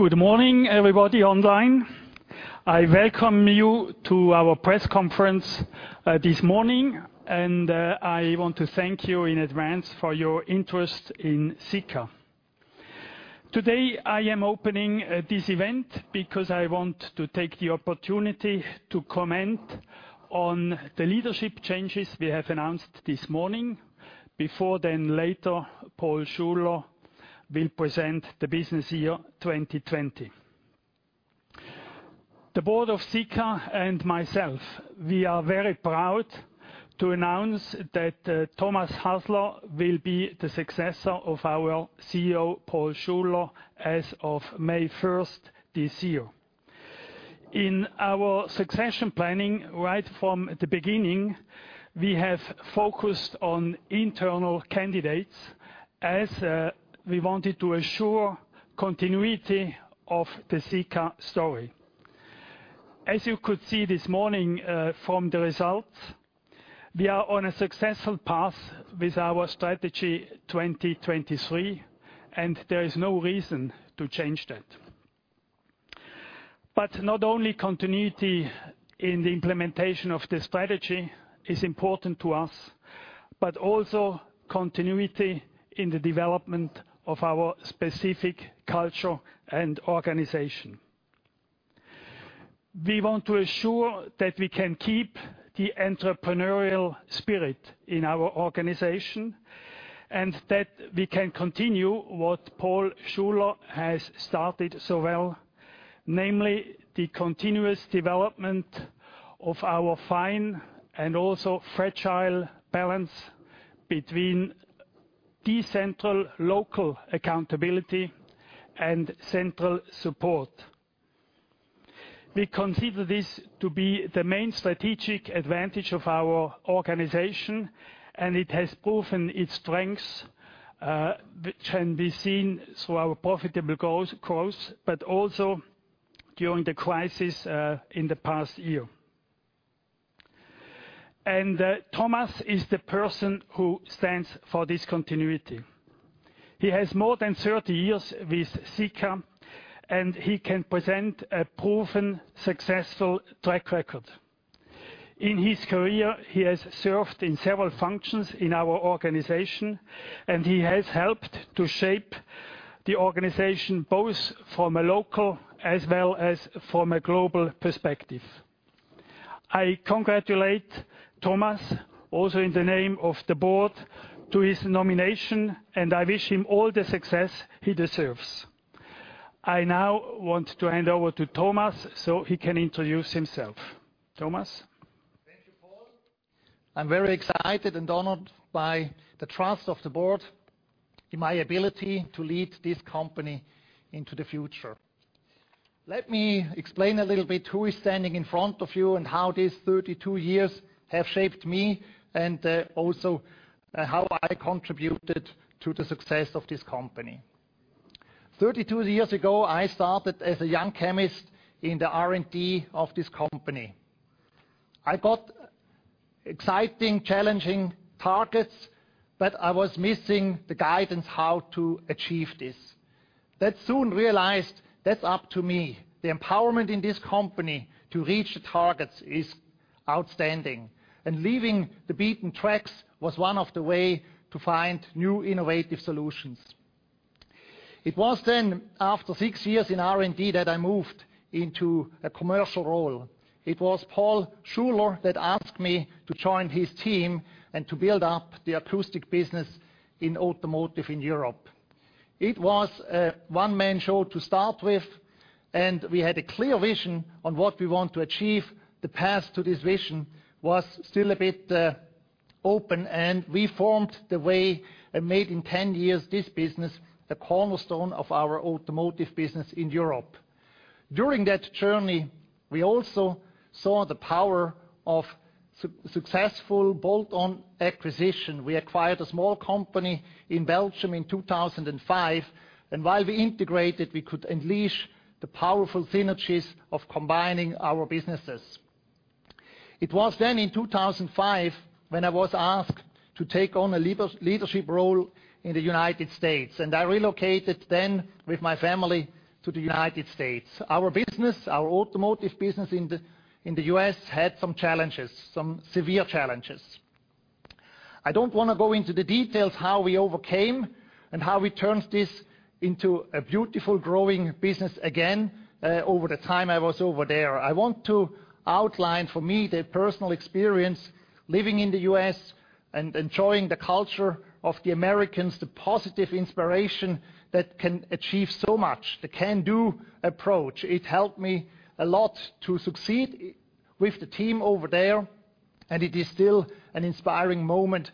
Good morning, everybody online. I welcome you to our press conference this morning. I want to thank you in advance for your interest in Sika. Today, I am opening this event because I want to take the opportunity to comment on the leadership changes we have announced this morning, before then later, Paul Schuler will present the business year 2020. The board of Sika and myself, we are very proud to announce that Thomas Hasler will be the successor of our CEO, Paul Schuler, as of May 1st this year. In our succession planning, right from the beginning, we have focused on internal candidates as we wanted to assure continuity of the Sika story. As you could see this morning from the results, we are on a successful path with our Strategy 2023. There is no reason to change that. Not only continuity in the implementation of the strategy is important to us, but also continuity in the development of our specific culture and organization. We want to assure that we can keep the entrepreneurial spirit in our organization and that we can continue what Paul Schuler has started so well, namely, the continuous development of our fine and also fragile balance between decentral local accountability and central support. We consider this to be the main strategic advantage of our organization, and it has proven its strengths, which can be seen through our profitable growth, but also during the crisis in the past year. Thomas is the person who stands for this continuity. He has more than 30 years with Sika, and he can present a proven successful track record. In his career, he has served in several functions in our organization, and he has helped to shape the organization both from a local as well as from a global perspective. I congratulate Thomas, also in the name of the board, to his nomination, and I wish him all the success he deserves. I now want to hand over to Thomas so he can introduce himself. Thomas? Thank you, Paul. I am very excited and honored by the trust of the board in my ability to lead this company into the future. Let me explain a little bit who is standing in front of you and how these 32 years have shaped me and also how I contributed to the success of this company. 32 years ago, I started as a young chemist in the R&D of this company. I got exciting, challenging targets, I was missing the guidance how to achieve this. I soon realized that is up to me. The empowerment in this company to reach the targets is outstanding. Leaving the beaten tracks was one of the way to find new innovative solutions. It was after six years in R&D that I moved into a commercial role. It was Paul Schuler that asked me to join his team and to build up the acoustic business in automotive in Europe. It was a one-man show to start with, and we had a clear vision on what we want to achieve. The path to this vision was still a bit open, and we formed the way and made in 10 years this business a cornerstone of our automotive business in Europe. During that journey, we also saw the power of successful bolt-on acquisition. We acquired a small company in Belgium in 2005, and while we integrated, we could unleash the powerful synergies of combining our businesses. It was then in 2005 when I was asked to take on a leadership role in the United States, and I relocated then with my family to the United States. Our business, our automotive business in the U.S., had some challenges, some severe challenges. I don't want to go into the details how we overcame and how we turned this into a beautiful, growing business again over the time I was over there. I want to outline for me the personal experience living in the U.S. and enjoying the culture of the Americans, the positive inspiration that can achieve so much, the can-do approach. It helped me a lot to succeed with the team over there, and it is still an inspiring moment,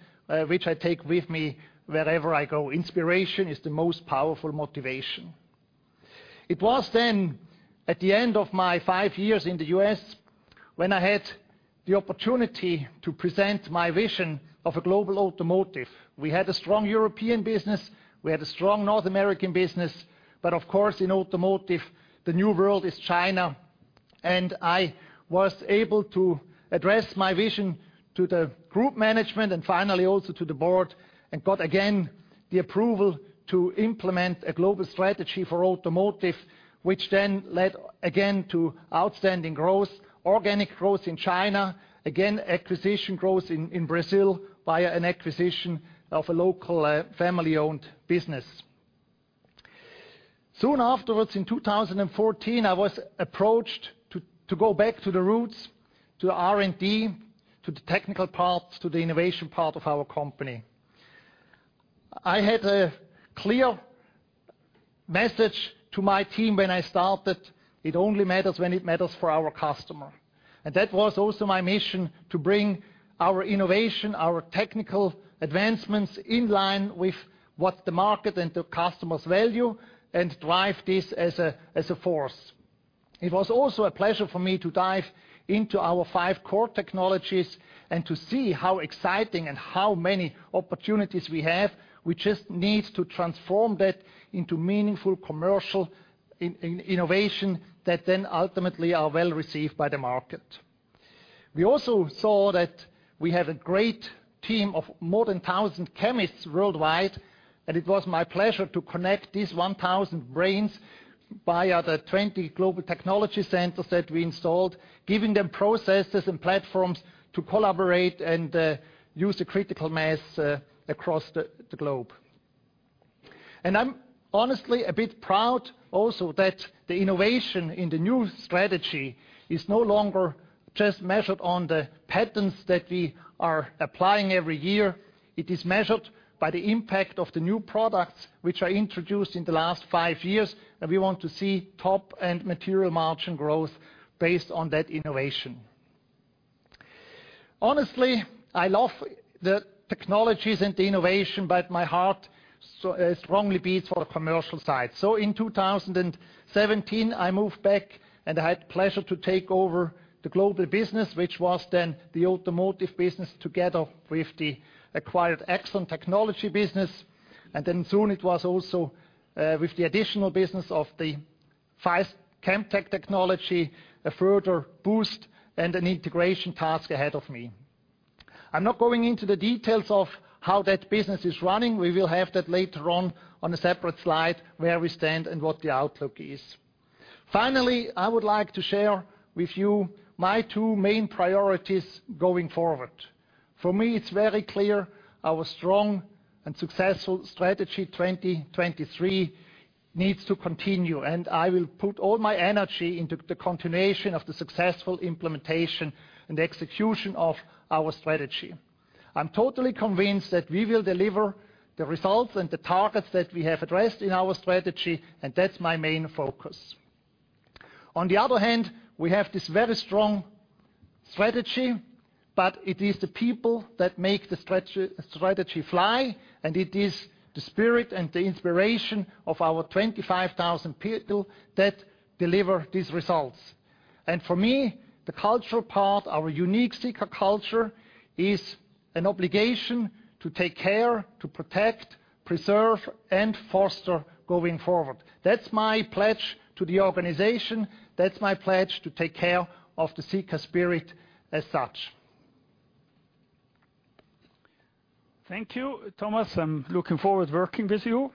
which I take with me wherever I go. Inspiration is the most powerful motivation. It was then at the end of my five years in the U.S. when I had the opportunity to present my vision of a global automotive. We had a strong European business, we had a strong North American business, but of course, in automotive, the new world is China. I was able to address my vision to the group management and finally also to the board, and got again the approval to implement a global strategy for automotive, which then led again to outstanding growth, organic growth in China, again acquisition growth in Brazil via an acquisition of a local family-owned business. Soon afterwards in 2014, I was approached to go back to the roots, to the R&D, to the technical parts, to the innovation part of our company. I had a clear message to my team when I started, it only matters when it matters for our customer. That was also my mission, to bring our innovation, our technical advancements in line with what the market and the customers value, and drive this as a force. It was also a pleasure for me to dive into our five core technologies and to see how exciting and how many opportunities we have. We just need to transform that into meaningful commercial innovation, that then ultimately are well-received by the market. We also saw that we have a great team of more than 1,000 chemists worldwide, and it was my pleasure to connect these 1,000 brains via the 20 global technology centers that we installed, giving them processes and platforms to collaborate and use the critical mass across the globe. I'm honestly a bit proud also that the innovation in the new strategy is no longer just measured on the patents that we are applying every year. It is measured by the impact of the new products which are introduced in the last five years, and we want to see top and material margin growth based on that innovation. Honestly, I love the technologies and the innovation, but my heart strongly beats for the commercial side. In 2017, I moved back and I had the pleasure to take over the global business, which was then the automotive business together with the acquired excellent technology business. Soon it was also with the additional business of the five CamTec technology, a further boost and an integration task ahead of me. I am not going into the details of how that business is running. We will have that later on a separate slide, where we stand and what the outlook is. Finally, I would like to share with you my two main priorities going forward. For me, it's very clear, our strong and successful Strategy 2023 needs to continue. I will put all my energy into the continuation of the successful implementation and execution of our strategy. I'm totally convinced that we will deliver the results and the targets that we have addressed in our strategy. That's my main focus. On the other hand, we have this very strong strategy. It is the people that make the strategy fly. It is the spirit and the inspiration of our 25,000 people that deliver these results. For me, the cultural part, our unique Sika Culture, is an obligation to take care, to protect, preserve, and foster going forward. That's my pledge to the organization. That's my pledge to take care of the Sika Spirit as such. Thank you, Thomas. I'm looking forward working with you.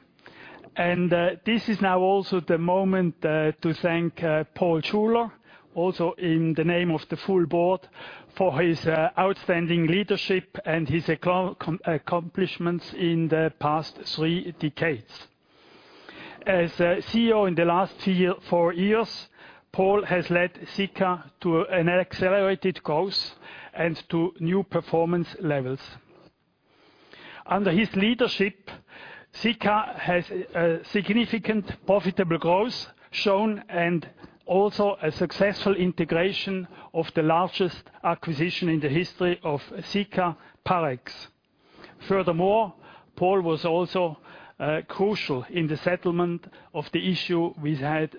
This is now also the moment to thank Paul Schuler, also in the name of the full board, for his outstanding leadership and his accomplishments in the past three decades. As CEO in the last four years, Paul has led Sika to an accelerated growth and to new performance levels. Under his leadership, Sika has a significant profitable growth shown and also a successful integration of the largest acquisition in the history of Sika, Parex. Furthermore, Paul was also crucial in the settlement of the issue we had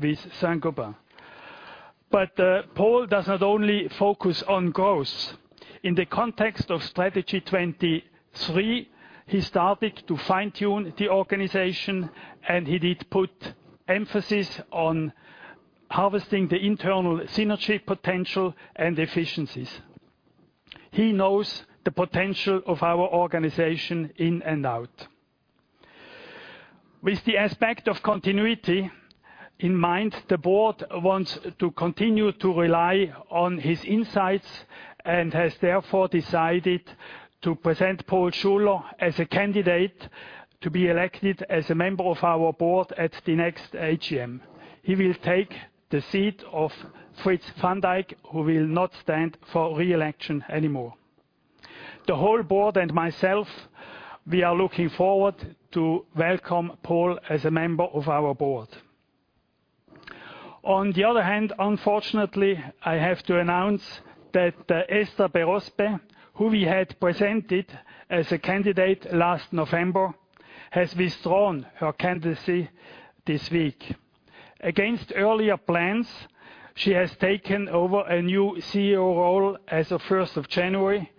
with Saint-Gobain. Paul does not only focus on growth. In the context of Strategy 2023, he started to fine-tune the organization, and he did put emphasis on harvesting the internal synergy potential and efficiencies. He knows the potential of our organization in and out. With the aspect of continuity in mind, the board wants to continue to rely on his insights and has therefore decided to present Paul Schuler as a candidate to be elected as a member of our board at the next AGM. He will take the seat of Frits van Dijk, who will not stand for re-election anymore. The whole board and myself, we are looking forward to welcome Paul as a member of our board. On the other hand, unfortunately, I have to announce that Esther Berrospi, who we had presented as a candidate last November, has withdrawn her candidacy this week. Against earlier plans, she has taken over a new CEO role as of 1st of January.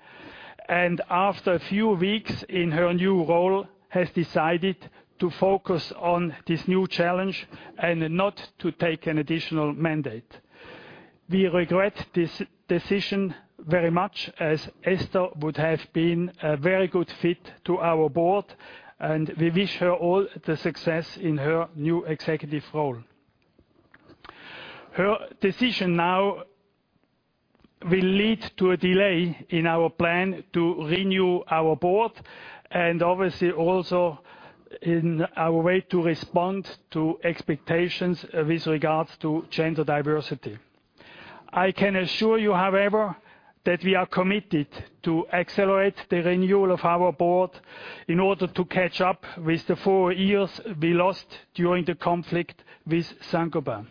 After a few weeks in her new role, she has decided to focus on this new challenge and not to take an additional mandate. We regret this decision very much, as Esther would have been a very good fit to our board, and we wish her all the success in her new executive role. Her decision now will lead to a delay in our plan to renew our board, and obviously also in our way to respond to expectations with regards to gender diversity. I can assure you, however, that we are committed to accelerate the renewal of our board in order to catch up with the four years we lost during the conflict with Saint-Gobain.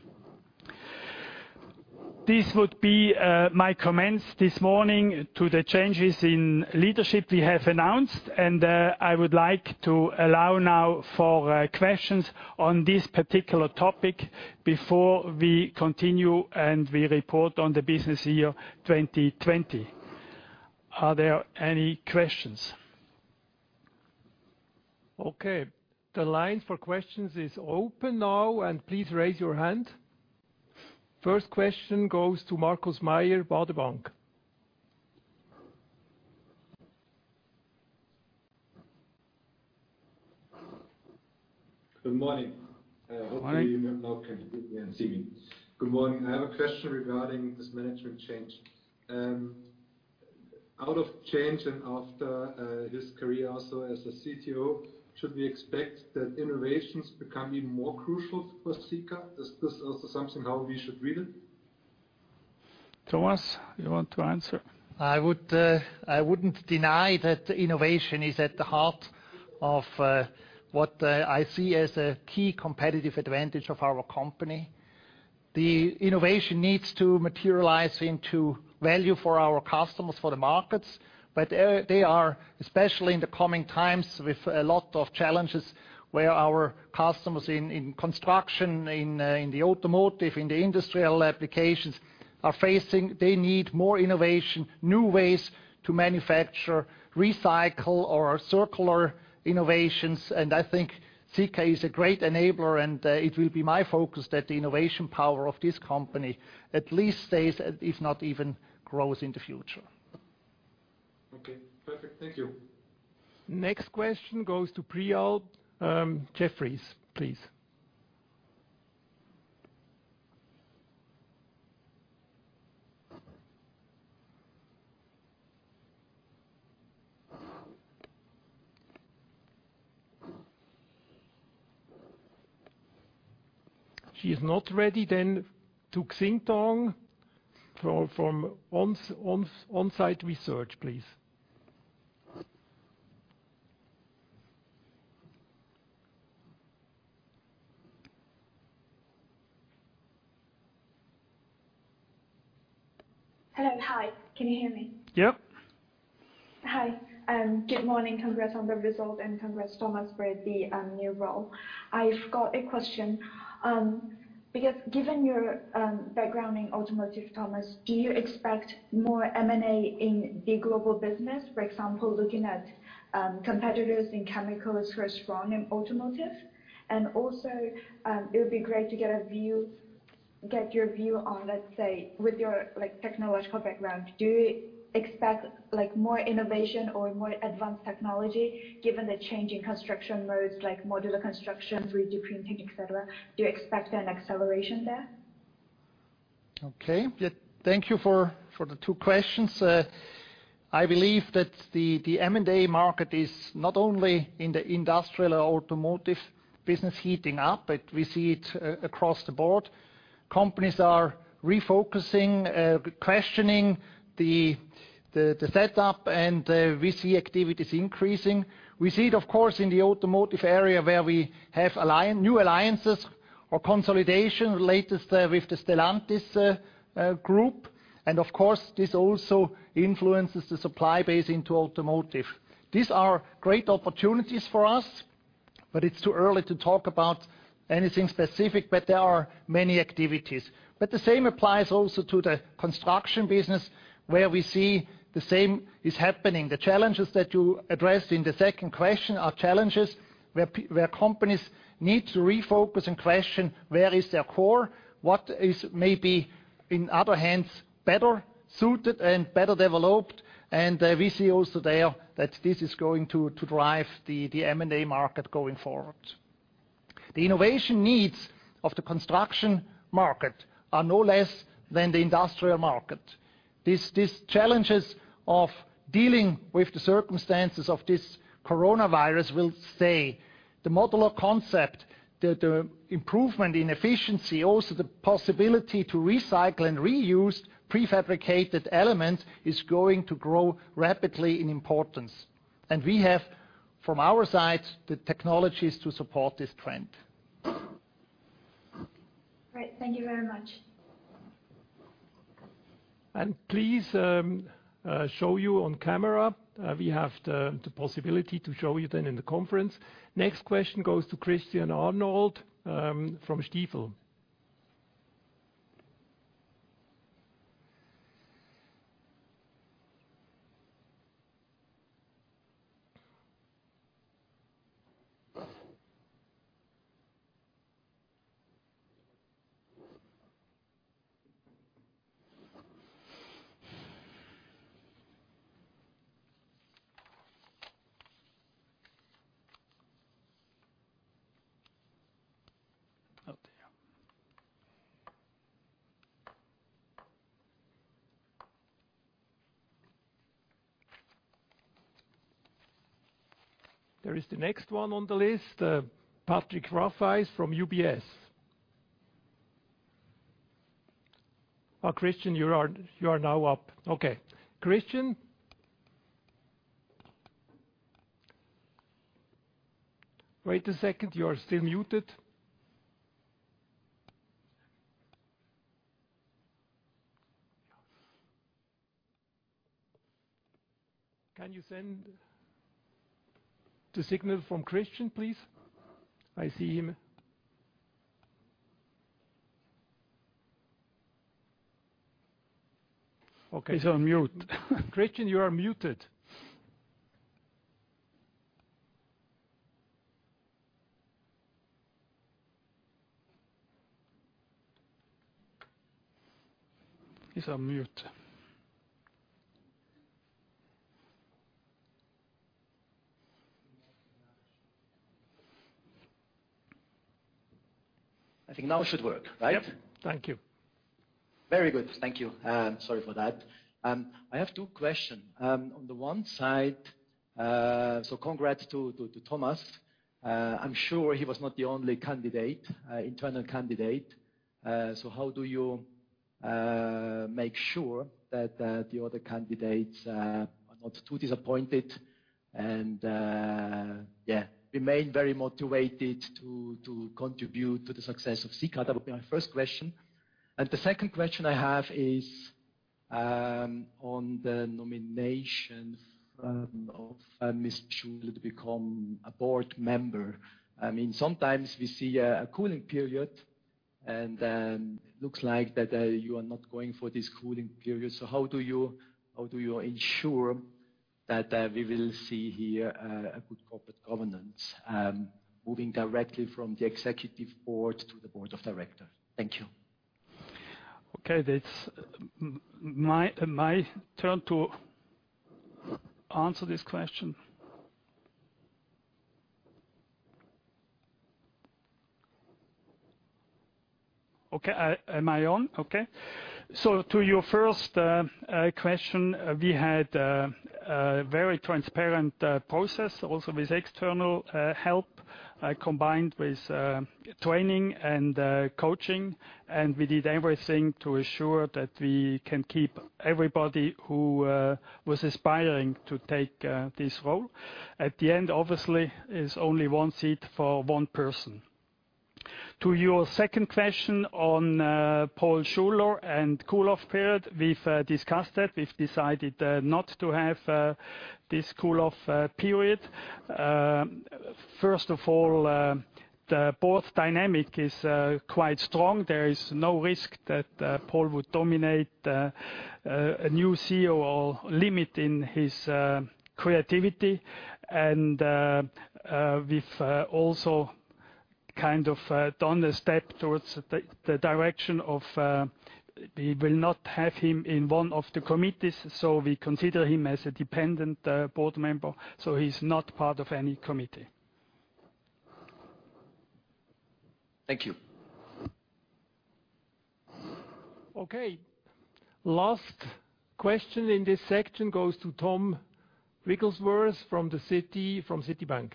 This would be my comments this morning to the changes in leadership we have announced, and I would like to allow now for questions on this particular topic before we continue and we report on the business year 2020. Are there any questions? Okay, the line for questions is open now, and please raise your hand. First question goes to Markus Mayer, Baader Bank. Good morning. Good morning. Hopefully you now can hear me and see me. Good morning. I have a question regarding this management change. Out of change and after his career also as a CTO, should we expect that innovations become even more crucial for Sika? Is this also something how we should read it? Thomas, you want to answer? I wouldn't deny that innovation is at the heart of what I see as a key competitive advantage of our company. The innovation needs to materialize into value for our customers, for the markets. They are, especially in the coming times, with a lot of challenges, where our customers in construction, in the automotive, in the industrial applications, are facing, they need more innovation, new ways to manufacture, recycle, or circular innovations. I think Sika is a great enabler, and it will be my focus that the innovation power of this company at least stays, if not even grows in the future. Okay, perfect. Thank you. Next question goes to Priyal, Jefferies, please. She is not ready, then to Xintong, from Onsite Research, please. Hello. Hi, can you hear me? Yep. Hi. Good morning. Congrats on the result, and congrats, Thomas, for the new role. I've got a question, because given your background in automotive, Thomas, do you expect more M&A in the global business? For example, looking at competitors in chemicals who are strong in automotive. Also, it would be great to get your view on, let's say, with your technological background, do you expect more innovation or more advanced technology given the change in construction modes, like modular construction, 3D printing, et cetera? Do you expect an acceleration there? Okay. Thank you for the two questions. I believe that the M&A market is not only in the industrial automotive business heating up, but we see it across the board. Companies are refocusing, questioning the setup, and we see activities increasing. We see it, of course, in the automotive area where we have new alliances or consolidation, latest with the Stellantis group. Of course, this also influences the supply base into automotive. These are great opportunities for us, but it's too early to talk about anything specific, but there are many activities. The same applies also to the construction business, where we see the same is happening. The challenges that you addressed in the second question are challenges where companies need to refocus and question where is their core, what is maybe in other hands, better suited and better developed. We see also there that this is going to drive the M&A market going forward. The innovation needs of the construction market are no less than the industrial market. These challenges of dealing with the circumstances of this coronavirus will stay. The modular concept, the improvement in efficiency, also the possibility to recycle and reuse prefabricated elements, is going to grow rapidly in importance. We have, from our side, the technologies to support this trend. Great. Thank you very much. Please show you on camera. We have the possibility to show you then in the conference. Next question goes to Christian Arnold from Stifel. Oh, dear. There is the next one on the list, Patrick Rafaisz from UBS. Christian, you are now up. Okay. Christian? Wait a second. You are still muted. Can you send the signal from Christian, please? I see him. Okay. He's on mute. Christian, you are muted. He is on mute. I think now it should work, right? Yep. Thank you. Very good. Thank you. Sorry for that. I have two question. On the one side, congrats to Thomas. I'm sure he was not the only internal candidate. How do you make sure that the other candidates are not too disappointed and remain very motivated to contribute to the success of Sika? That would be my first question. The second question I have is on the nomination of Mr. Schuler to become a board member. Sometimes we see a cooling period, and looks like that you are not going for this cooling period. How do you ensure that we will see here a good corporate governance, moving directly from the executive board to the board of director? Thank you. Okay. It's my turn to answer this question. Okay. Am I on? Okay. To your first question, we had a very transparent process, also with external help, combined with training and coaching, and we did everything to assure that we can keep everybody who was aspiring to take this role. At the end, obviously, is only one seat for one person. To your second question on Paul Schuler and cool-off period, we've discussed it. We've decided not to have this cool-off period. First of all, the board dynamic is quite strong. There is no risk that Paul would dominate a new CEO or limit in his creativity. We've also kind of done a step towards the direction of, we will not have him in one of the committees, so we consider him as a dependent board member, so he's not part of any committee. Thank you. Last question in this section goes to Thomas Wrigglesworth from Citibank.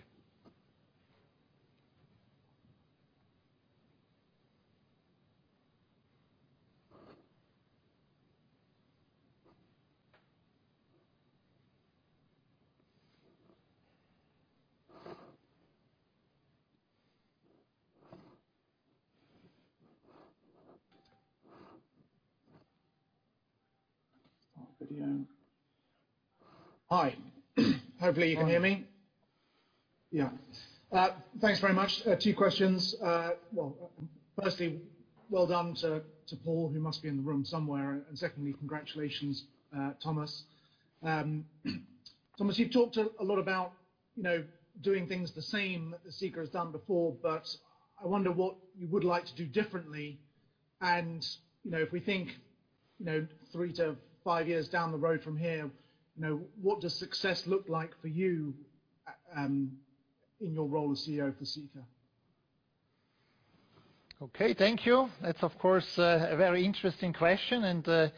Hi. Hopefully you can hear me. Thanks very much. Two questions. Firstly, well done to Paul, who must be in the room somewhere, and secondly, congratulations, Thomas. Thomas, you've talked a lot about doing things the same that Sika has done before, but I wonder what you would like to do differently. If we think three to five years down the road from here, what does success look like for you, in your role as CEO for Sika? Okay, thank you. That's, of course, a very interesting question, and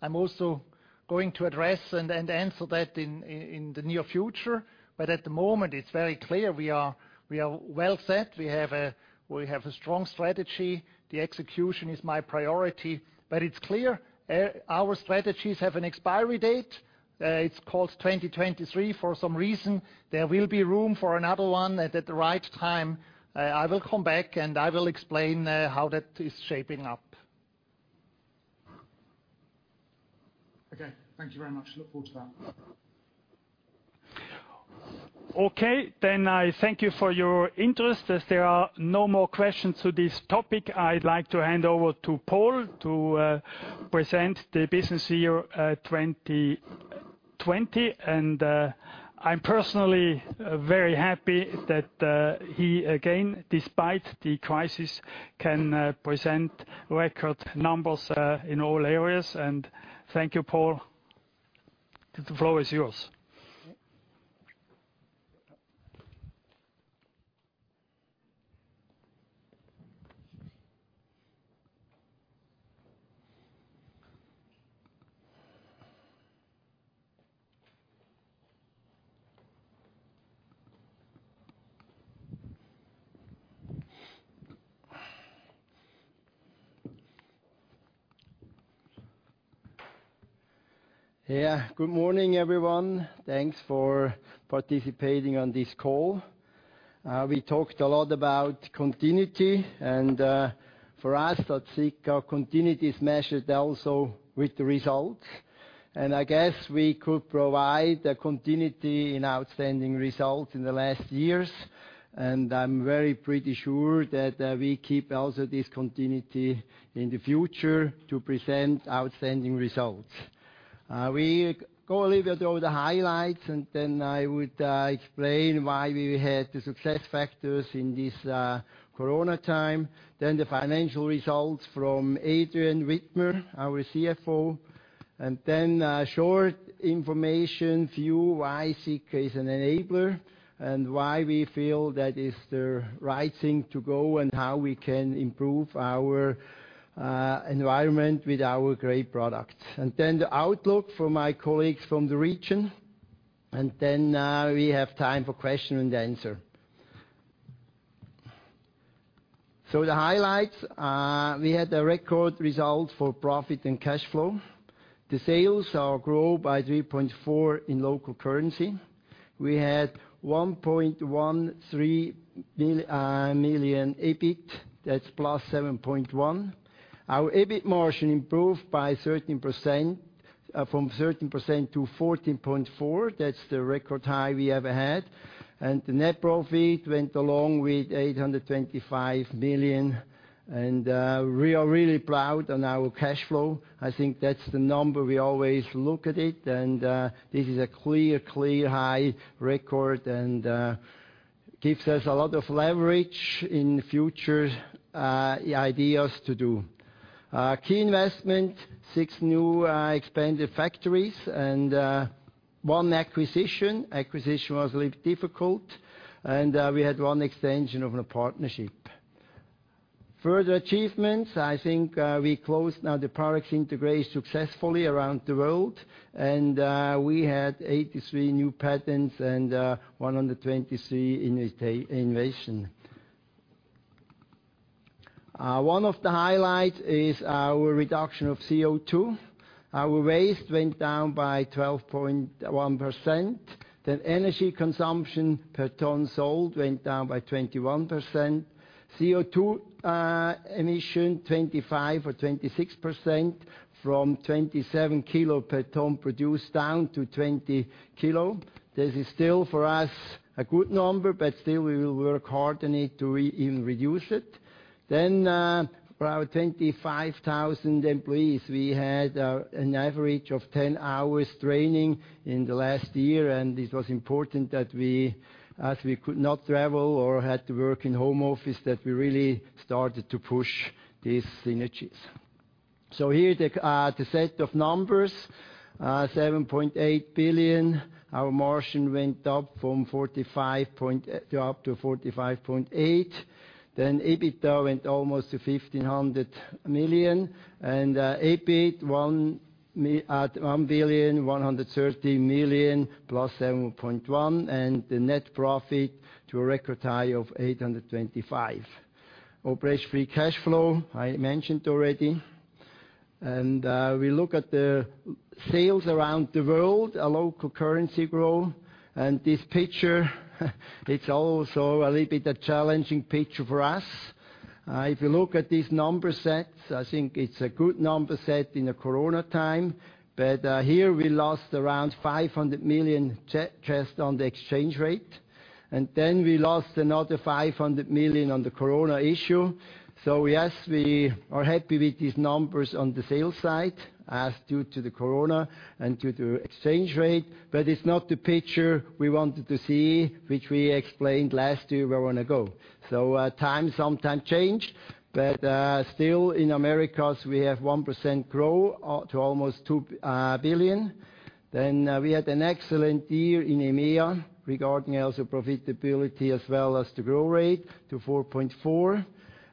I'm also going to address and answer that in the near future. At the moment, it's very clear we are well set. We have a strong strategy. The execution is my priority. It's clear our strategies have an expiry date. It's called 2023 for some reason. There will be room for another one, and at the right time, I will come back, and I will explain how that is shaping up. Okay. Thank you very much. Look forward to that. Okay. I thank you for your interest. As there are no more questions to this topic, I'd like to hand over to Paul to present the business year 2020. I'm personally very happy that he, again, despite the crisis, can present record numbers in all areas. Thank you, Paul. The floor is yours. Good morning, everyone. Thanks for participating on this call. We talked a lot about continuity. For us at Sika, continuity is measured also with the results. I guess we could provide a continuity in outstanding results in the last years. I'm very pretty sure that we keep also this continuity in the future to present outstanding results. We go a little bit over the highlights. Then I would explain why we had the success factors in this corona time. Then the financial results from Adrian Widmer, our CFO. Then short information view why Sika is an enabler. Why we feel that is the right thing to go. How we can improve our environment with our great products. Then the outlook from my colleagues from the region. Then we have time for question and answer. The highlights, we had a record result for profit and cash flow. The sales are grow by 3.4 in local currency. We had 1.13 million EBIT. That's +7.1%. Our EBIT margin improved by 13%, from 13%-14.4%. That's the record high we ever had. The net profit went along with 825 million, and we are really proud on our cash flow. I think that's the number we always look at it, and this is a clear high record and gives us a lot of leverage in future ideas to do. Key investment, six new expanded factories and one acquisition. Acquisition was a little difficult. We had one extension of a partnership. Further achievements, I think we closed now the products integration successfully around the world. We had 83 new patents and 123 innovation. One of the highlight is our reduction of CO2. Our waste went down by 12.1%. Energy consumption per ton sold went down by 21%. CO2 emission, 25% or 26% from 27 kilo per ton produced down to 20 kilo. This is still, for us, a good number, but still we will work hard on it to even reduce it. For our 25,000 employees, we had an average of 10 hours training in the last year, and it was important that as we could not travel or had to work in home office, that we really started to push these synergies. Here, the set of numbers, 7.8 billion. Our margin went up from 45%- 45.8%. EBITDA went almost to 1,500 million. EBIT at 1 billion, 130 million plus 7.1%, and the net profit to a record high of 825 million. Operating free cash flow, I mentioned already. We look at the sales around the world, our local currency grow. This picture it's also a little bit a challenging picture for us. If you look at these number sets, I think it's a good number set in a corona time. Here, we lost around 500 million just on the exchange rate. We lost another 500 million on the corona issue. Yes, we are happy with these numbers on the sales side, as due to the corona and due to exchange rate, but it's not the picture we wanted to see, which we explained last year where we want to go. Times sometime change, but still in Americas, we have 1% growth to almost 2 billion. We had an excellent year in EMEA regarding also profitability as well as the growth rate to 4.4%.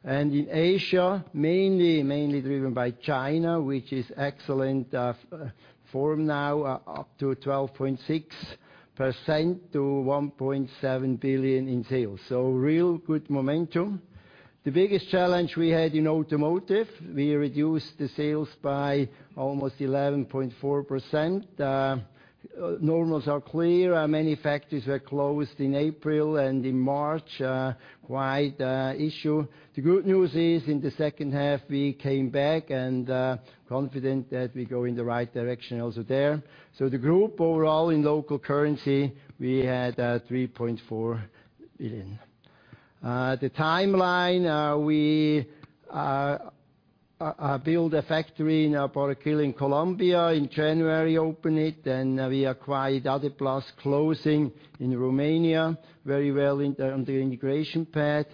In Asia, mainly driven by China, which is excellent form now, up to 12.6% to 1.7 billion in sales, real good momentum. The biggest challenge we had in automotive, we reduced the sales by almost 11.4%. Normals are clear. Many factories were closed in April and in March, wide issue. The good news is in the second half, we came back and confident that we go in the right direction also there. The group overall in local currency, we had 3.4 billion. The timeline. We build a factory in Barranquilla in Colombia, in January open it. We acquired Adeplast in Romania, very well on the integration path.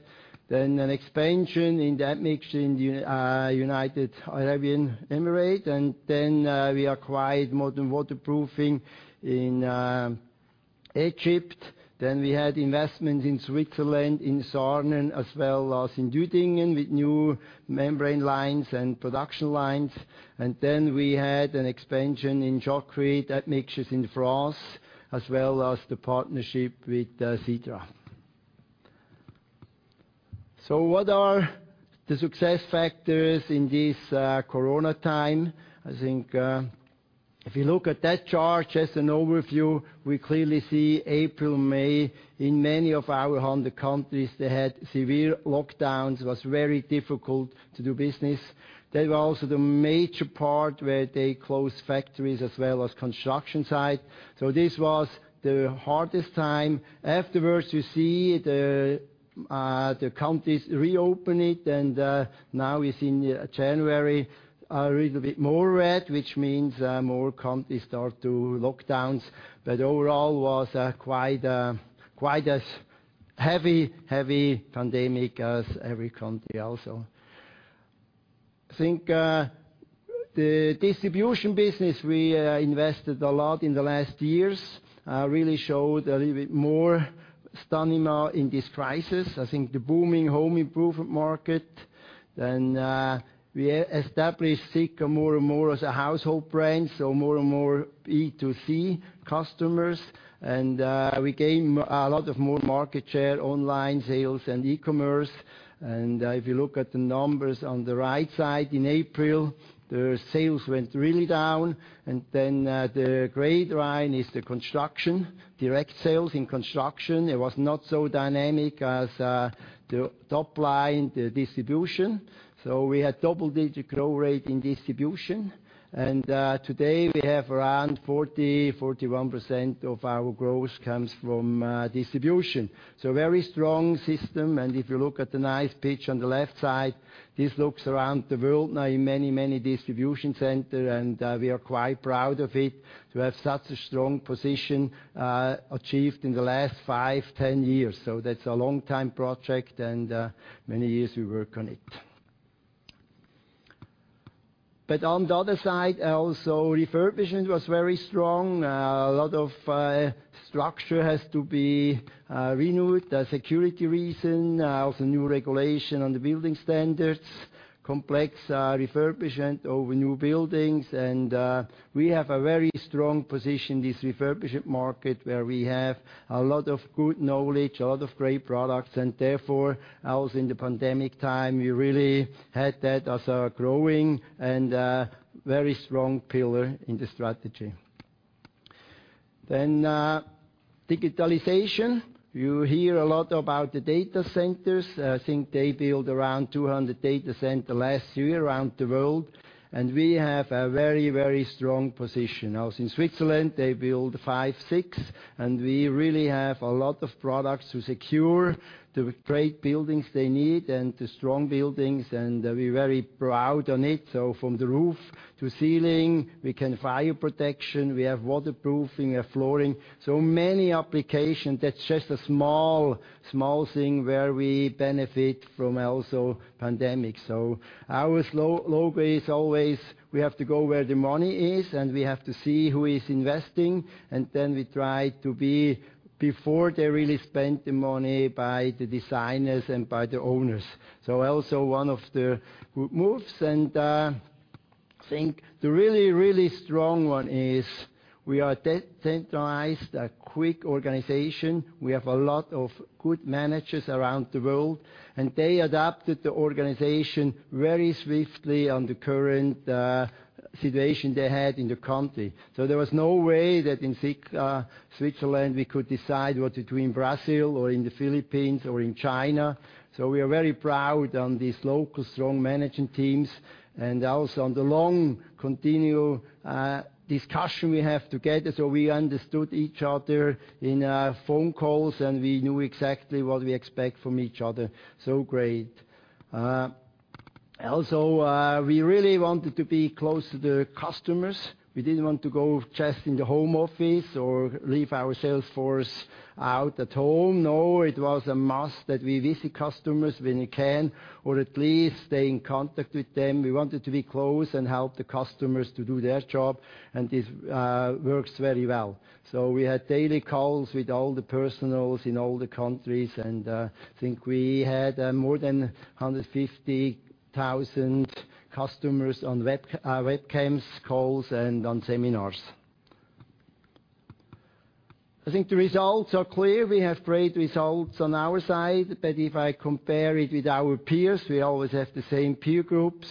An expansion in the admixture in United Arab Emirates. We acquired Modern Waterproofing in Egypt. We had investments in Switzerland, in Sarnen, as well as in Düdingen, with new membrane lines and production lines. We had an expansion in concrete Admixtures in France, as well as the partnership with CiDRA. What are the success factors in this corona time? I think if you look at that chart, just an overview, we clearly see April, May. In many of our 100 countries, they had severe lockdowns, was very difficult to do business. They were also the major part where they closed factories as well as construction site. This was the hardest time. Afterwards, you see the countries reopen it and now we see in January a little bit more red, which means more countries start to lockdowns. Overall was quite as heavy pandemic as every country also. I think the distribution business, we invested a lot in the last years, really showed a little bit more stamina in this crisis. I think the booming home improvement market. We established Sika more and more as a household brand, so more and more B2C customers. We gain a lot of more market share online sales and e-commerce. If you look at the numbers on the right side, in April, the sales went really down. The gray line is the construction, direct sales in construction. It was not so dynamic as the top line, the distribution. We had double-digit growth rate in distribution. Today we have around 40%, 41% of our growth comes from distribution. Very strong system. If you look at the nice pitch on the left side, this looks around the world now in many, many distribution center, and we are quite proud of it to have such a strong position achieved in the last five, 10 years. That is a long-time project and many years we work on it. On the other side, also, refurbishment was very strong. A lot of structure has to be renewed. Security reason, also new regulation on the building standards, complex refurbishment over new buildings. We have a very strong position, this refurbishment market, where we have a lot of good knowledge, a lot of great products, and therefore, also in the pandemic time, we really had that as a growing and very strong pillar in the strategy. Digitalization. You hear a lot about the data centers. I think they build around 200 data center last year around the world. We have a very, very strong position. In Switzerland, they build five, six, and we really have a lot of products to secure the great buildings they need and the strong buildings, and we're very proud on it. From the roof to ceiling, we can fire protection, we have waterproofing, we have flooring. Many applications. That's just a small thing where we benefit from also pandemic. Our motto is always we have to go where the money is, and we have to see who is investing. We try to be before they really spend the money by the designers and by the owners. One of the good moves. I think the really strong one is we are decentralized, a quick organization. We have a lot of good managers around the world, they adapted the organization very swiftly on the current situation they had in the country. There was no way that in Switzerland we could decide what to do in Brazil or in the Philippines or in China. We are very proud on these local strong managing teams and also on the long continue discussion we have together. We understood each other in phone calls, and we knew exactly what we expect from each other. Great. Also, we really wanted to be close to the customers. We didn't want to go just in the home office or leave our sales force out at home. No, it was a must that we visit customers when we can, or at least stay in contact with them. We wanted to be close and help the customers to do their job, and this works very well. We had daily calls with all the personnel in all the countries. I think we had more than 150,000 customers on webcams calls and on seminars. I think the results are clear. We have great results on our side, but if I compare it with our peers, we always have the same peer groups.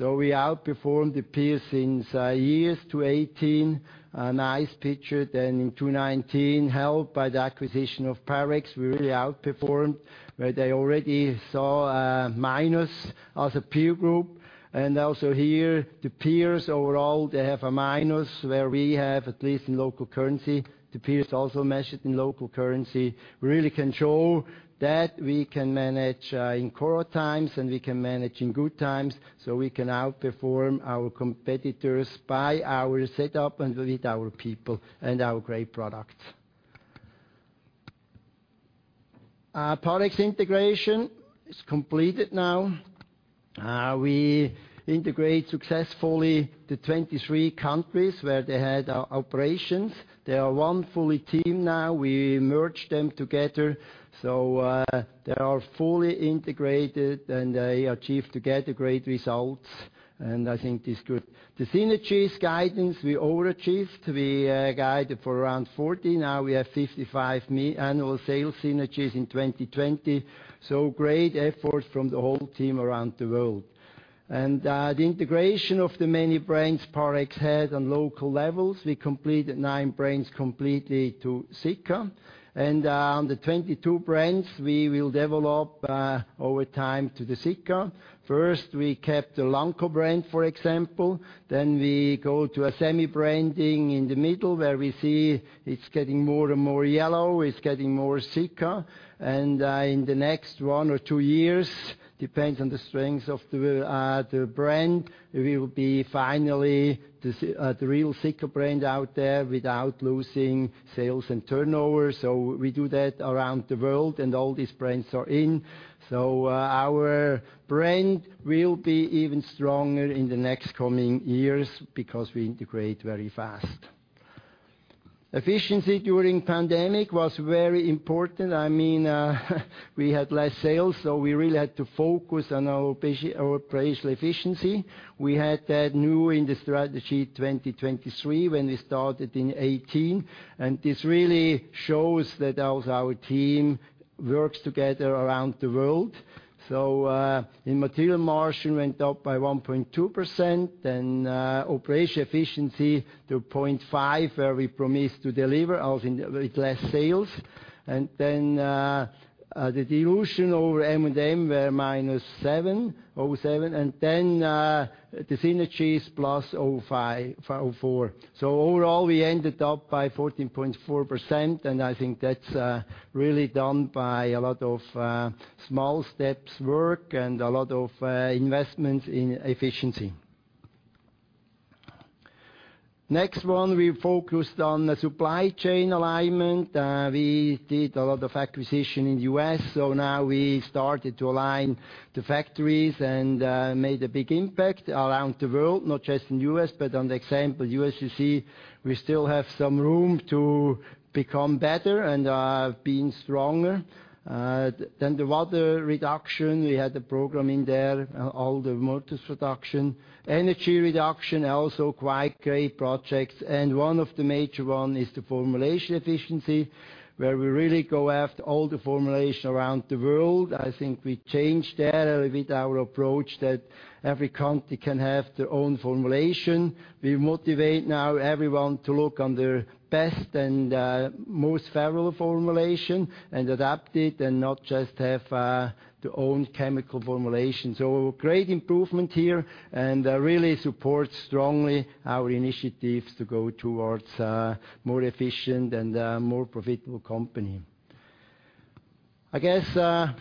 We outperformed the peers since years 2018. A nice picture. In 2019, helped by the acquisition of Parex, we really outperformed, where they already saw a minus as a peer group. Also here, the peers overall, they have a minus where we have at least in local currency. The peers also measured in local currency. Really control that we can manage in corona times, and we can manage in good times. We can outperform our competitors by our setup and with our people and our great products. Parex integration is completed now. We integrate successfully to 23 countries where they had operations. They are one fully team now. We merged them together, they are fully integrated and they achieve together great results, I think this good. The synergies guidance, we overachieved. We guided for around 40. We have 55 annual sales synergies in 2020. Great effort from the whole team around the world. The integration of the many brands Parex had on local levels, we completed nine brands completely to Sika. On the 22 brands we will develop, over time to the Sika. First, we kept the Lanko brand, for example, we go to a semi-branding in the middle where we see it's getting more and more yellow, it's getting more Sika. In the next one or two years, depends on the strength of the brand, we will be finally the real Sika brand out there without losing sales and turnover. We do that around the world, and all these brands are in. Our brand will be even stronger in the next coming years because we integrate very fast. Efficiency during pandemic was very important. We had less sales, so we really had to focus on our operational efficiency. We had that new in the Strategy 2023 when we started in 2018, and this really shows that as our team works together around the world. Material margin went up by 1.2%, then operation efficiency to 0.5%, where we promised to deliver also with less sales. Then, the dilution over M&A were -0.7%, and then, the synergy is +0.4%. Overall, we ended up by 14.4%, and I think that's really done by a lot of small steps work and a lot of investments in efficiency. Next one, we focused on the supply chain alignment. We did a lot of acquisition in U.S., so now we started to align the factories and made a big impact around the world, not just in U.S. On the example, U.S., you see we still have some room to become better and being stronger. The water reduction, we had a program in there, all the mortars reduction. Energy reduction, also quite great projects, and one of the major one is the formulation efficiency, where we really go after all the formulation around the world. I think we changed that a little bit, our approach that every country can have their own formulation. We motivate now everyone to look on their best and most favorable formulation and adapt it and not just have their own chemical formulation. Great improvement here and really support strongly our initiatives to go towards more efficient and more profitable company. I guess,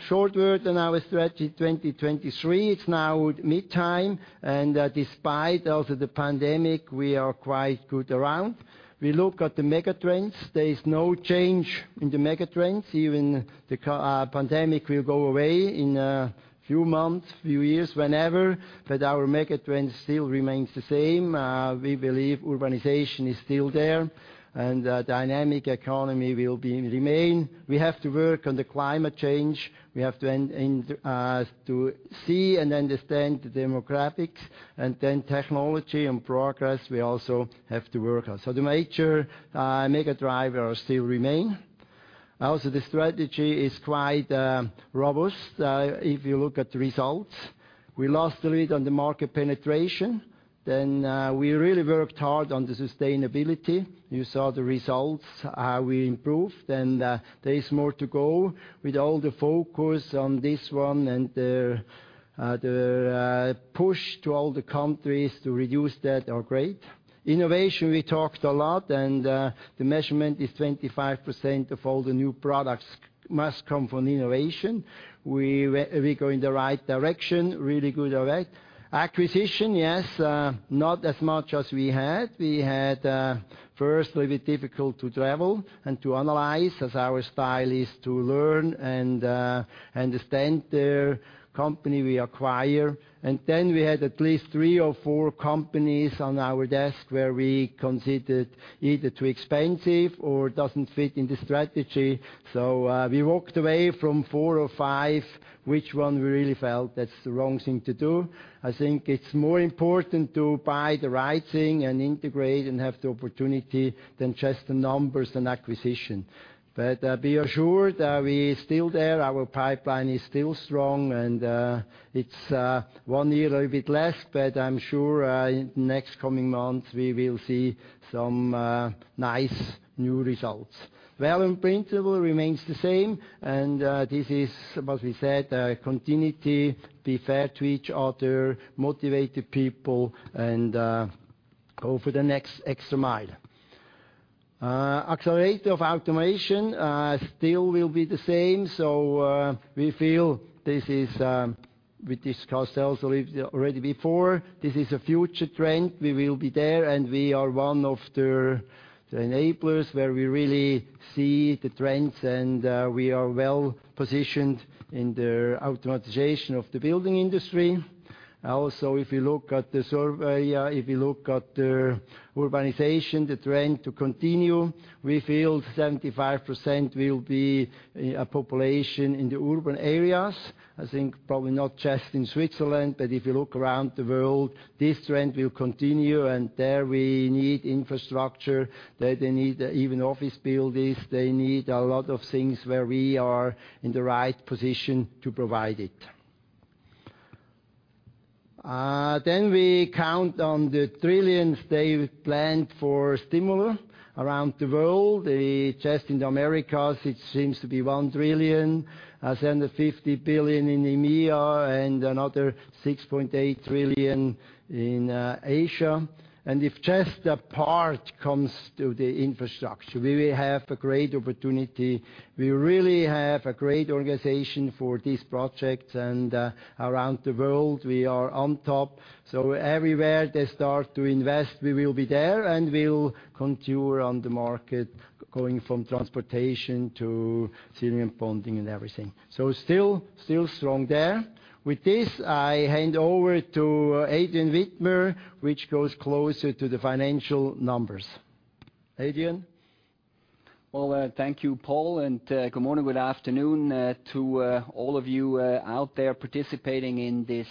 short word on our Strategy 2023. It's now mid-time, and despite also the pandemic, we are quite good around. We look at the mega trends. There is no change in the mega trends. Even the pandemic will go away in a few months, few years, whenever, but our mega trends still remains the same. We believe urbanization is still there and dynamic economy will remain. We have to work on the climate change. We have to see and understand the demographics and then technology and progress, we also have to work on. The major mega driver still remain. The strategy is quite robust, if you look at the results. We lost a bit on the market penetration. We really worked hard on the sustainability. You saw the results, how we improved, and there is more to go with all the focus on this one and the push to all the countries to reduce that are great. Innovation, we talked a lot, and the measurement is 25% of all the new products must come from innovation. We go in the right direction. Really good of it. Acquisition, yes, not as much as we had. We had, first little bit difficult to travel and to analyze, as our style is to learn and understand the company we acquire. We had at least three or four companies on our desk where we considered either too expensive or doesn't fit in the strategy. We walked away from four or five, which one we really felt that's the wrong thing to do. I think it's more important to buy the right thing and integrate and have the opportunity than just the numbers and acquisition. Be assured, we still there, our pipeline is still strong and it's one year a bit less, I'm sure in next coming months we will see some nice new results. Value and principle remains the same, this is what we said, continuity, be fair to each other, motivate the people and go for the next extra mile. Accelerator of automation still will be the same. We discussed also already before, this is a future trend. We will be there. We are one of the enablers where we really see the trends. We are well-positioned in the automatization of the building industry. If you look at the survey, if you look at the urbanization, the trend to continue, we feel 75% will be a population in the urban areas. I think probably not just in Switzerland, if you look around the world, this trend will continue. There we need infrastructure. They need even office buildings. They need a lot of things where we are in the right position to provide it. We count on the trillions they planned for stimulus around the world. Just in Americas, it seems to be 1 trillion. The 7.50 billion in EMEA and another 6.8 trillion in Asia. If just a part comes to the infrastructure, we will have a great opportunity. We really have a great organization for these projects. Around the world, we are on top. Everywhere they start to invest, we will be there, and we will continue on the market, going from transportation to sealing and bonding and everything. Still strong there. With this, I hand over to Adrian Widmer, which goes closer to the financial numbers. Adrian? Well, thank you, Paul, and good morning, good afternoon to all of you out there participating in this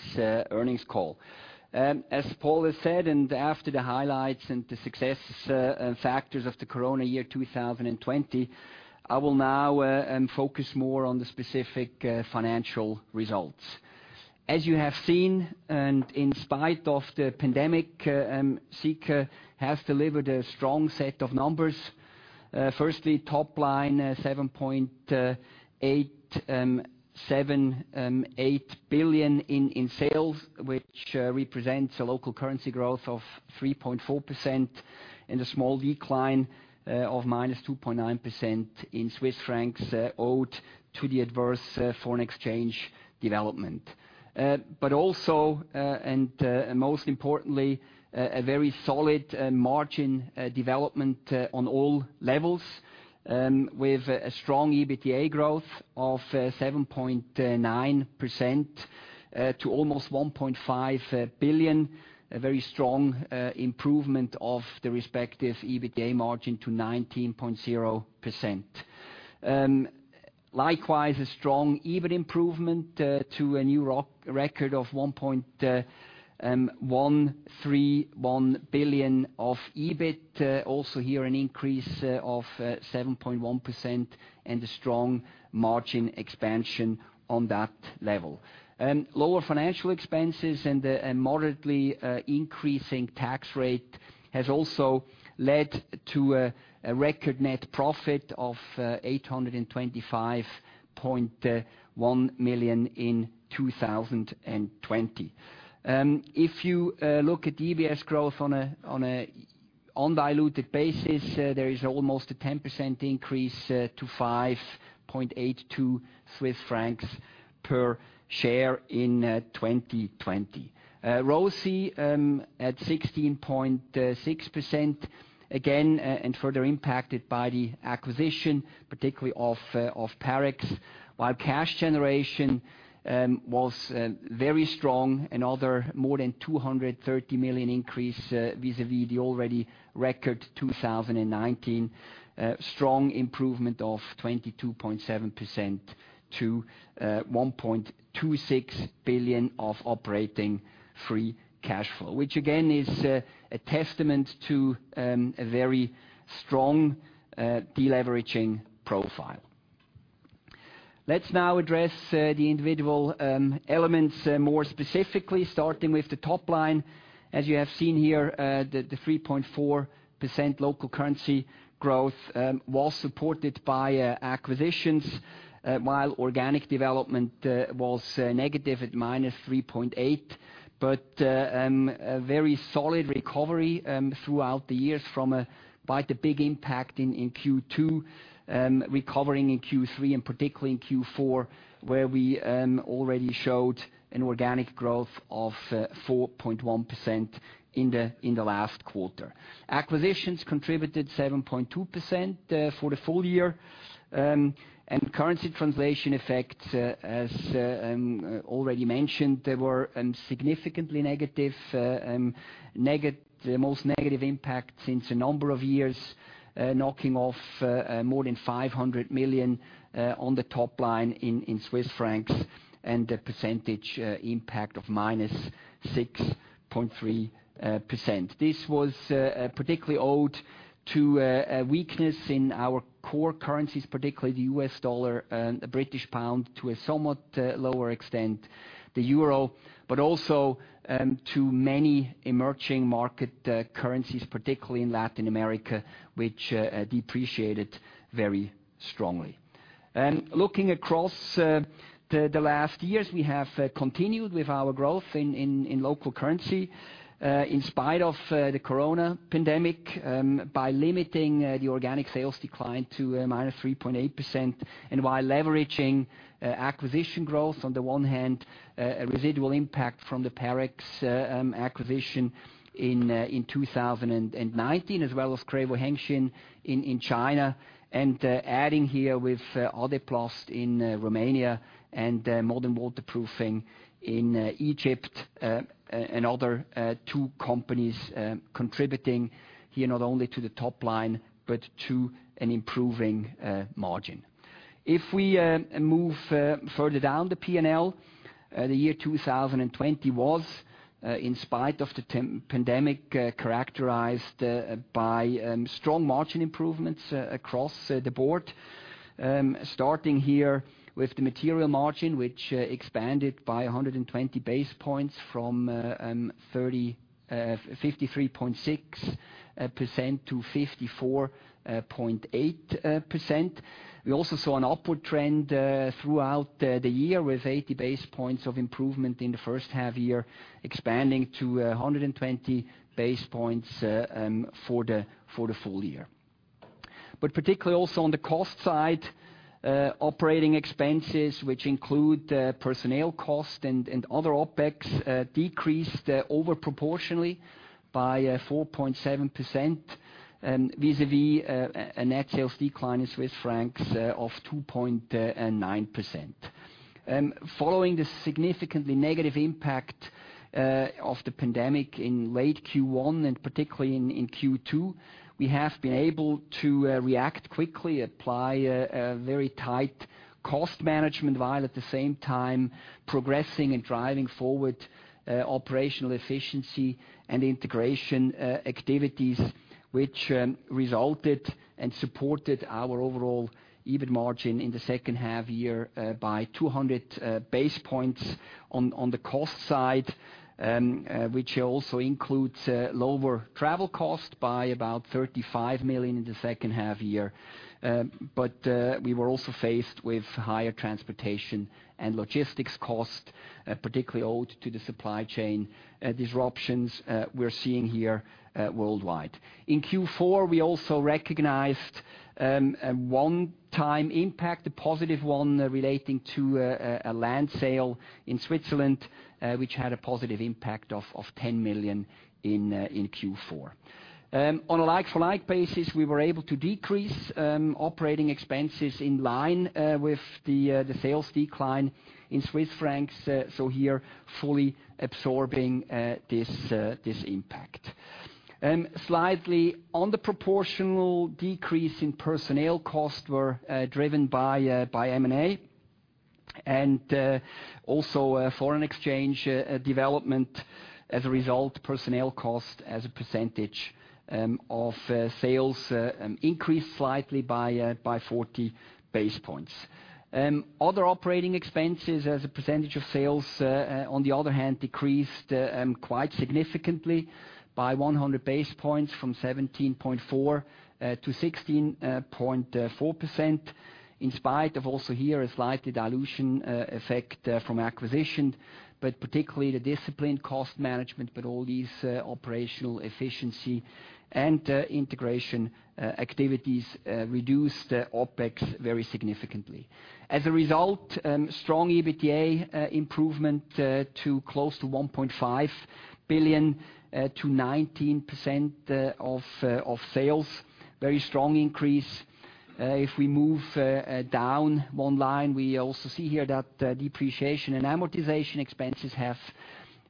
earnings call. As Paul has said, and after the highlights and the success factors of the COVID year 2020, I will now focus more on the specific financial results. As you have seen, and in spite of the pandemic, Sika has delivered a strong set of numbers. Firstly, top line 7.878 billion in sales, which represents a local currency growth of 3.4% and a small decline of -2.9% in Swiss francs owed to the adverse foreign exchange development. Also, most importantly, a very solid margin development on all levels with a strong EBITDA growth of 7.9% to almost 1.5 billion. A very strong improvement of the respective EBITDA margin to 19.0%. Likewise, a strong EBIT improvement to a new record of 1.131 billion of EBIT. Also here, an increase of 7.1% and a strong margin expansion on that level. Lower financial expenses and a moderately increasing tax rate has also led to a record net profit of 825.1 million in 2020. If you look at EPS growth on an undiluted basis, there is almost a 10% increase to 5.82 Swiss francs per share in 2020. ROCE at 16.6%, again, and further impacted by the acquisition, particularly of Parex, while cash generation was very strong. Another more than 230 million increase vis-à-vis the already record 2019. Strong improvement of 22.7% to 1.26 billion of operating free cash flow, which again, is a testament to a very strong deleveraging profile. Let's now address the individual elements more specifically, starting with the top line. As you have seen here, the 3.4% local currency growth was supported by acquisitions, while organic development was negative at -3.8%. A very solid recovery throughout the years from quite a big impact in Q2, recovering in Q3, and particularly in Q4, where we already showed an organic growth of 4.1% in the last quarter. Acquisitions contributed 7.2% for the full year. Currency translation effect, as already mentioned, they were significantly negative, the most negative impact since a number of years, knocking off more than 500 million on the top line in Swiss francs and the percentage impact of -6.3%. This was particularly owed to a weakness in our core currencies, particularly the US dollar and the British pound to a somewhat lower extent the euro, also to many emerging market currencies, particularly in Latin America, which depreciated very strongly. Looking across the last years, we have continued with our growth in local currency, in spite of the COVID pandemic, by limiting the organic sales decline to -3.8% and while leveraging acquisition growth on the one hand, a residual impact from the Parex acquisition in 2019 as well as Crevo-Hengxin in China, and adding here with Adeplast in Romania and Modern Waterproofing in Egypt, and other two companies contributing here, not only to the top line, but to an improving margin. If we move further down the P&L, the year 2020 was, in spite of the pandemic, characterized by strong margin improvements across the board. Starting here with the material margin, which expanded by 120 basis points from 53.6% to 54.8%. We also saw an upward trend throughout the year, with 80 basis points of improvement in the first half year, expanding to 120 basis points for the full year. Particularly also on the cost side, operating expenses, which include personnel costs and other OpEx, decreased over proportionally by 4.7%, vis-a-vis a net sales decline in Swiss francs of 2.9%. Following the significantly negative impact of the pandemic in late Q1 and particularly in Q2, we have been able to react quickly, apply a very tight cost management while at the same time progressing and driving forward operational efficiency and integration activities, which resulted and supported our overall EBIT margin in the second half year by 200 basis points on the cost side, which also includes lower travel cost by about 35 million in the second half year. We were also faced with higher transportation and logistics costs, particularly owed to the supply chain disruptions we are seeing here worldwide. In Q4, we also recognized a one-time impact, a positive one relating to a land sale in Switzerland, which had a positive impact of 10 million in Q4. On a like-for-like basis, we were able to decrease operating expenses in line with the sales decline in CHF, here fully absorbing this impact. Slightly under proportional decrease in personnel costs were driven by M&A and also foreign exchange development. As a result, personnel cost as a percentage of sales increased slightly by 40 basis points. Other operating expenses as a percentage of sales, on the other hand, decreased quite significantly by 100 basis points from 17.4%-16.4%, in spite of also here a slight dilution effect from acquisition, but particularly the disciplined cost management, but all these operational efficiency and integration activities reduced OpEx very significantly. As a result, strong EBITDA improvement to close to 1.5 billion to 19% of sales. Very strong increase. If we move down one line, we also see here that depreciation and amortization expenses have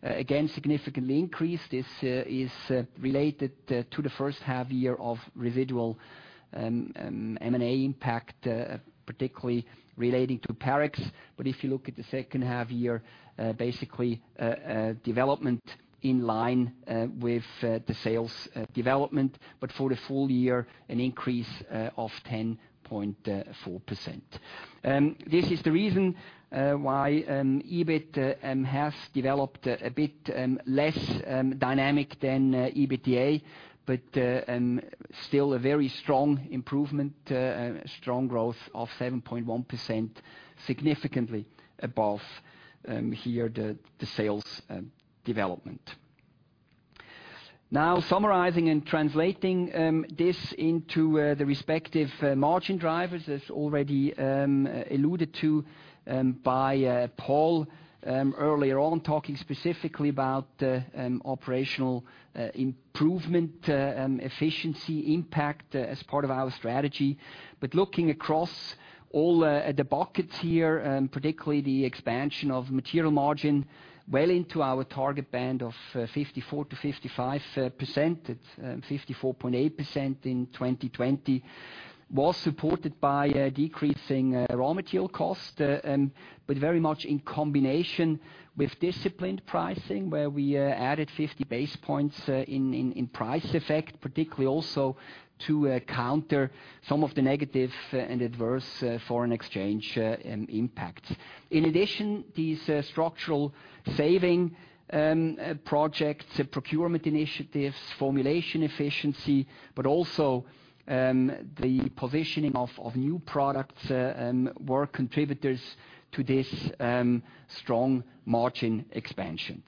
again significantly increased. This is related to the first half year of residual M&A impact, particularly relating to Parex. If you look at the second half year, basically a development in line with the sales development, but for the full year, an increase of 10.4%. This is the reason why EBIT has developed a bit less dynamic than EBITDA, but still a very strong improvement, a strong growth of 7.1%, significantly above the sales development. Summarizing and translating this into the respective margin drivers, as already alluded to by Paul earlier on, talking specifically about operational improvement efficiency impact as part of our strategy. Looking across all the buckets here, particularly the expansion of material margin well into our target band of 54%-55%, at 54.8% in 2020, was supported by a decreasing raw material cost, very much in combination with disciplined pricing, where we added 50 basis points in price effect, particularly also to counter some of the negative and adverse foreign exchange impact. In addition, these structural saving projects, procurement initiatives, formulation efficiency, but also the positioning of new products were contributors to this strong margin expansion.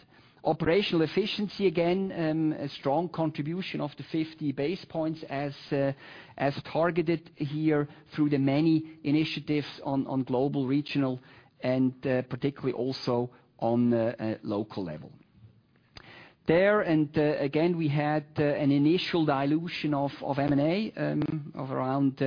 Operational efficiency, again, a strong contribution of the 50 basis points as targeted here through the many initiatives on global, regional, and particularly also on local level. There, again, we had an initial dilution of M&A of around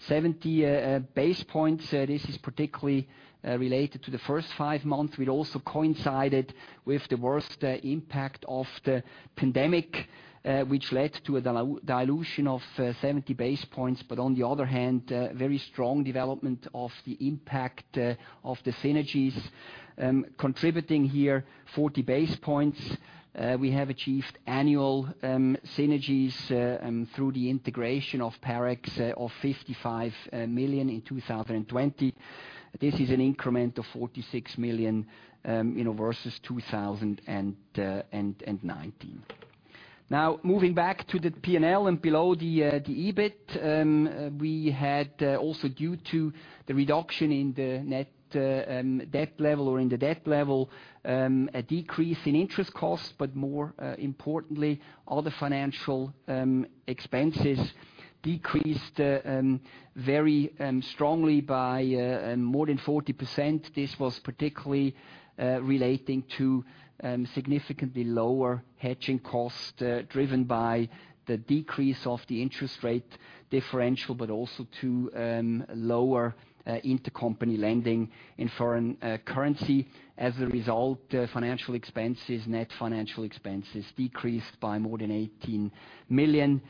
70 basis points. This is particularly related to the first five months, which also coincided with the worst impact of the pandemic, which led to a dilution of 70 basis points. On the other hand, very strong development of the impact of the synergies. Contributing here 40 basis points, we have achieved annual synergies through the integration of Parex of 55 million in 2020. This is an increment of 46 million versus 2019. Moving back to the P&L and below the EBIT. We had also, due to the reduction in the net debt level or in the debt level, a decrease in interest costs. More importantly, all the financial expenses decreased very strongly by more than 40%. This was particularly relating to significantly lower hedging costs, driven by the decrease of the interest rate differential. Also to lower intercompany lending in foreign currency. Financial expenses, net financial expenses decreased by more than 18 million,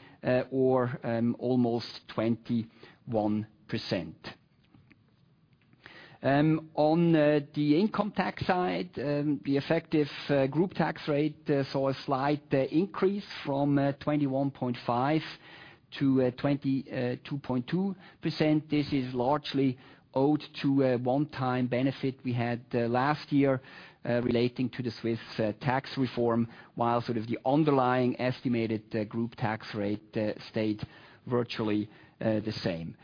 or almost 21%. On the income tax side, the effective group tax rate saw a slight increase from 21.5%- 22.2%. This is largely owed to a one-time benefit we had last year relating to the Swiss tax reform, while the underlying estimated group tax rate stayed virtually the same.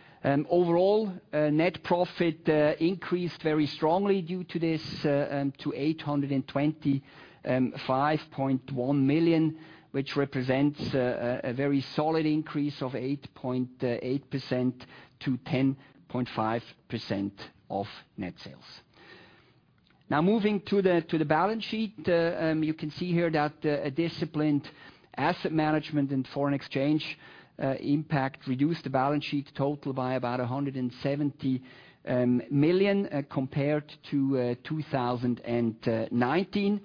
Net profit increased very strongly due to this to 825.1 million, which represents a very solid increase of 8.8%-10.5% of net sales. Moving to the balance sheet. You can see here that a disciplined asset management and foreign exchange impact reduced the balance sheet total by about 170 million compared to 2019.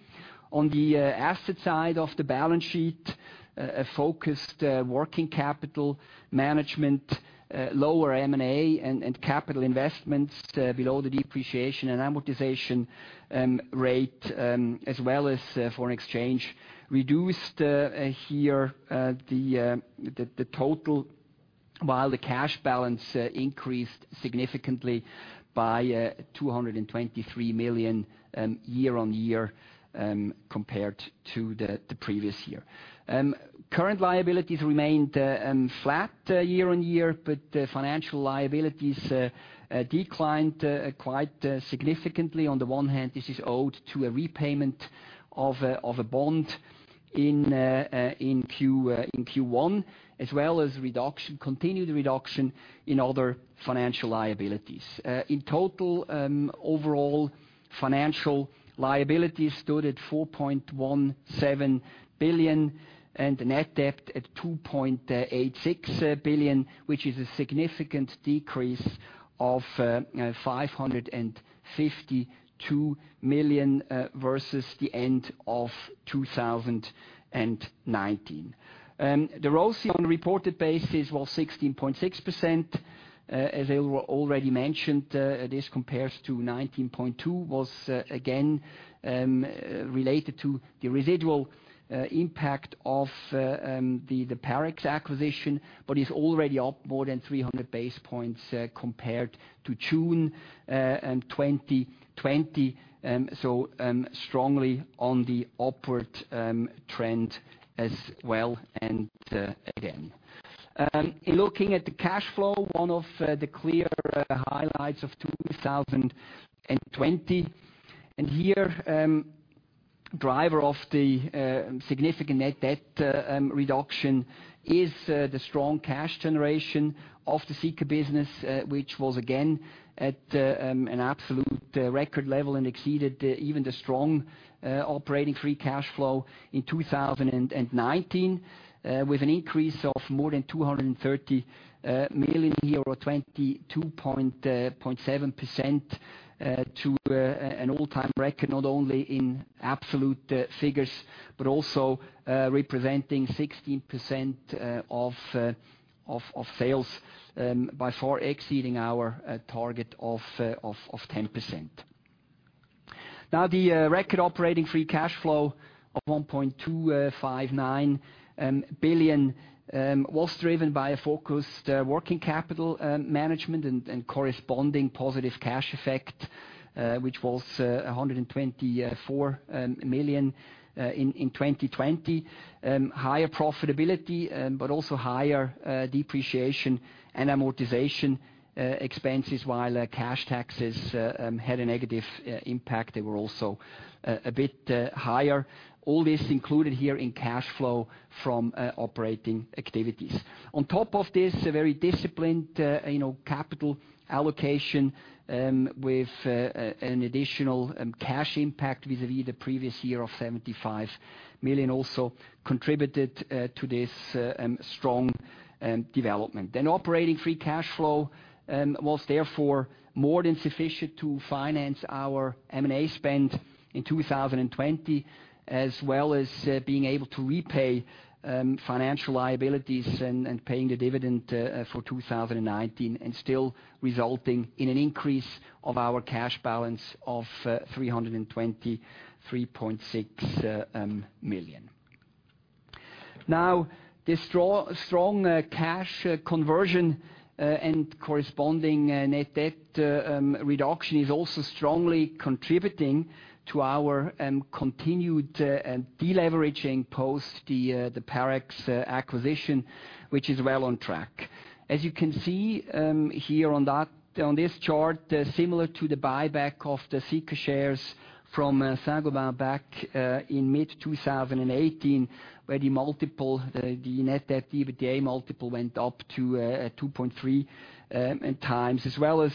On the asset side of the balance sheet, a focused working capital management, lower M&A, and capital investments below the depreciation and amortization rate, as well as foreign exchange reduced here the total, while the cash balance increased significantly by 223 million year-over-year, compared to the previous year. Current liabilities remained flat year-over-year. Financial liabilities declined quite significantly. On the one hand, this is owed to a repayment of a bond in Q1, as well as continued reduction in other financial liabilities. In total, overall financial liabilities stood at 4.17 billion and net debt at 2.86 billion, which is a significant decrease of 552 million versus the end of 2019. The ROCE on a reported basis was 16.6%. As already mentioned, this compares to 19.2, was again related to the residual impact of the Parex acquisition, but is already up more than 300 basis points compared to June 2020. It is strongly on the upward trend as well, and again. In looking at the cash flow, one of the clear highlights of 2020, here, driver of the significant net debt reduction is the strong cash generation of the Sika business, which was again at an absolute record level and exceeded even the strong operating free cash flow in 2019, with an increase of more than 230 million, year-over-year 22.7% to an all-time record, not only in absolute figures, but also representing 16% of sales, by far exceeding our target of 10%. The record operating free cash flow of 1.259 billion was driven by a focused working capital management and corresponding positive cash effect, which was 124 million in 2020. Higher profitability, but also higher depreciation and amortization expenses, while cash taxes had a negative impact. They were also a bit higher. All this included here in cash flow from operating activities. On top of this, a very disciplined capital allocation with an additional cash impact vis-a-vis the previous year of 75 million also contributed to this strong development. Operating free cash flow was therefore more than sufficient to finance our M&A spend in 2020, as well as being able to repay financial liabilities and paying the dividend for 2019, and still resulting in an increase of our cash balance of 323.6 million. The strong cash conversion and corresponding net debt reduction is also strongly contributing to our continued de-leveraging post the Parex acquisition, which is well on track. As you can see here on this chart, similar to the buyback of the Sika shares from Saint-Gobain back in mid-2018, where the net debt EBITDA multiple went up to 2.3x, as well as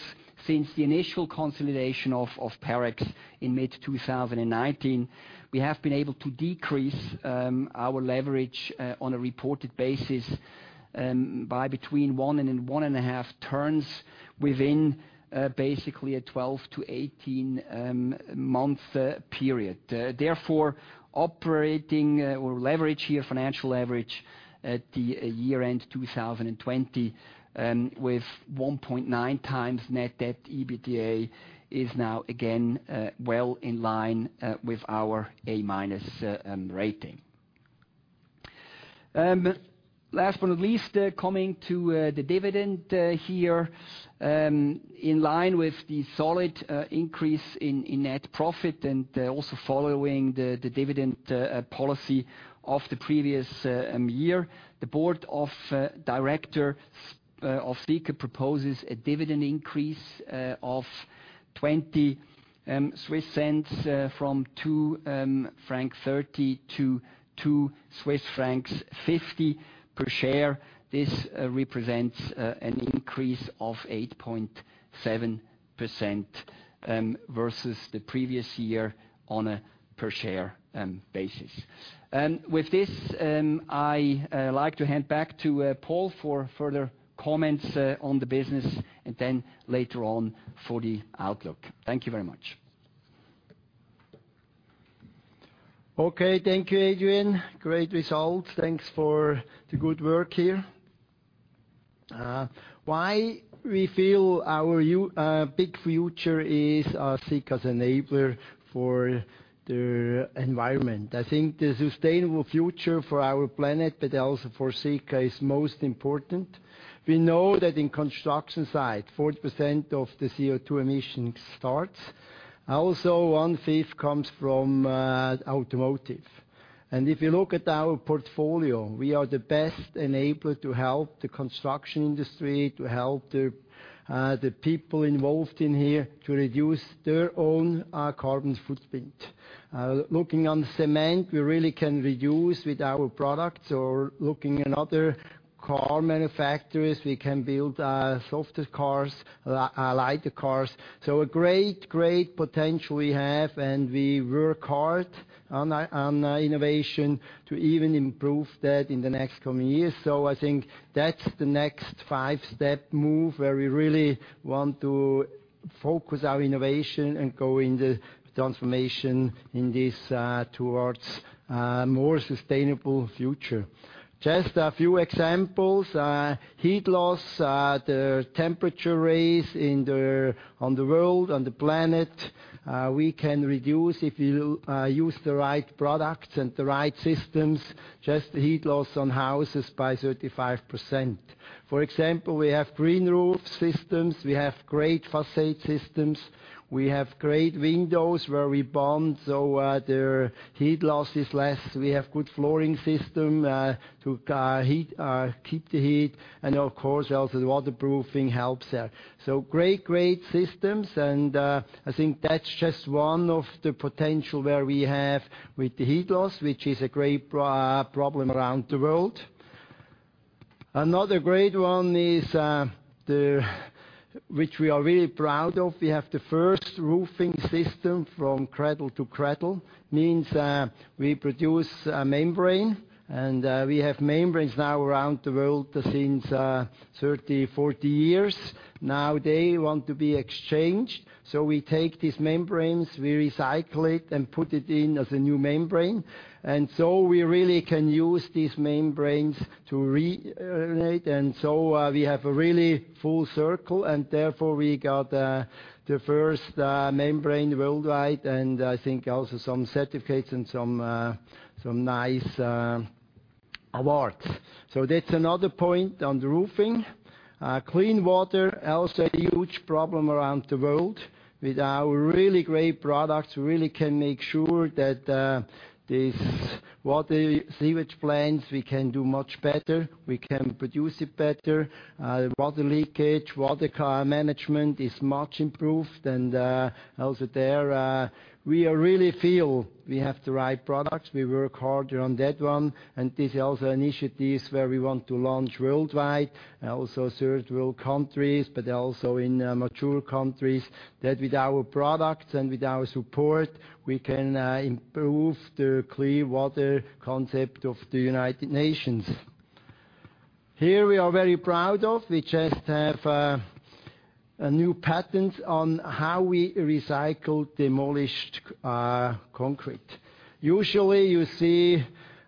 since the initial consolidation of Parex in mid-2019, we have been able to decrease our leverage on a reported basis by between one and then one and a half turns within basically a 12-18 month period. Therefore, operating or leverage here, financial leverage at the year-end 2020, with 1.9 times net debt EBITDA is now again well in line with our A-minus rating. Last but not least, coming to the dividend here. In line with the solid increase in net profit and also following the dividend policy of the previous year, the board of director of Sika proposes a dividend increase of 0.20 from 2.30 franc to 2.50 Swiss francs per share. This represents an increase of 8.7% versus the previous year on a per share basis. With this, I like to hand back to Paul for further comments on the business, and then later on for the outlook. Thank you very much. Okay. Thank you, Adrian. Great results. Thanks for the good work here. We feel our big future is Sika as an enabler for the environment. I think the sustainable future for our planet, but also for Sika, is most important. We know that in construction side, 40% of the CO2 emission starts. 1/5 comes from automotive. If you look at our portfolio, we are the best enabler to help the construction industry, to help the people involved in here to reduce their own carbon footprint. Looking on cement, we really can reduce with our products or looking at other car manufacturers, we can build softer cars, lighter cars. A great potential we have, and we work hard on innovation to even improve that in the next coming years. I think that's the next five-step move where we really want to focus our innovation and go in the transformation in this towards a more sustainable future. Just a few examples. Heat loss, the temperature rise on the world, on the planet. We can reduce, if you use the right products and the right systems, just the heat loss on houses by 35%. For example, we have green roof systems, we have great facade systems, we have great windows where we bond, so their heat loss is less. We have good flooring system to keep the heat, and of course, also the waterproofing helps there. Great systems, and I think that's just one of the potential where we have with the heat loss, which is a great problem around the world. Another great one, which we are really proud of, we have the first roofing system from Cradle to Cradle. Means we produce a membrane. We have membranes now around the world since 30, 40 years. Now they want to be exchanged. We take these membranes, we recycle it and put it in as a new membrane. We really can use these membranes to renovate. We have a really full circle. Therefore we got the first membrane worldwide. I think also some certificates and some nice awards. That's another point on the roofing. Clean water, also a huge problem around the world. With our really great products, we really can make sure that these water sewage plants, we can do much better, we can produce it better. Water leakage, water management is much improved. Also there, we really feel we have the right products. We work harder on that one. This also initiatives where we want to launch worldwide, also third-world countries, but also in mature countries, that with our products and with our support, we can improve the clear water concept of the United Nations. Here, we are very proud of, we just have a new patent on how we recycle demolished concrete. Usually, you see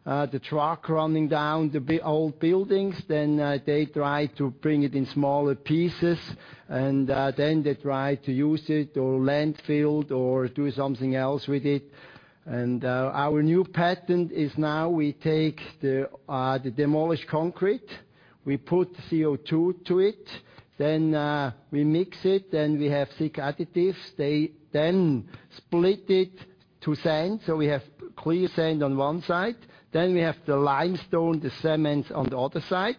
the truck running down the old buildings, then they try to bring it in smaller pieces, and then they try to use it or landfill or do something else with it. Our new patent is now we take the demolished concrete. We put CO2 to it, then we mix it, then we have Sika additives. They then split it to sand, so we have clear sand on one side, then we have the limestone, the cements on the other side,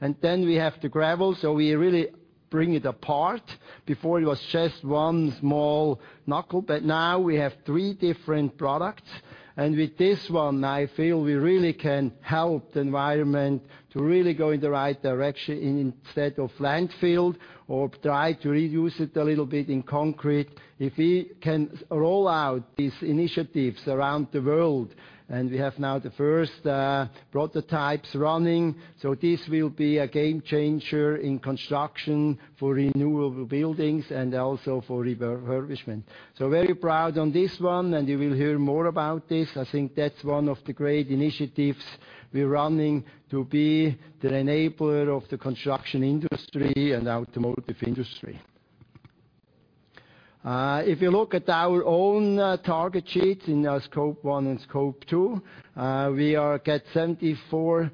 and then we have the gravel. We really bring it apart. Before it was just one small knuckle, but now we have three different products. With this one, I feel we really can help the environment to really go in the right direction instead of landfill, or try to reuse it a little bit in concrete. If we can roll out these initiatives around the world, and we have now the first prototypes running, so this will be a game changer in construction for renewable buildings and also for refurbishment. Very proud on this one, and you will hear more about this. I think that's one of the great initiatives we're running to be the enabler of the construction industry and automotive industry. If you look at our own target sheets in our Scope 1 and Scope 2, we are at 74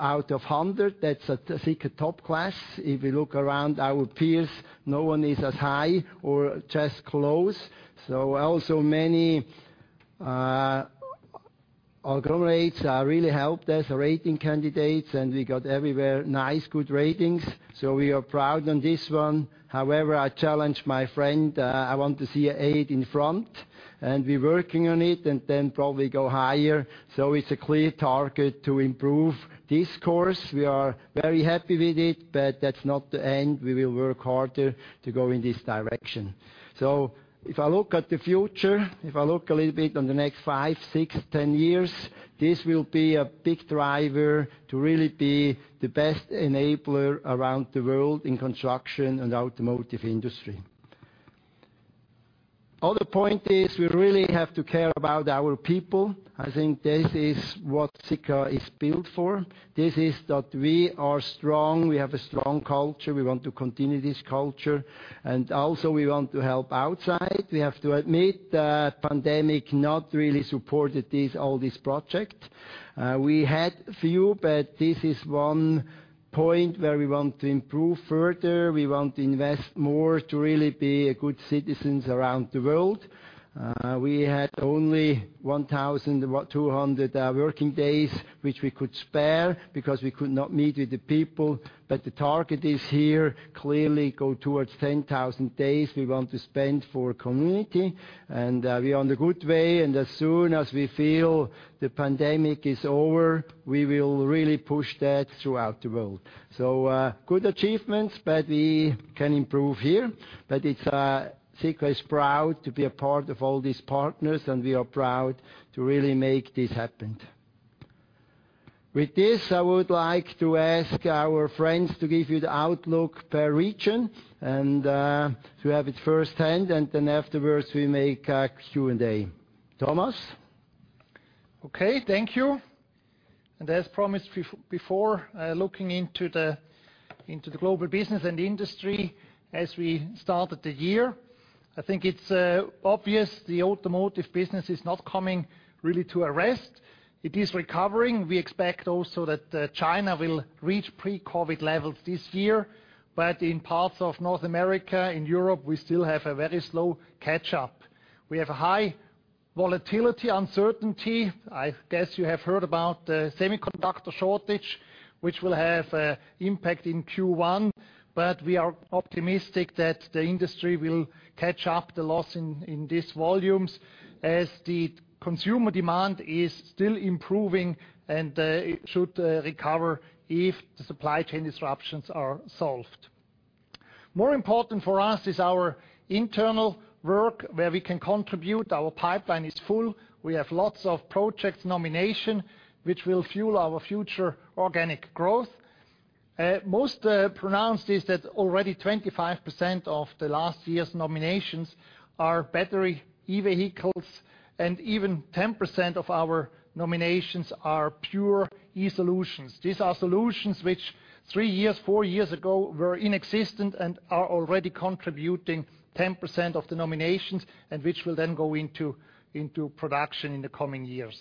out of 100. That's at Sika top class. If you look around our peers, no one is as high or just close. Also many agglomerates are really helped as a rating candidate, and we got everywhere nice, good ratings. We are proud on this one. However, I challenge my friend, I want to see an eight in front, and we're working on it, and then probably go higher. It's a clear target to improve this score. We are very happy with it, but that's not the end. We will work harder to go in this direction. If I look at the future, if I look a little bit on the next five, six, 10 years, this will be a big driver to really be the best enabler around the world in construction and automotive industry. Other point is we really have to care about our people. I think this is what Sika is built for. This is that we are strong. We have a strong culture. We want to continue this culture. Also we want to help outside. We have to admit that pandemic not really supported all this project. We had few, but this is one point where we want to improve further. We want to invest more to really be a good citizens around the world. We had only 1,200 working days which we could spare because we could not meet with the people. The target is here, clearly go towards 10,000 days we want to spend for community, and we are on the good way, and as soon as we feel the pandemic is over, we will really push that throughout the world. Good achievements, but we can improve here. Sika is proud to be a part of all these partners, and we are proud to really make this happen. With this, I would like to ask our friends to give you the outlook per region and to have it firsthand, and then afterwards we make a Q&A. Thomas? Okay, thank you. As promised before, looking into the global business and the industry as we started the year, I think it's obvious the automotive business is not coming really to a rest. It is recovering. We expect also that China will reach pre-COVID levels this year. In parts of North America, in Europe, we still have a very slow catch-up. We have a high volatility, uncertainty. I guess you have heard about the semiconductor shortage, which will have impact in Q1. We are optimistic that the industry will catch up the loss in these volumes as the consumer demand is still improving and should recover if the supply chain disruptions are solved. More important for us is our internal work where we can contribute. Our pipeline is full. We have lots of projects nomination, which will fuel our future organic growth. Most pronounced is that already 25% of the last year's nominations are battery e-vehicles, and even 10% of our nominations are pure e-solutions. These are solutions which three years, four years ago, were inexistent and are already contributing 10% of the nominations and which will then go into production in the coming years.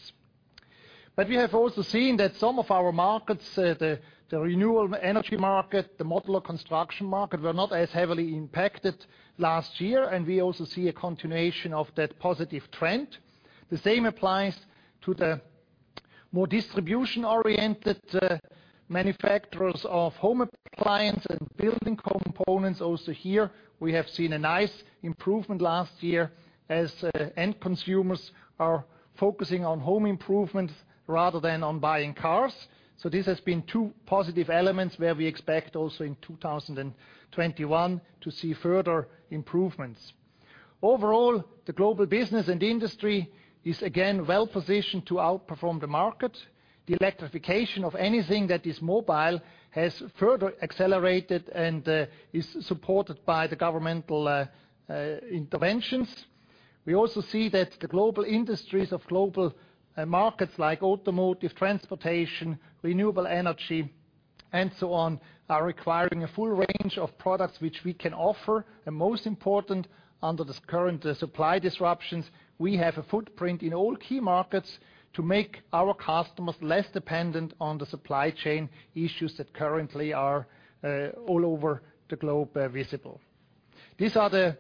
We have also seen that some of our markets, the renewable energy market, the modular construction market, were not as heavily impacted last year, and we also see a continuation of that positive trend. The same applies to the more distribution-oriented manufacturers of home appliance and building components. Also here, we have seen a nice improvement last year as end consumers are focusing on home improvements rather than on buying cars. This has been two positive elements where we expect also in 2021 to see further improvements. Overall, the global business and industry is again well-positioned to outperform the market. The electrification of anything that is mobile has further accelerated and is supported by the governmental interventions. We also see that the global industries of global markets like automotive, transportation, renewable energy, and so on, are requiring a full range of products which we can offer. Most important, under the current supply disruptions, we have a footprint in all key markets to make our customers less dependent on the supply chain issues that currently are all over the globe visible. These are the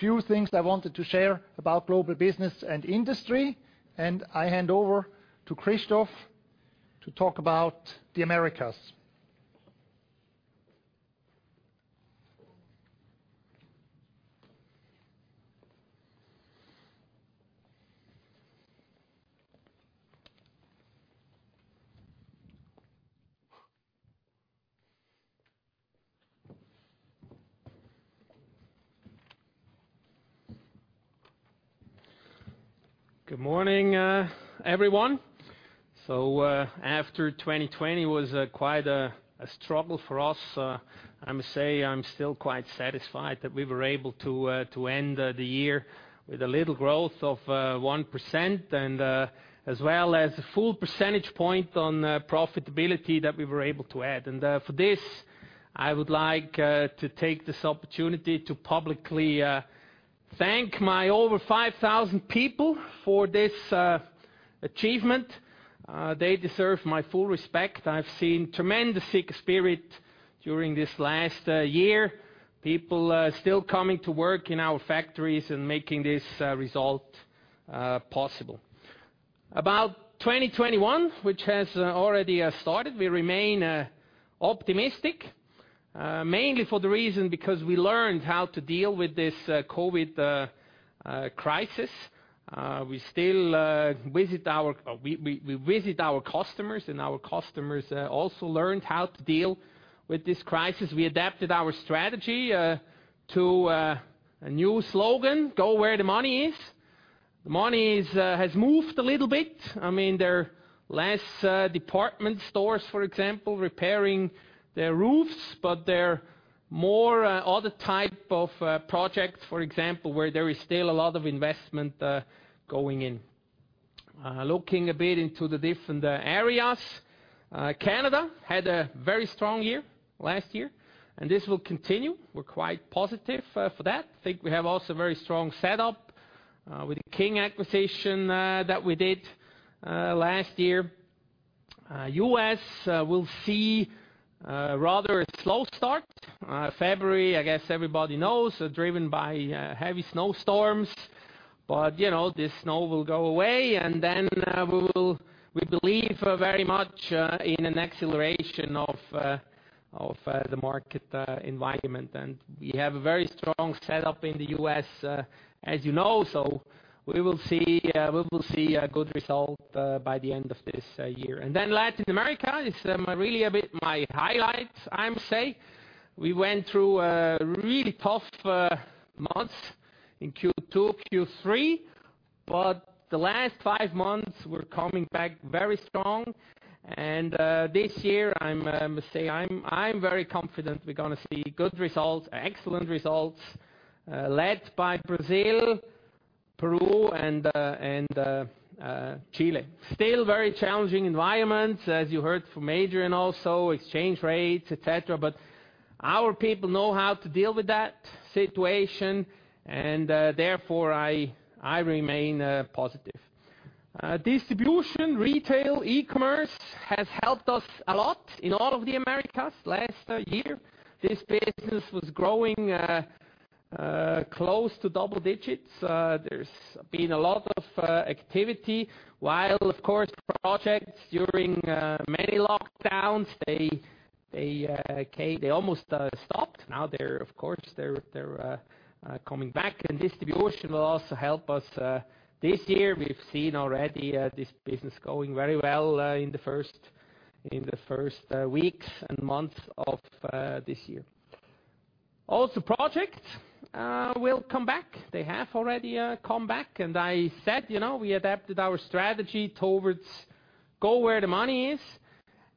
few things I wanted to share about global business and industry. I hand over to Christoph to talk about the Americas. Good morning, everyone. After 2020 was quite a struggle for us, I must say I'm still quite satisfied that we were able to end the year with a little growth of 1% and as well as a full percentage point on profitability that we were able to add. For this, I would like to take this opportunity to publicly thank my over 5,000 people for this achievement. They deserve my full respect. I've seen tremendous Sika spirit during this last year. People still coming to work in our factories and making this result possible. About 2021, which has already started, we remain optimistic, mainly for the reason because we learned how to deal with this COVID crisis. We visit our customers, and our customers also learned how to deal with this crisis. We adapted our strategy to a new slogan, "Go where the money is." The money has moved a little bit. There are less department stores, for example, repairing their roofs, but there are more other type of projects, for example, where there is still a lot of investment going in. Looking a bit into the different areas. Canada had a very strong year last year, and this will continue. We're quite positive for that. I think we have also a very strong setup with the King acquisition that we did last year. U.S. will see a rather slow start. February, I guess everybody knows, driven by heavy snowstorms. The snow will go away, and then we believe very much in an acceleration of the market environment. We have a very strong setup in the U.S., as you know. We will see a good result by the end of this year. Latin America is really a bit my highlight, I must say. We went through really tough months in Q2, Q3, but the last five months, we're coming back very strong. This year, I must say, I'm very confident we're going to see good results, excellent results, led by Brazil, Peru, and Chile. Still very challenging environment, as you heard from Adrian also, exchange rates, et cetera, but our people know how to deal with that situation, and therefore, I remain positive. Distribution, retail, e-commerce has helped us a lot in all of the Americas. Last year, this business was growing close to double digits. There's been a lot of activity. While, of course, projects during many lockdowns, they almost stopped. Now they're, of course, coming back. Distribution will also help us this year. We've seen already this business going very well in the first weeks and months of this year. Projects will come back. They have already come back. I said we adapted our strategy towards go where the money is.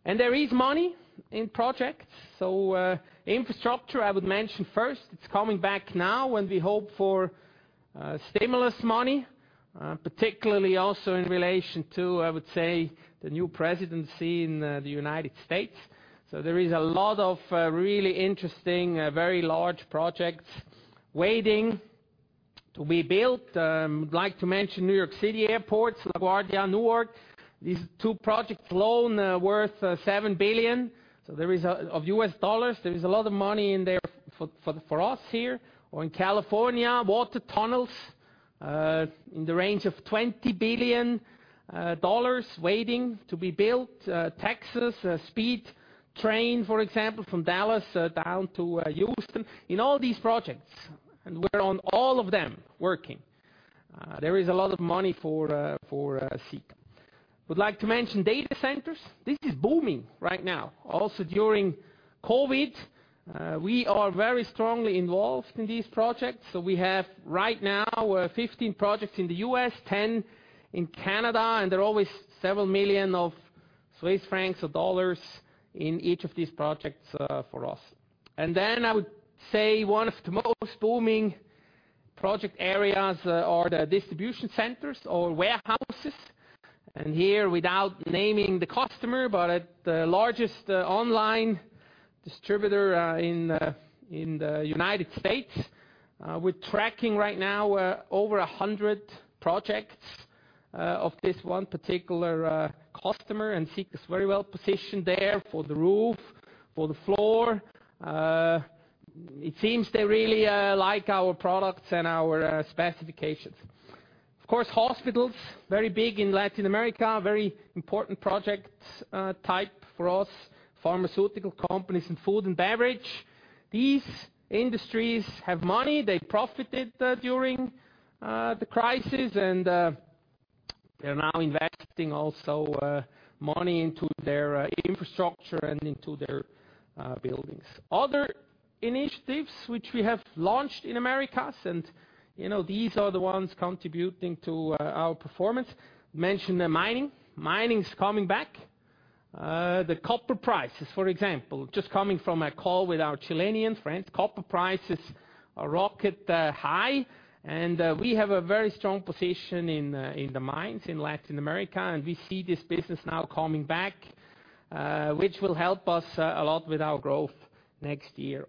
There is money in projects. Infrastructure, I would mention first. It's coming back now, and we hope for stimulus money, particularly also in relation to, I would say, the new presidency in the U.S. There is a lot of really interesting, very large projects waiting to be built. I would like to mention New York City airports, LaGuardia, Newark. These two projects alone worth $7 billion. There is a lot of money in there for us here. In California, water tunnels in the range of $20 billion waiting to be built. Texas speed train, for example, from Dallas down to Houston. In all these projects, and we're on all of them working. There is a lot of money for Sika. I would like to mention data centers. This is booming right now. Also during COVID, we are very strongly involved in these projects. We have right now 15 projects in the U.S., 10 in Canada, and there are always several million CHF or USD in each of these projects for us. I would say one of the most booming project areas are the distribution centers or warehouses. Here, without naming the customer, but the largest online distributor in the United States. We're tracking right now over 100 projects of this one particular customer, and Sika is very well-positioned there for the roof, for the floor. It seems they really like our products and our specifications. Of course, hospitals, very big in Latin America. Very important project type for us. Pharmaceutical companies and food and beverage. These industries have money. They profited during the crisis, and they are now investing also money into their infrastructure and into their buildings. Other initiatives which we have launched in Americas, these are the ones contributing to our performance. Mentioned mining. Mining is coming back. The copper prices, for example, just coming from a call with our Chilean friends, copper prices are rocket high, and we have a very strong position in the mines in Latin America. We see this business now coming back, which will help us a lot with our growth next year.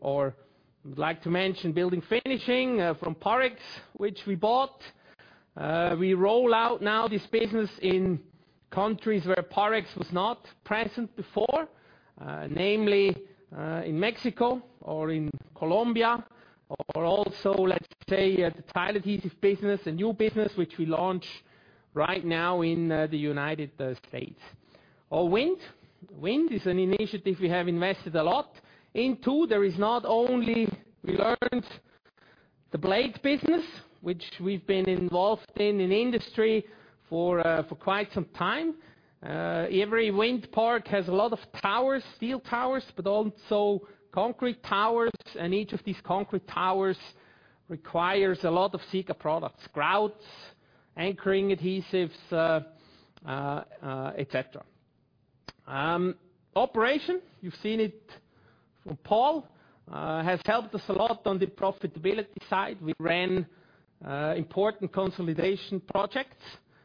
Would like to mention building finishing from Parex, which we bought. We roll out now this business in countries where Parex was not present before, namely in Mexico or in Colombia, or also, let's say, the tile adhesive business, a new business which we launch right now in the United States. Wind. Wind is an initiative we have invested a lot into. There is not only we learned the blade business, which we've been involved in industry for quite some time. Every wind park has a lot of steel towers, but also concrete towers, and each of these concrete towers requires a lot of Sika products, grouts, anchoring adhesives, et cetera. Operation, you've seen it from Paul, has helped us a lot on the profitability side. We ran important consolidation projects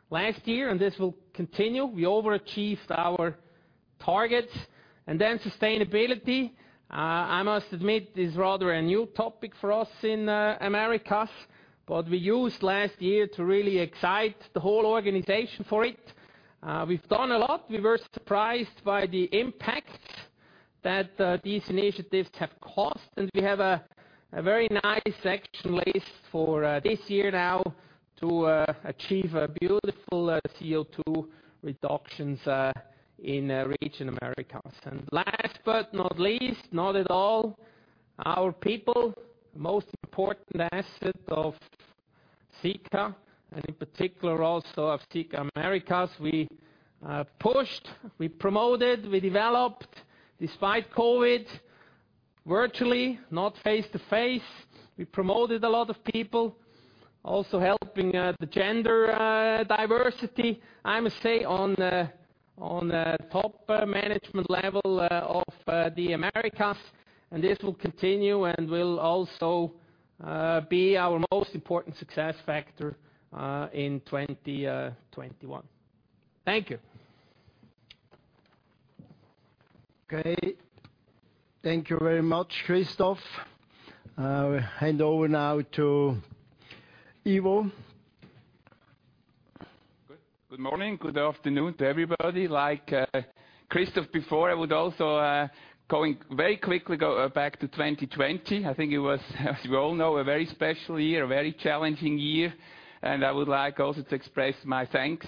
last year, and this will continue. We overachieved our targets. Sustainability, I must admit, is rather a new topic for us in Americas. We used last year to really excite the whole organization for it. We've done a lot. We were surprised by the impacts that these initiatives have cost, and we have a very nice action list for this year now to achieve a beautiful CO2 reductions in region Americas. Last but not least, not at all, our people, most important asset of Sika, and in particular, also of Sika Americas. We pushed, we promoted, we developed, despite COVID, virtually not face-to-face. We promoted a lot of people, also helping the gender diversity, I must say, on top management level of the Americas. This will continue and will also be our most important success factor, in 2021. Thank you. Okay. Thank you very much, Christoph. I hand over now to Ivo. Good morning. Good afternoon to everybody. Like Christoph before, I would also very quickly go back to 2020. I think it was, as we all know, a very special year, a very challenging year. I would like also to express my thanks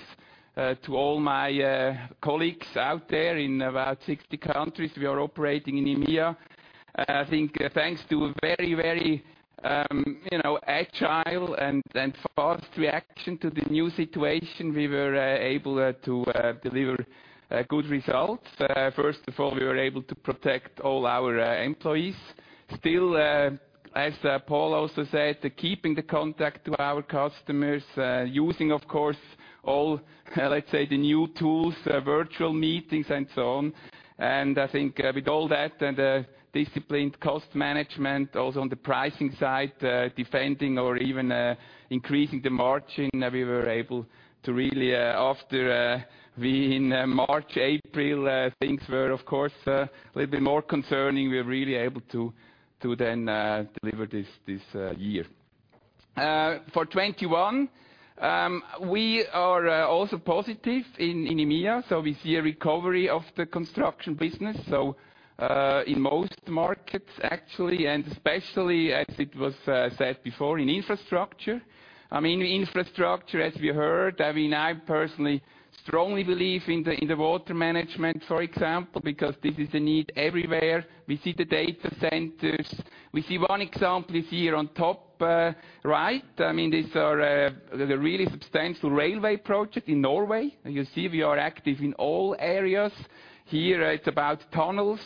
to all my colleagues out there in about 60 countries we are operating in EMEA. I think thanks to a very agile and fast reaction to the new situation, we were able to deliver good results. First of all, we were able to protect all our employees. Still, as Paul also said, keeping the contact to our customers, using, of course, all, let's say, the new tools, virtual meetings and so on. I think with all that and disciplined cost management, also on the pricing side, defending or even increasing the margin, we were able to really after We in March, April, things were, of course, a little bit more concerning. We were really able to deliver this year. For 2021, we are also positive in EMEA. We see a recovery of the construction business. In most markets, actually, and especially as it was said before, in infrastructure. Infrastructure, as we heard, I personally strongly believe in the water management, for example, because this is a need everywhere. We see the data centers. We see one example is here on top right. These are the really substantial railway project in Norway. You see we are active in all areas. Here, it's about tunnels,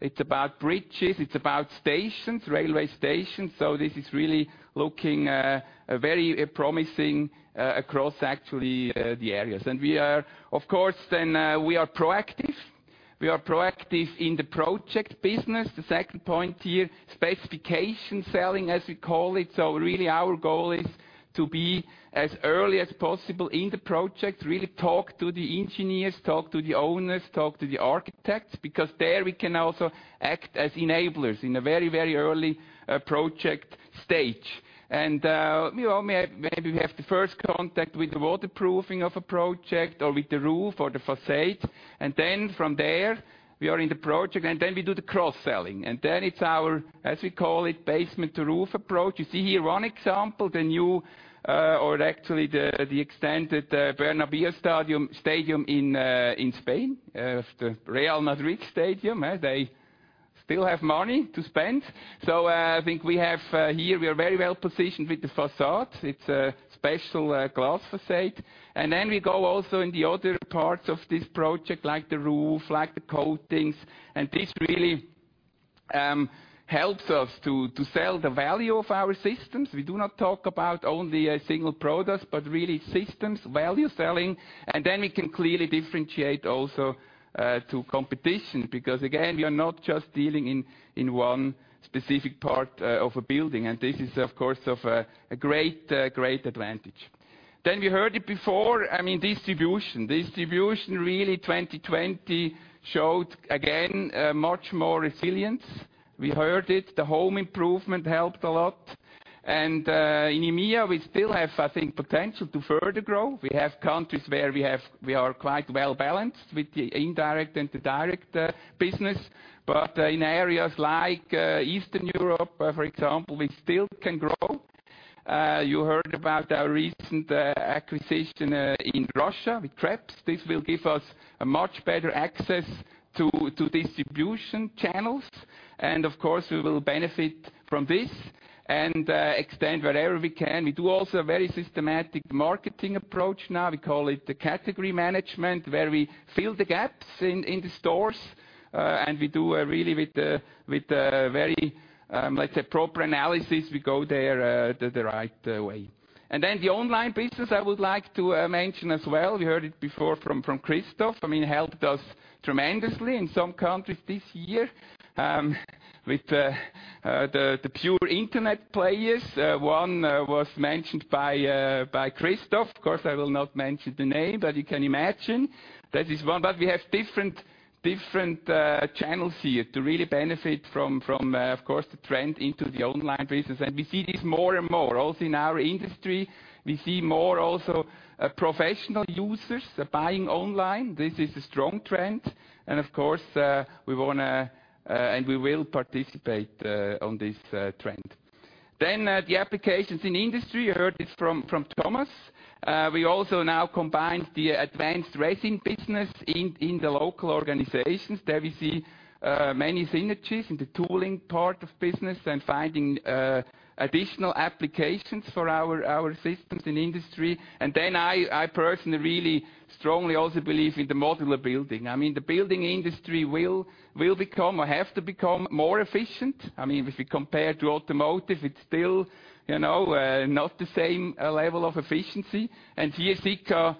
it's about bridges, it's about stations, railway stations. This is really looking very promising across actually the areas. We are, of course, proactive. We are proactive in the project business. The second point here, specification selling, as we call it. Really our goal is to be as early as possible in the project, really talk to the engineers, talk to the owners, talk to the architects, because there we can also act as enablers in a very early project stage. Maybe we have the first contact with the waterproofing of a project, or with the roof, or the facade. From there, we are in the project, we do the cross-selling. It's our, as we call it, basement-to-roof approach. You see here one example, the new, or actually the extended Bernabeu Stadium in Spain, the Real Madrid stadium. They still have money to spend. I think we have here, we are very well-positioned with the facade. It's a special glass facade. We go also in the other parts of this project, like the roof, like the coatings. This really helps us to sell the value of our systems. We do not talk about only a single product, but really systems, value-selling. We can clearly differentiate also to competition, because again, we are not just dealing in one specific part of a building, and this is of course of a great advantage. We heard it before, distribution. Distribution, really 2020 showed again, much more resilience. We heard it, the home improvement helped a lot. In EMEA, we still have, I think, potential to further grow. We have countries where we are quite well-balanced with the indirect and the direct business. In areas like Eastern Europe, for example, we still can grow. You heard about our recent acquisition in Russia, with Kreps. This will give us a much better access to distribution channels. Of course, we will benefit from this and extend wherever we can. We do also a very systematic marketing approach now. We call it the category management, where we fill the gaps in the stores. We do, really with very, let's say, proper analysis, we go there the right way. The online business, I would like to mention as well. We heard it before from Christoph. It helped us tremendously in some countries this year with the pure Internet players. One was mentioned by Christoph. Of course, I will not mention the name, but you can imagine. That is one. We have different channels here to really benefit from, of course, the trend into the online business. We see this more and more also in our industry. We see more also professional users are buying online. This is a strong trend. Of course, we want to, and we will participate on this trend. The applications in industry, you heard this from Thomas. We also now combined the advanced resin business in the local organizations. There we see many synergies in the tooling part of business and finding additional applications for our systems in industry. I personally really strongly also believe in the modular building. The building industry will become, or have to become more efficient. If we compare to automotive, it's still not the same level of efficiency. Here, Sika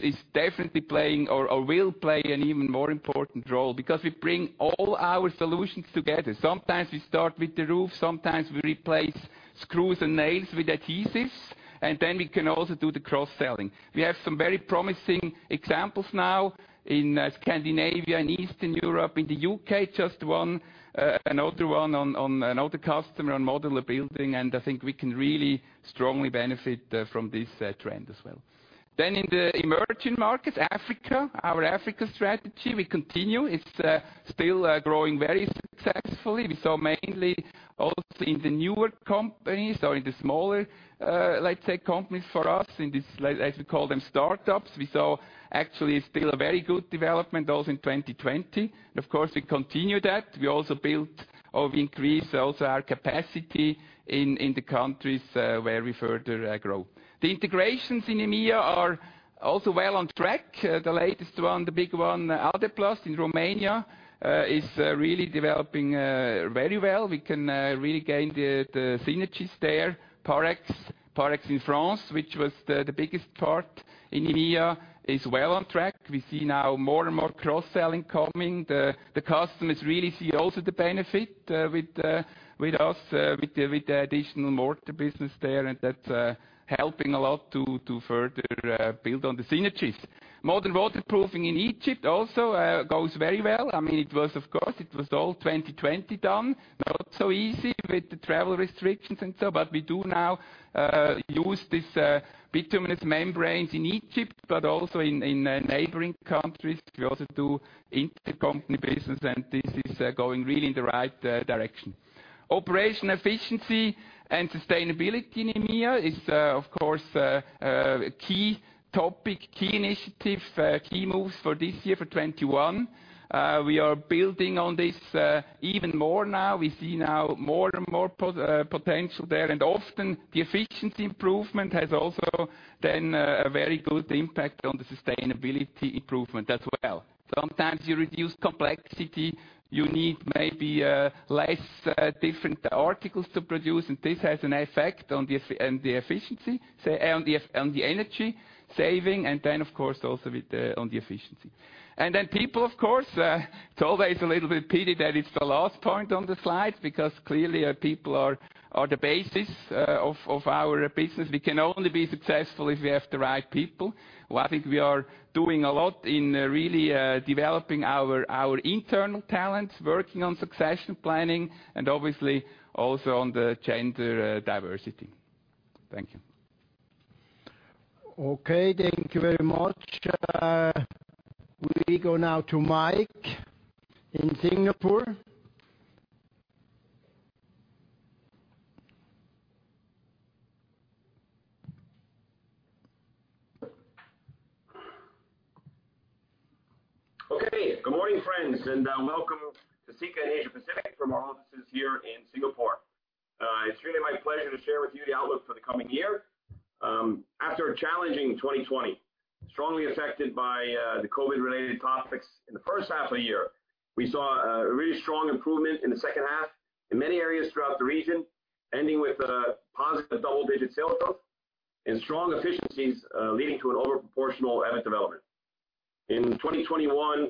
is definitely playing, or will play an even more important role, because we bring all our solutions together. Sometimes we start with the roof, sometimes we replace screws and nails with adhesives, and then we can also do the cross-selling. We have some very promising examples now in Scandinavia and Eastern Europe. In the U.K., just one, another one on another customer on modular building. I think we can really strongly benefit from this trend as well. In the emerging markets, Africa, our Africa strategy, we continue. It's still growing very successfully. We saw mainly also in the newer companies or in the smaller, let's say, companies for us, in these, as we call them, startups. We saw actually still a very good development also in 2020. Of course, we continue that. We also built or we increased also our capacity in the countries where we further grow. The integrations in EMEA are also well on track. The latest one, the big one, Adeplast in Romania, is really developing very well. We can really gain the synergies there. Parex in France, which was the biggest part in EMEA, is well on track. We see now more and more cross-selling coming. The customers really see also the benefit with us, with the additional mortar business there, and that's helping a lot to further build on the synergies. Modern Waterproofing in Egypt also goes very well. Of course, it was all 2020 done, not so easy with the travel restrictions and so, but we do now use these bituminous membranes in Egypt, but also in neighboring countries. We also do intercompany business, and this is going really in the right direction. Operation efficiency and sustainability in EMEA is, of course, a key topic, key initiative, key moves for this year, for 2021. We are building on this even more now. We see now more and more potential there. Often the efficiency improvement has also then a very good impact on the sustainability improvement as well. Sometimes you reduce complexity, you need maybe less different articles to produce, this has an effect on the energy saving, then, of course, also on the efficiency. Then people, of course. It's always a little bit pity that it's the last point on the slide, because clearly our people are the basis of our business. We can only be successful if we have the right people. Well, I think we are doing a lot in really developing our internal talent, working on succession planning, obviously also on the gender diversity. Thank you. Okay, thank you very much. We go now to Mike in Singapore. Good morning, friends, and welcome to Sika Asia Pacific from our offices here in Singapore. It is really my pleasure to share with you the outlook for the coming year. After a challenging 2020, strongly affected by the COVID-related topics in the first half of the year, we saw a really strong improvement in the second half in many areas throughout the region, ending with a positive double-digit sales growth and strong efficiencies, leading to an overproportional EBIT development. In 2021,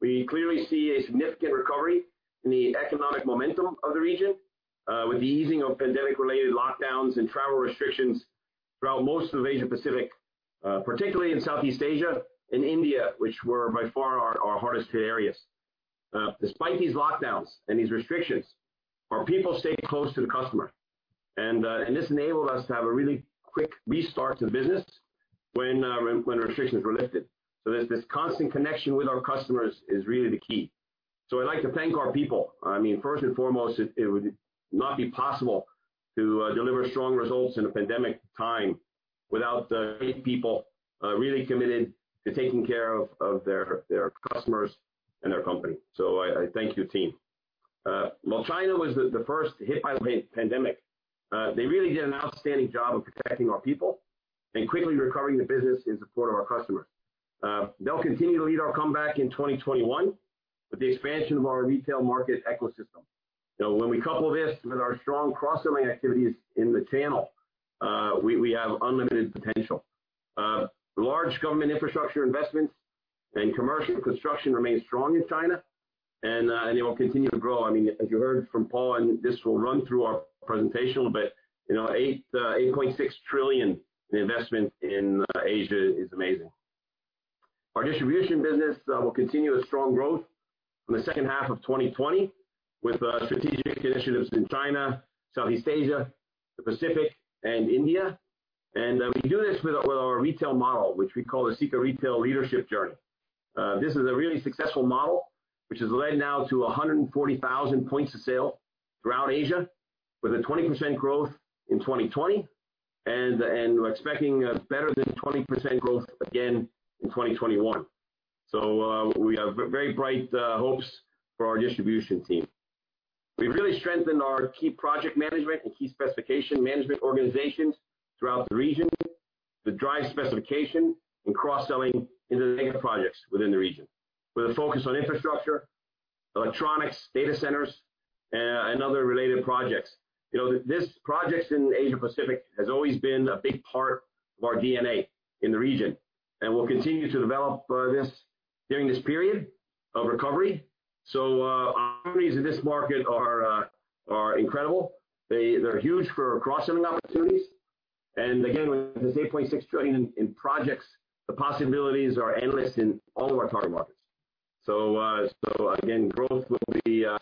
we clearly see a significant recovery in the economic momentum of the region, with the easing of pandemic-related lockdowns and travel restrictions throughout most of Asia Pacific, particularly in Southeast Asia and India, which were by far our hardest hit areas. Despite these lockdowns and these restrictions, our people stayed close to the customer. This enabled us to have a really quick restart to business when restrictions were lifted. This constant connection with our customers is really the key. I'd like to thank our people. First and foremost, it would not be possible to deliver strong results in a pandemic time without great people really committed to taking care of their customers and their company. I thank you, team. While China was the first hit by the pandemic, they really did an outstanding job of protecting our people and quickly recovering the business in support of our customers. They'll continue to lead our comeback in 2021 with the expansion of our retail market ecosystem. When we couple this with our strong cross-selling activities in the channel, we have unlimited potential. Large government infrastructure investments and commercial construction remains strong in China, and it will continue to grow. As you heard from Paul, this will run through our presentation a bit, 8.6 trillion in investment in Asia is amazing. Our distribution business will continue a strong growth from the second half of 2020 with strategic initiatives in China, Southeast Asia, the Pacific, and India. We do this with our retail model, which we call the Sika Retail Leadership Journey. This is a really successful model, which has led now to 140,000 points of sale throughout Asia with a 20% growth in 2020, and we're expecting better than 20% growth again in 2021. We have very bright hopes for our distribution team. We've really strengthened our key project management and key specification management organizations throughout the region to drive specification and cross-selling into mega projects within the region with a focus on infrastructure, electronics, data centers, and other related projects. Projects in APAC has always been a big part of our DNA in the region. We'll continue to develop this during this period of recovery. Opportunities in this market are incredible. They're huge for cross-selling opportunities. Again, with this 8.6 trillion in projects, the possibilities are endless in all of our target markets. Again, growth will be a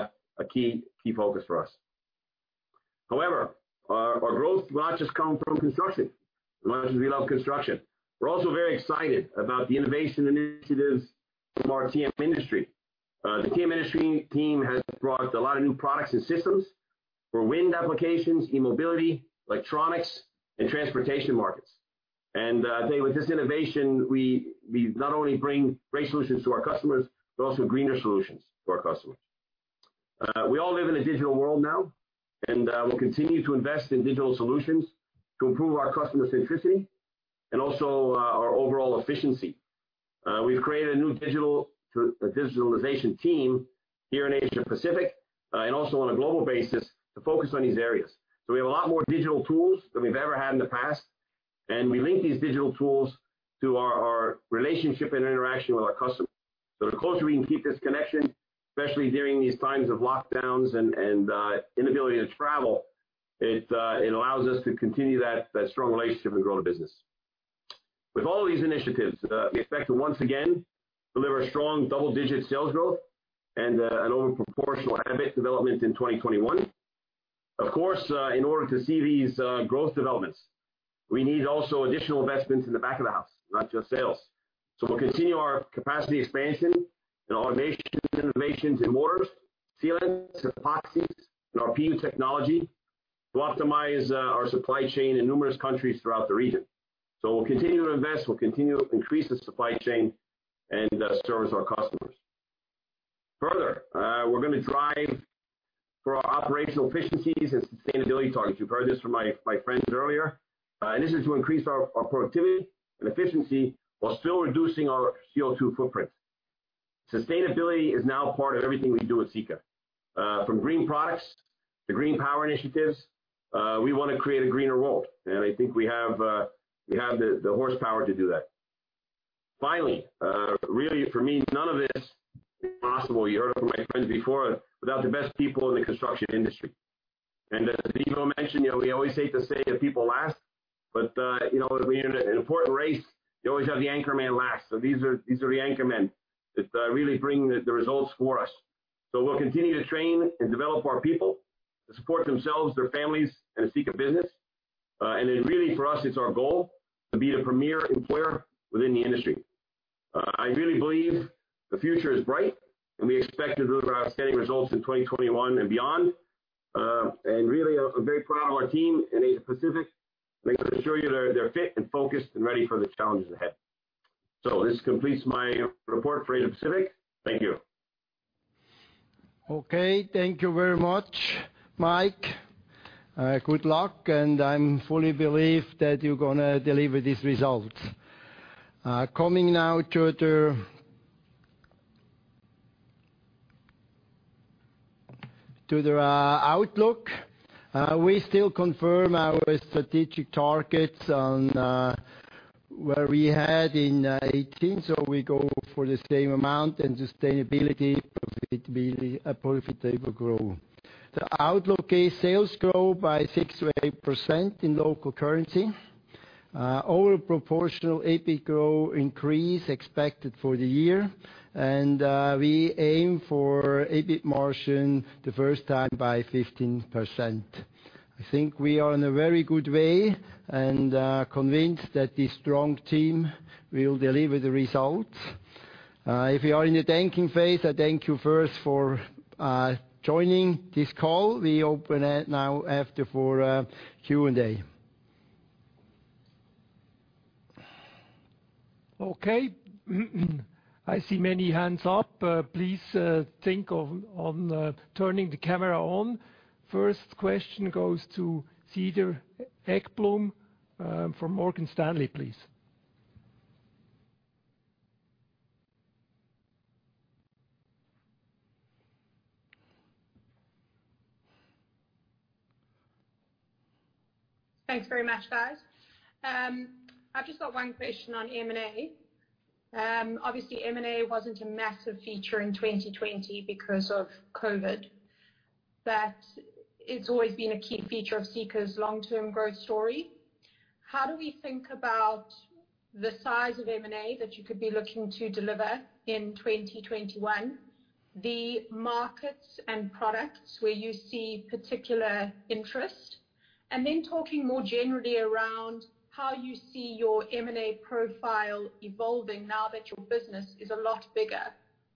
key focus for us. However, our growth will not just come from construction, as much as we love construction. We're also very excited about the innovation initiatives from our TM Industry. The TM Industry team has brought a lot of new products and systems for wind applications, e-mobility, electronics, and transportation markets. I tell you, with this innovation, we not only bring great solutions to our customers, but also greener solutions to our customers. We all live in a digital world now, and we'll continue to invest in digital solutions to improve our customer centricity and also our overall efficiency. We've created a new digitalization team here in Asia Pacific, and also on a global basis, to focus on these areas. We have a lot more digital tools than we've ever had in the past, and we link these digital tools to our relationship and interaction with our customers. The closer we can keep this connection, especially during these times of lockdowns and inability to travel, it allows us to continue that strong relationship and grow the business. With all of these initiatives, we expect to once again deliver strong double-digit sales growth and an overproportional EBIT development in 2021. In order to see these growth developments, we need also additional investments in the back of the house, not just sales. We'll continue our capacity expansion and automation innovations in mortars, sealants, epoxies, and our PU technology to optimize our supply chain in numerous countries throughout the region. We'll continue to invest, we'll continue to increase the supply chain and service our customers. Further, we're going to drive for our operational efficiencies and sustainability targets. You've heard this from my friends earlier. This is to increase our productivity and efficiency while still reducing our CO2 footprint. Sustainability is now part of everything we do at Sika. From green products to green power initiatives, we want to create a greener world, and I think we have the horsepower to do that. Finally, really for me, none of this is possible, you heard it from my friends before, without the best people in the construction industry. As Ivo mentioned, we always hate to save the people last, but in an important race, you always have the anchorman last. These are the anchormen that really bring the results for us. We'll continue to train and develop our people to support themselves, their families, and Sika business. Really for us, it's our goal to be the premier employer within the industry. I really believe the future is bright, we expect to deliver outstanding results in 2021 and beyond. Really, I'm very proud of our team at Asia Pacific. Make sure you're there, fit and focused and ready for the challenges ahead. This completes my report for Asia Pacific. Thank you. Thank you very much, Mike. Good luck, and I fully believe that you're going to deliver these results. Coming now to the outlook. We still confirm our strategic targets on what we had in 2018. We go for the same amount and sustainability, profitability, profitable growth. The outlook is sales grow by 6%-8% in local currency. Overall proportional EBIT growth increase expected for the year. We aim for EBIT margin the first time by 15%. I think we are in a very good way and are convinced that this strong team will deliver the results. If we are in the thanking phase, I thank you first for joining this call. We open it now after for Q&A. I see many hands up. Please think of turning the camera on. First question goes to Cedar Ekblom from Morgan Stanley, please. Thanks very much, guys. I've just got one question on M&A. M&A wasn't a massive feature in 2020 because of COVID, it's always been a key feature of Sika's long-term growth story. How do we think about the size of M&A that you could be looking to deliver in 2021, the markets and products where you see particular interest? Talking more generally around how you see your M&A profile evolving now that your business is a lot bigger.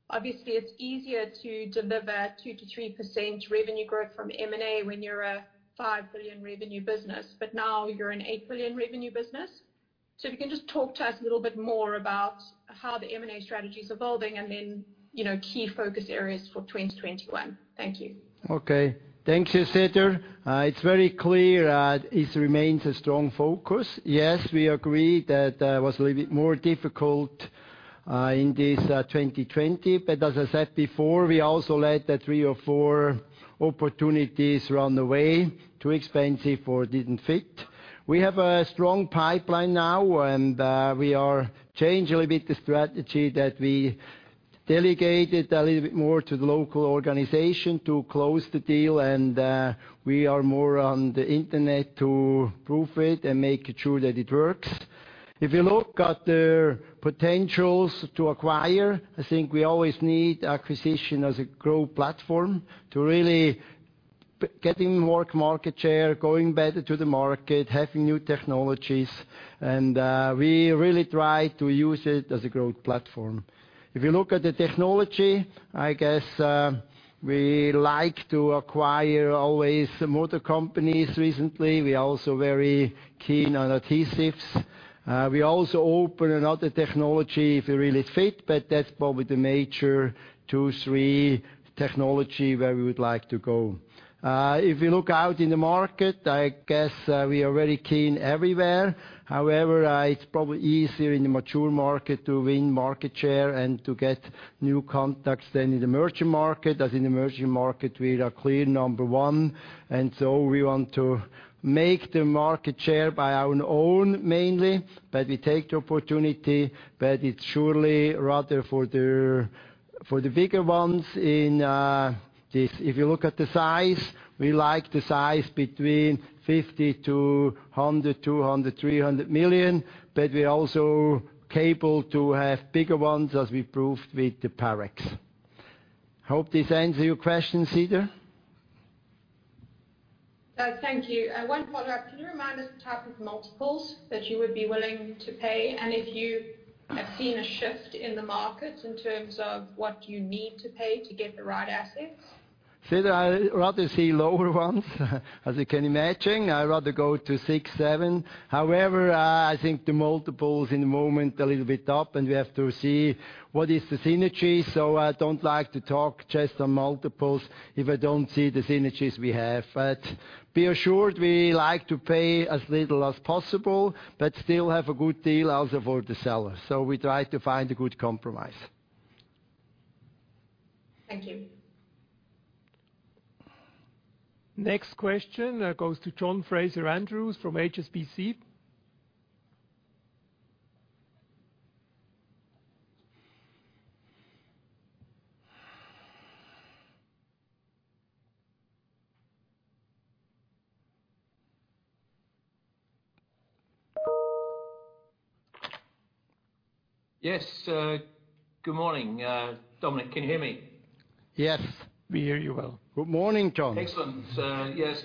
Obviously, it's easier to deliver 2%-3% revenue growth from M&A when you're a 5 billion revenue business, now you're a 8 billion revenue business. If you can just talk to us a little bit more about how the M&A strategy is evolving, key focus areas for 2021. Thank you. Okay. Thank you, Cedar. It's very clear, it remains a strong focus. Yes, we agree that was a little bit more difficult in this 2020. As I said before, we also let three or four opportunities run away, too expensive or didn't fit. We have a strong pipeline now, we are change a little bit the strategy that we delegated a little bit more to the local organization to close the deal, and we are more on the Internet to prove it and make sure that it works. If you look at the potentials to acquire, I think we always need acquisition as a growth platform to really getting more market share, going better to the market, having new technologies. We really try to use it as a growth platform. If you look at the technology, I guess, we like to acquire always mortar companies. Recently, we're also very keen on adhesives. We also open another technology if it really fit, but that's probably the major two, three technology where we would like to go. If you look out in the market, I guess, we are very keen everywhere. However, it's probably easier in the mature market to win market share and to get new contacts than in emerging market, as in emerging market, we are clear number 1, and so we want to make the market share by our own mainly. We take the opportunity, but it's surely rather for the bigger ones in this. If you look at the size, we like the size between 50 million-100 million, 200 million-300 million, but we are also capable to have bigger ones as we proved with the Parex. Hope this answers your question, Cedar. Thank you. One follow-up. Can you remind us the type of multiples that you would be willing to pay? If you have seen a shift in the markets in terms of what you need to pay to get the right assets? Cedar, I rather see lower ones. As you can imagine, I rather go to six, seven. I think the multiples in the moment a little bit up, and we have to see what is the synergy. I don't like to talk just on multiples if I don't see the synergies we have. Be assured we like to pay as little as possible, but still have a good deal also for the seller. We try to find a good compromise. Thank you. Next question goes to John Fraser-Andrews from HSBC. Yes. Good morning, Dominik. Can you hear me? Yes, we hear you well. Good morning, John. Excellent. Yes.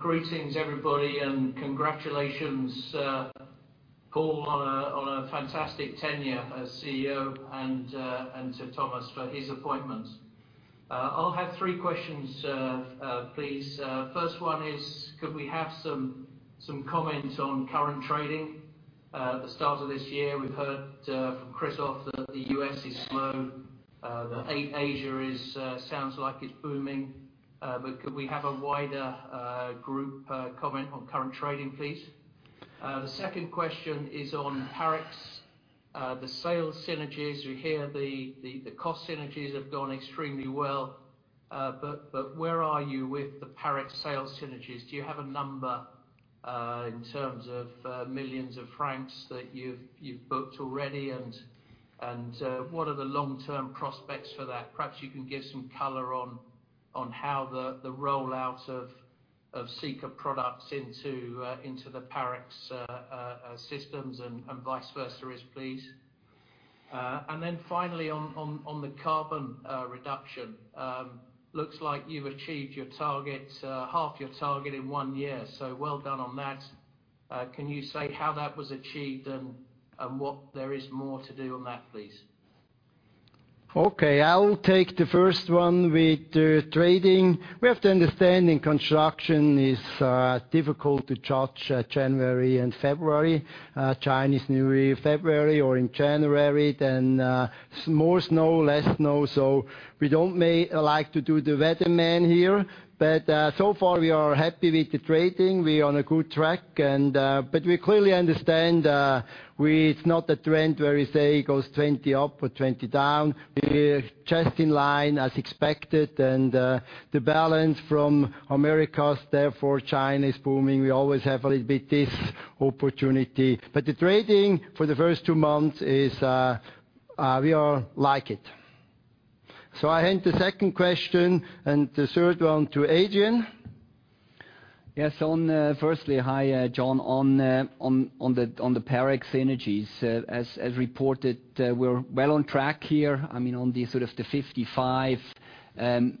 Greetings, everybody, and congratulations, Paul, on a fantastic tenure as CEO and to Thomas for his appointment. I'll have three questions please. First one is could we have some comments on current trading? The start of this year, we've heard from Christoph that the U.S. is slow, that Asia sounds like it's booming. Could we have a wider group comment on current trading, please? The second question is on Parex, the sales synergies. We hear the cost synergies have gone extremely well. Where are you with the Parex sales synergies? Do you have a number, in terms of millions of francs that you've booked already, and what are the long-term prospects for that? Perhaps you can give some color on how the rollout of Sika products into the Parex systems and vice versa is, please. Finally, on the carbon reduction. Looks like you've achieved half your target in one year, so well done on that. Can you say how that was achieved and what there is more to do on that, please? Okay. I will take the first one with the trading. We have to understand in construction, it's difficult to judge January and February. Chinese New Year in February or in January, more snow, less snow. We don't like to do the weatherman here. So far, we are happy with the trading. We are on a good track. We clearly understand, it's not a trend where we say it goes 20 up or 20 down. We are just in line as expected, the balance from Americas, therefore China is booming. We always have a little bit this opportunity. The trading for the first two months is, we all like it. I hand the second question and the third one to Adrian. Yes. Firstly, hi, John. On the Parex synergies, as reported, we're well on track here. On the sort of the 55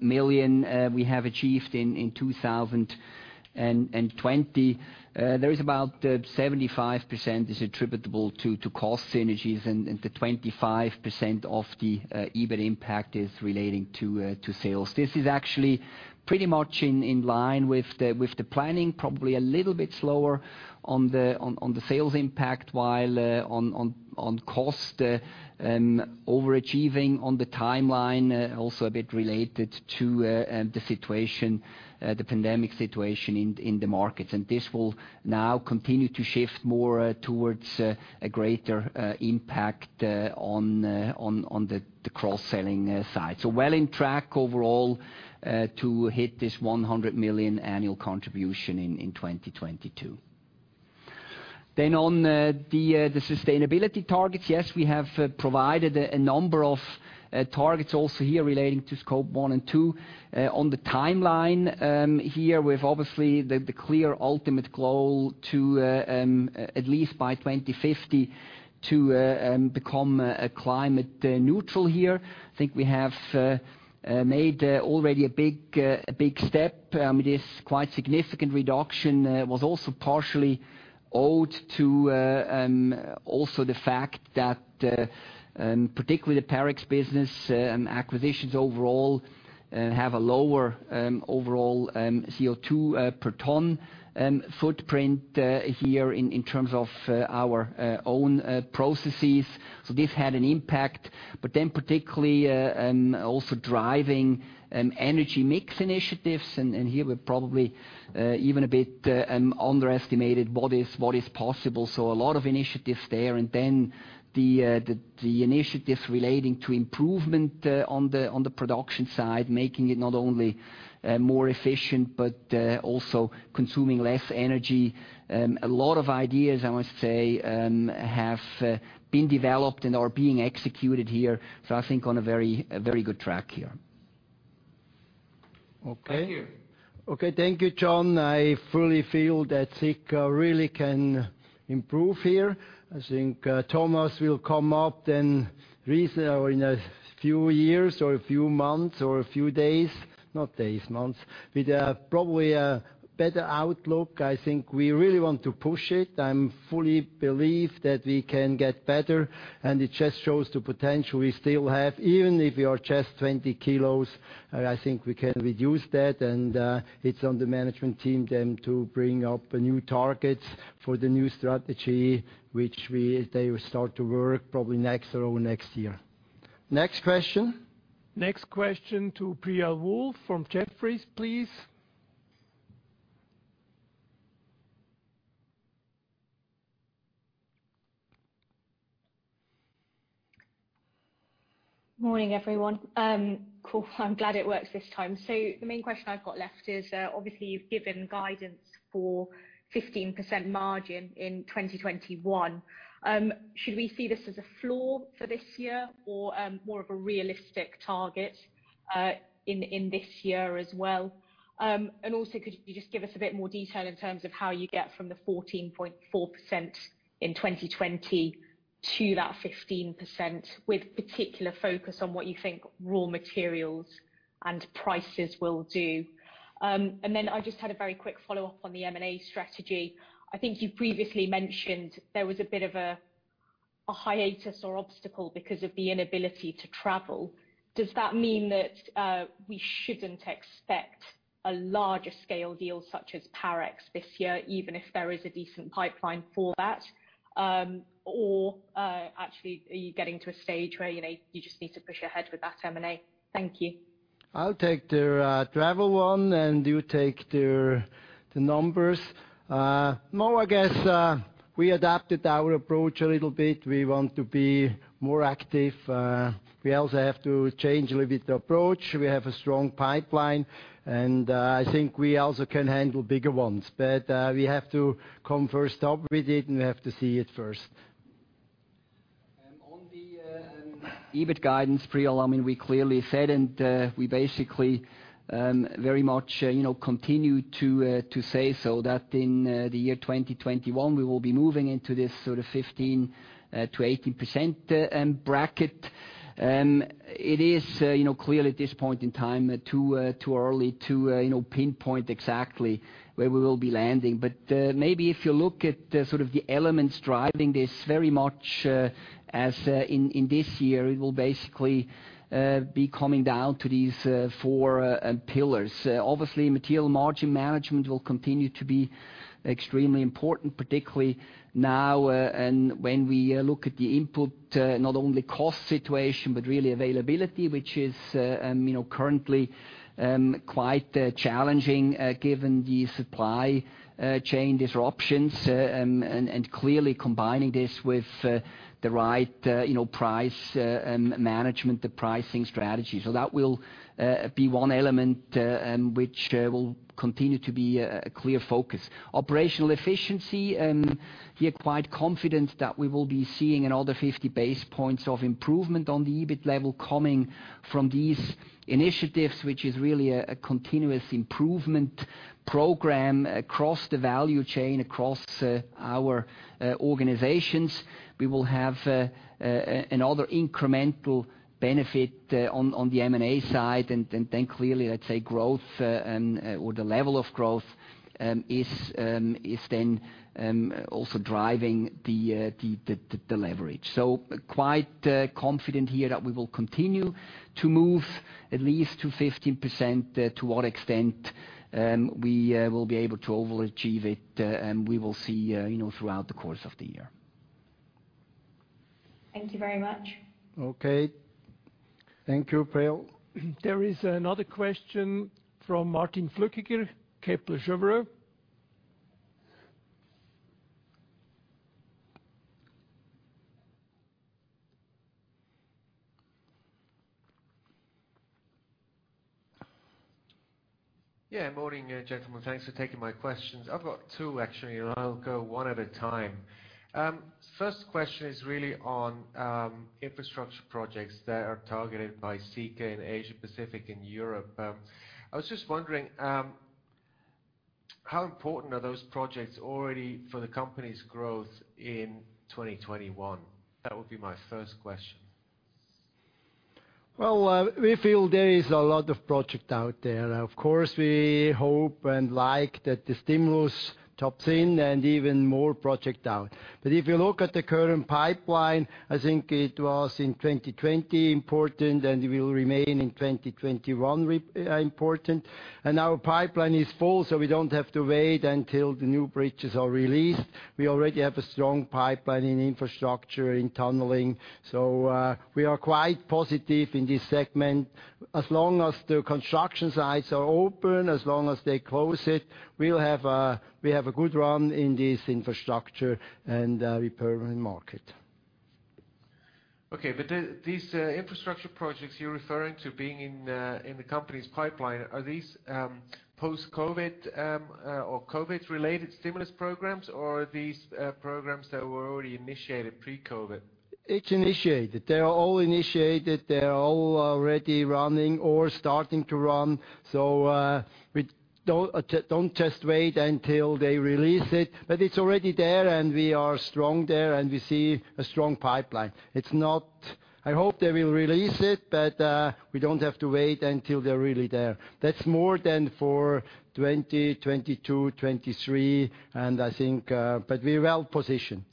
million we have achieved in 2020, there is about 75% attributable to cost synergies and the 25% of the EBIT impact is relating to sales. This is actually pretty much in line with the planning, probably a little bit slower on the sales impact, while on cost, overachieving on the timeline, also a bit related to the pandemic situation in the markets. This will now continue to shift more towards a greater impact on the cross-selling side. Well in track overall to hit this 100 million annual contribution in 2022. On the sustainability targets, yes, we have provided a number of targets also here relating to Scope 1 and 2. On the timeline here, with obviously the clear ultimate goal to at least by 2050 to become climate neutral here. I think we have made already a big step. It is quite significant reduction, was also partially owed to also the fact that particularly the Parex business acquisitions overall have a lower overall CO2 per ton footprint here in terms of our own processes. This had an impact. Particularly, also driving energy mix initiatives, and here we're probably even a bit underestimated what is possible. A lot of initiatives there. The initiatives relating to improvement on the production side, making it not only more efficient, but also consuming less energy. A lot of ideas, I must say, have been developed and are being executed here. I think on a very good track here. Thank you. Okay. Thank you, John. I fully feel that Sika really can improve here. I think Thomas will come up then in a few years or a few months or a few days, not days, months, with probably a better outlook. I think we really want to push it. I fully believe that we can get better, and it just shows the potential we still have, even if we are just 20 kg. I think we can reduce that and it's on the management team then to bring up new targets for the new strategy, which they will start to work probably next or next year. Next question? Next question to Priyal Woolf from Jefferies, please. Morning, everyone. Cool. I'm glad it works this time. The main question I've got left is, obviously you've given guidance for 15% margin in 2021. Should we see this as a floor for this year or more of a realistic target? in this year as well. Could you just give us a bit more detail in terms of how you get from the 14.4% in 2020 to that 15%, with particular focus on what you think raw materials and prices will do? I just had a very quick follow-up on the M&A strategy. I think you previously mentioned there was a bit of a hiatus or obstacle because of the inability to travel. Does that mean that we shouldn't expect a larger scale deal such as Parex this year, even if there is a decent pipeline for that? Actually, are you getting to a stage where you just need to push ahead with that M&A? Thank you. I'll take the travel one, and you take the numbers. I guess, we adapted our approach a little bit. We want to be more active. We also have to change a little bit the approach. We have a strong pipeline, and I think we also can handle bigger ones. We have to come first up with it, and we have to see it first. On the EBIT guidance, Priyal, we clearly said, and we basically very much continue to say so, that in the year 2021, we will be moving into this sort of 15%-18% bracket. It is clear at this point in time, too early to pinpoint exactly where we will be landing. Maybe if you look at the sort of the elements driving this very much as in this year, it will basically be coming down to these four pillars. Obviously, material margin management will continue to be extremely important, particularly now. When we look at the input, not only cost situation, but really availability, which is currently quite challenging given the supply chain disruptions. Clearly combining this with the right price management, the pricing strategy. That will be one element which will continue to be a clear focus. Operational efficiency, here quite confident that we will be seeing another 50 basis points of improvement on the EBIT level coming from these initiatives, which is really a continuous improvement program across the value chain, across our organizations. We will have another incremental benefit on the M&A side. Clearly, let's say growth, or the level of growth, is then also driving the leverage. Quite confident here that we will continue to move at least to 15%. To what extent we will be able to overachieve it, we will see throughout the course of the year. Thank you very much. Okay. Thank you, Priyal. There is another question from Martin Flueckiger, Kepler Cheuvreux. Morning, gentlemen. Thanks for taking my questions. I've got two, actually, and I'll go one at a time. First question is really on infrastructure projects that are targeted by Sika in Asia, Pacific, and Europe. I was just wondering, how important are those projects already for the company's growth in 2021? That would be my first question. Well, we feel there is a lot of project out there. Of course, we hope and like that the stimulus tops in and even more project out. If you look at the current pipeline, I think it was in 2020 important, and it will remain in 2021 important. Our pipeline is full, so we don't have to wait until the new bridges are released. We already have a strong pipeline in infrastructure, in tunneling. We are quite positive in this segment. As long as the construction sites are open, as long as they close it, we have a good run in this infrastructure and repair market. Okay, these infrastructure projects you're referring to being in the company's pipeline, are these post-COVID or COVID-related stimulus programs, or are these programs that were already initiated pre-COVID? It's initiated. They are all initiated. They are all already running or starting to run. We don't just wait until they release it, but it's already there, and we are strong there, and we see a strong pipeline. I hope they will release it, but we don't have to wait until they're really there. That's more than for 2022, 2023, but we're well-positioned.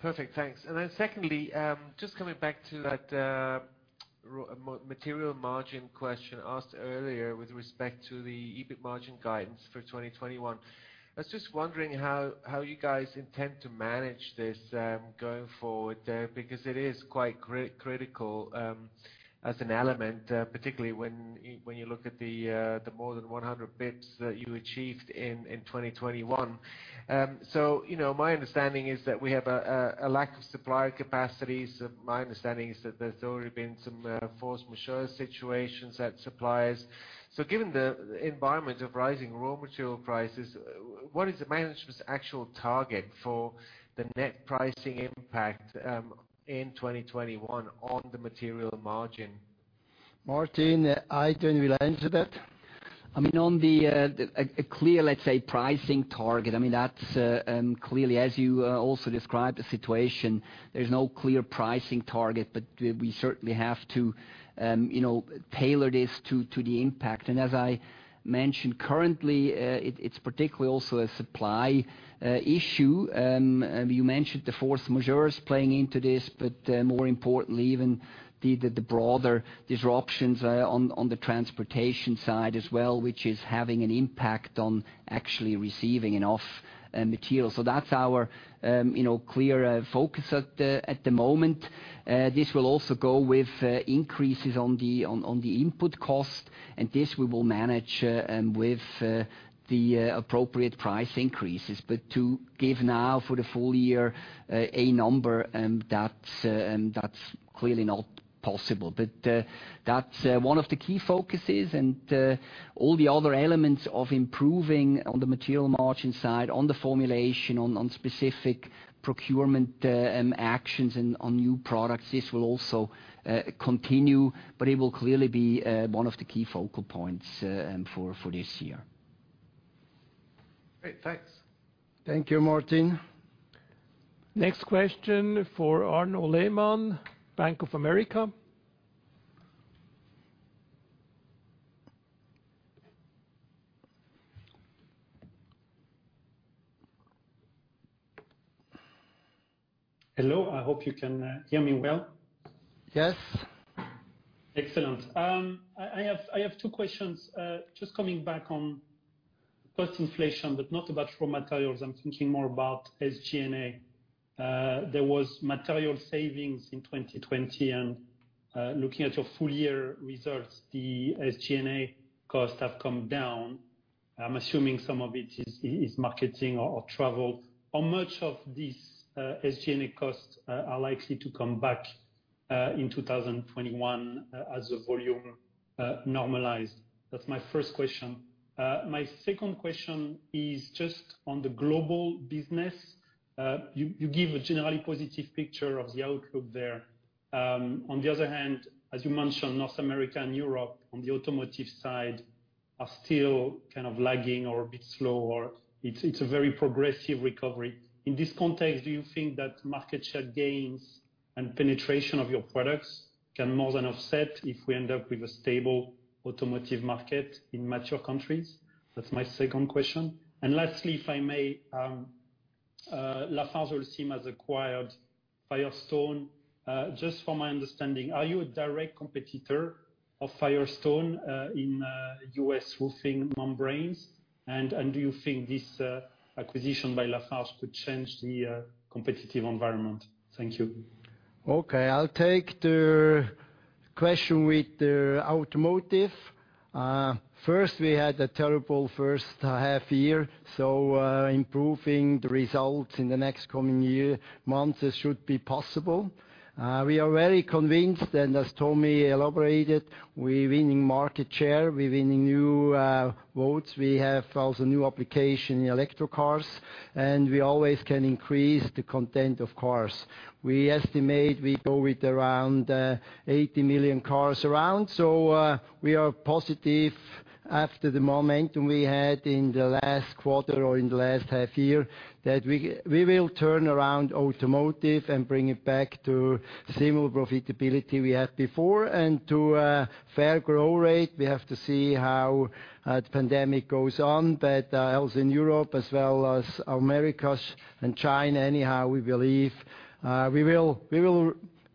Perfect. Thanks. Secondly, just coming back to that material margin question asked earlier with respect to the EBIT margin guidance for 2021. I was just wondering how you guys intend to manage this going forward, because it is quite critical as an element, particularly when you look at the more than 100 basis points that you achieved in 2021. My understanding is that we have a lack of supplier capacities. My understanding is that there's already been some force majeure situations at suppliers. Given the environment of rising raw material prices, what is the management's actual target for the net pricing impact in 2021 on the material margin? Martin, Adrian, will answer that. On the clear, let's say, pricing target, that's clearly, as you also described the situation, there's no clear pricing target, but we certainly have to tailor this to the impact. As I mentioned currently, it's particularly also a supply issue. You mentioned the force majeures playing into this, but more importantly, even the broader disruptions on the transportation side as well, which is having an impact on actually receiving enough materials. That's our clear focus at the moment. This will also go with increases on the input cost, and this we will manage with the appropriate price increases. To give now for the full year a number, that's clearly not possible. That's one of the key focuses and all the other elements of improving on the material margin side, on the formulation, on specific procurement actions and on new products, this will also continue, but it will clearly be one of the key focal points for this year. Great. Thanks. Thank you, Martin. Next question for Arnaud Lehmann, Bank of America. Hello, I hope you can hear me well. Yes. Excellent. I have two questions. Just coming back on cost inflation, but not about raw materials, I'm thinking more about SG&A. Looking at your full year results, the SG&A costs have come down. I'm assuming some of it is marketing or travel. How much of these SG&A costs are likely to come back in 2021 as the volume normalize? That's my first question. My second question is just on the global business. You give a generally positive picture of the outlook there. The other hand, as you mentioned, North America and Europe, on the automotive side, are still lagging or a bit slow, or it's a very progressive recovery. In this context, do you think that market share gains and penetration of your products can more than offset if we end up with a stable automotive market in mature countries? That's my second question. Lastly, if I may, LafargeHolcim has acquired Firestone. Just for my understanding, are you a direct competitor of Firestone in U.S. roofing membranes? Do you think this acquisition by Lafarge could change the competitive environment? Thank you. Okay, I'll take the question with the automotive. First, we had a terrible first half year. Improving the results in the next coming year, months, it should be possible. We are very convinced. As Tommy elaborated, we're winning market share, we're winning new votes. We have also new application in electric cars. We always can increase the content of cars. We estimate we go with around 80 million cars around. We are positive after the momentum we had in the last quarter or in the last half year, that we will turn around automotive and bring it back to similar profitability we had before and to a fair growth rate. We have to see how the pandemic goes on. Also in Europe as well as Americas and China, anyhow, we believe we will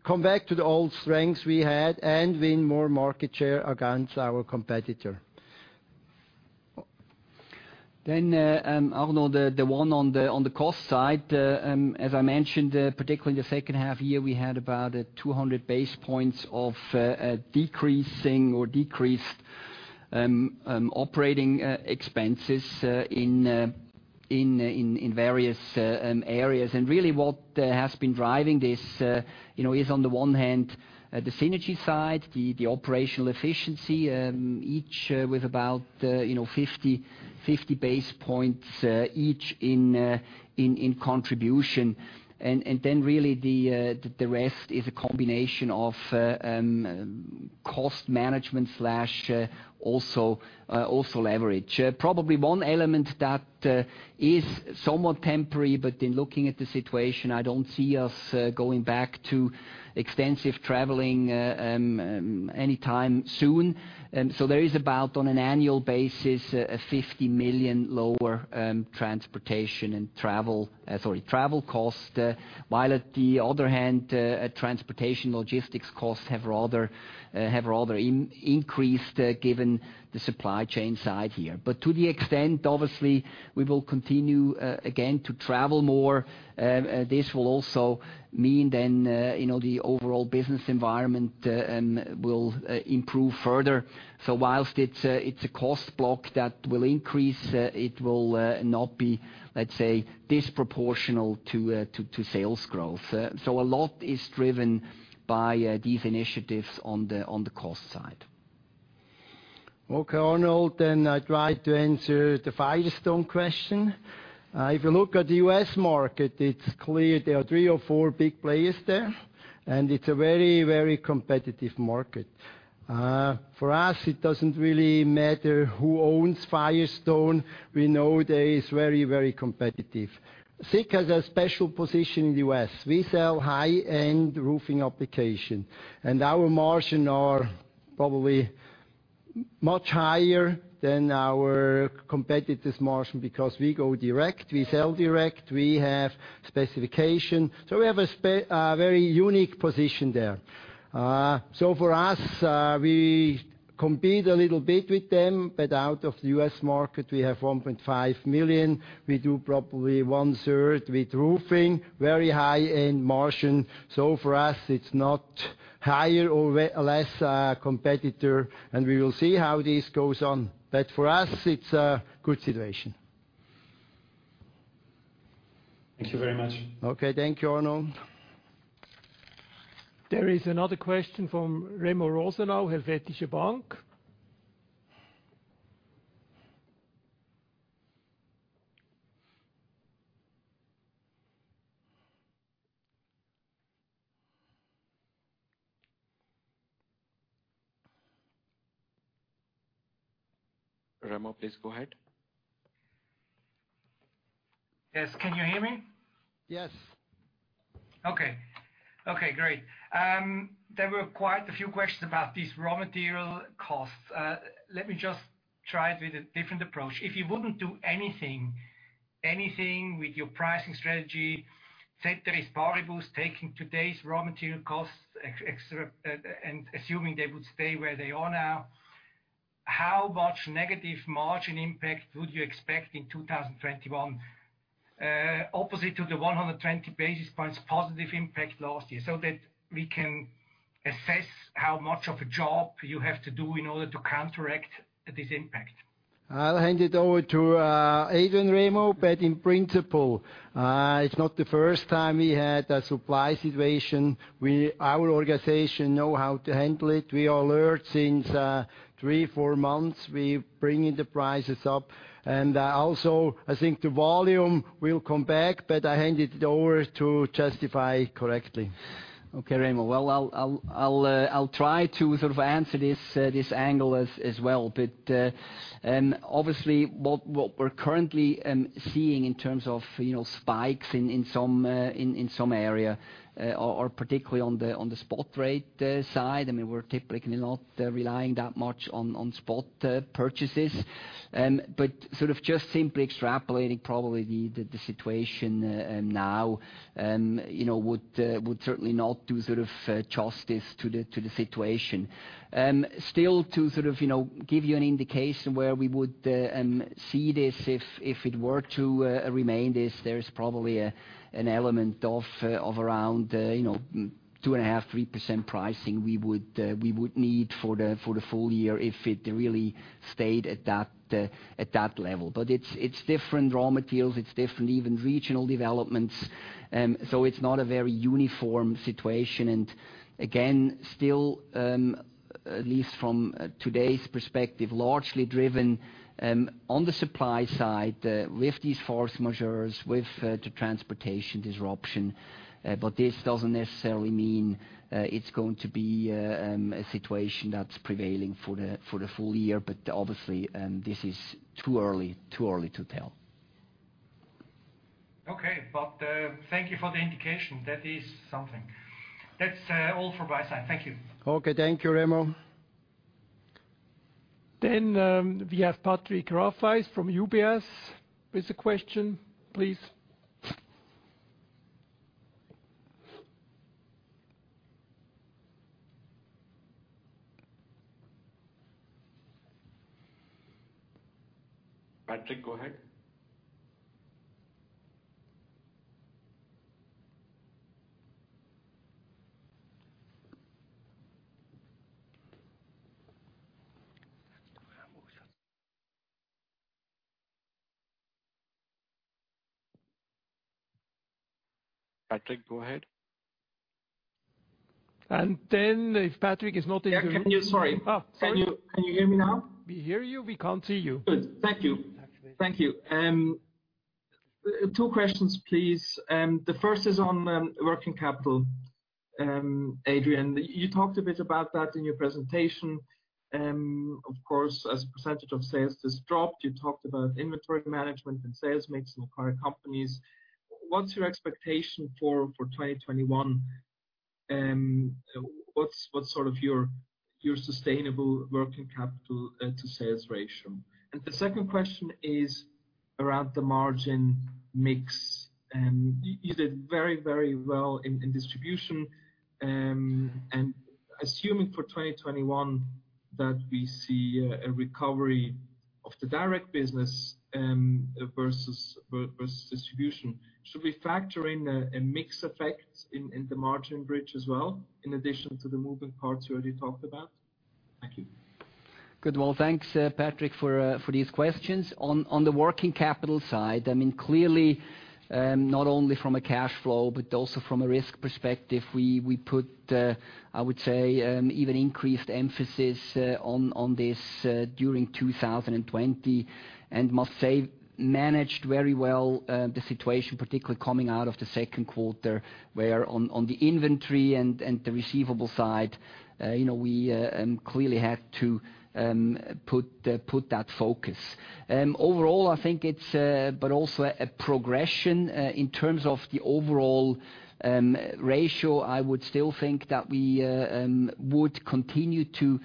come back to the old strengths we had and win more market share against our competitor. Arnaud, the one on the cost side. As I mentioned, particularly in the second half year, we had about 200 basis points of decreasing or decreased operating expenses in various areas. Really what has been driving this is, on the one hand, the synergy side, the operational efficiency, each with about 50 basis points each in contribution. Really the rest is a combination of cost management/also leverage. Probably one element that is somewhat temporary, but in looking at the situation, I don't see us going back to extensive traveling anytime soon. There is about, on an annual basis, a 50 million lower transportation and travel cost. While on the other hand, transportation logistics costs have rather increased given the supply chain side here. To the extent, obviously, we will continue again to travel more. This will also mean then the overall business environment will improve further. While it's a cost block that will increase, it will not be, let's say, disproportional to sales growth. A lot is driven by these initiatives on the cost side. Okay, Arnold. I try to answer the Firestone question. If you look at the U.S. market, it's clear there are three or four big players there, and it's a very competitive market. For us, it doesn't really matter who owns Firestone. We know that it's very competitive. Sika has a special position in the U.S. We sell high-end roofing application, and our margin are probably much higher than our competitor's margin because we go direct, we sell direct, we have specification. We have a very unique position there. For us, we compete a little bit with them, but out of the U.S. market, we have 1.5 million. We do probably 1/3 with roofing, very high-end margin. For us, it's not higher or less competitor, and we will see how this goes on. For us, it's a good situation. Thank you very much. Okay. Thank you, Arnold. There is another question from Remo Rosenau, Helvetische Bank. Remo, please go ahead. Yes. Can you hear me? Yes. Okay, great. There were quite a few questions about these raw material costs. Let me just try it with a different approach. If you wouldn't do anything with your pricing strategy, factories, power boost, taking today's raw material costs, and assuming they would stay where they are now, how much negative margin impact would you expect in 2021 opposite to the 120 basis points positive impact last year, so that we can assess how much of a job you have to do in order to counteract this impact? I'll hand it over to Adrian, Remo. In principle, it's not the first time we had a supply situation. Our organization know how to handle it. We are alert since three, four months. We bringing the prices up. Also, I think the volume will come back, but I hand it over to justify correctly. Okay, Remo. Well, I'll try to sort of answer this angle as well. Obviously, what we are currently seeing in terms of spikes in some area are particularly on the spot rate side. We are typically not relying that much on spot purchases. Just simply extrapolating probably the situation now would certainly not do justice to the situation. Still to give you an indication where we would see this if it were to remain this, there is probably an element of around 2.5%-3% pricing we would need for the full year if it really stayed at that level. It is different raw materials, it is different even regional developments. So it is not a very uniform situation. Again, still, at least from today's perspective, largely driven on the supply side with these force majeures, with the transportation disruption. This doesn't necessarily mean it's going to be a situation that's prevailing for the full year. Obviously, this is too early to tell. Okay. Thank you for the indication. That is something. That's all from my side. Thank you. Okay. Thank you, Remo. Then, we have Patrick Rafaisz from UBS with a question, please. Patrick, go ahead. If Patrick is not in the room. Yeah, Sorry. Oh, sorry. Can you hear me now? We hear you. We can't see you. Good. Thank you. Two questions, please. The first is on working capital. Adrian, you talked a bit about that in your presentation. As a percentage of sales has dropped, you talked about inventory management and sales mix in acquired companies. What's your expectation for 2021? What's sort of your sustainable working capital to sales ratio? The second question is around the margin mix. You did very well in distribution. Assuming for 2021 that we see a recovery of the direct business versus distribution, should we factor in a mix effect in the margin bridge as well, in addition to the moving parts you already talked about? Thank you. Good. Thanks Patrick for these questions. On the working capital side, clearly, not only from a cash flow but also from a risk perspective, we put, I would say, even increased emphasis on this during 2020, and must say managed very well the situation, particularly coming out of the second quarter, where on the inventory and the receivable side, we clearly had to put that focus. I think it's but also a progression. In terms of the overall ratio, I would still think that we would continue to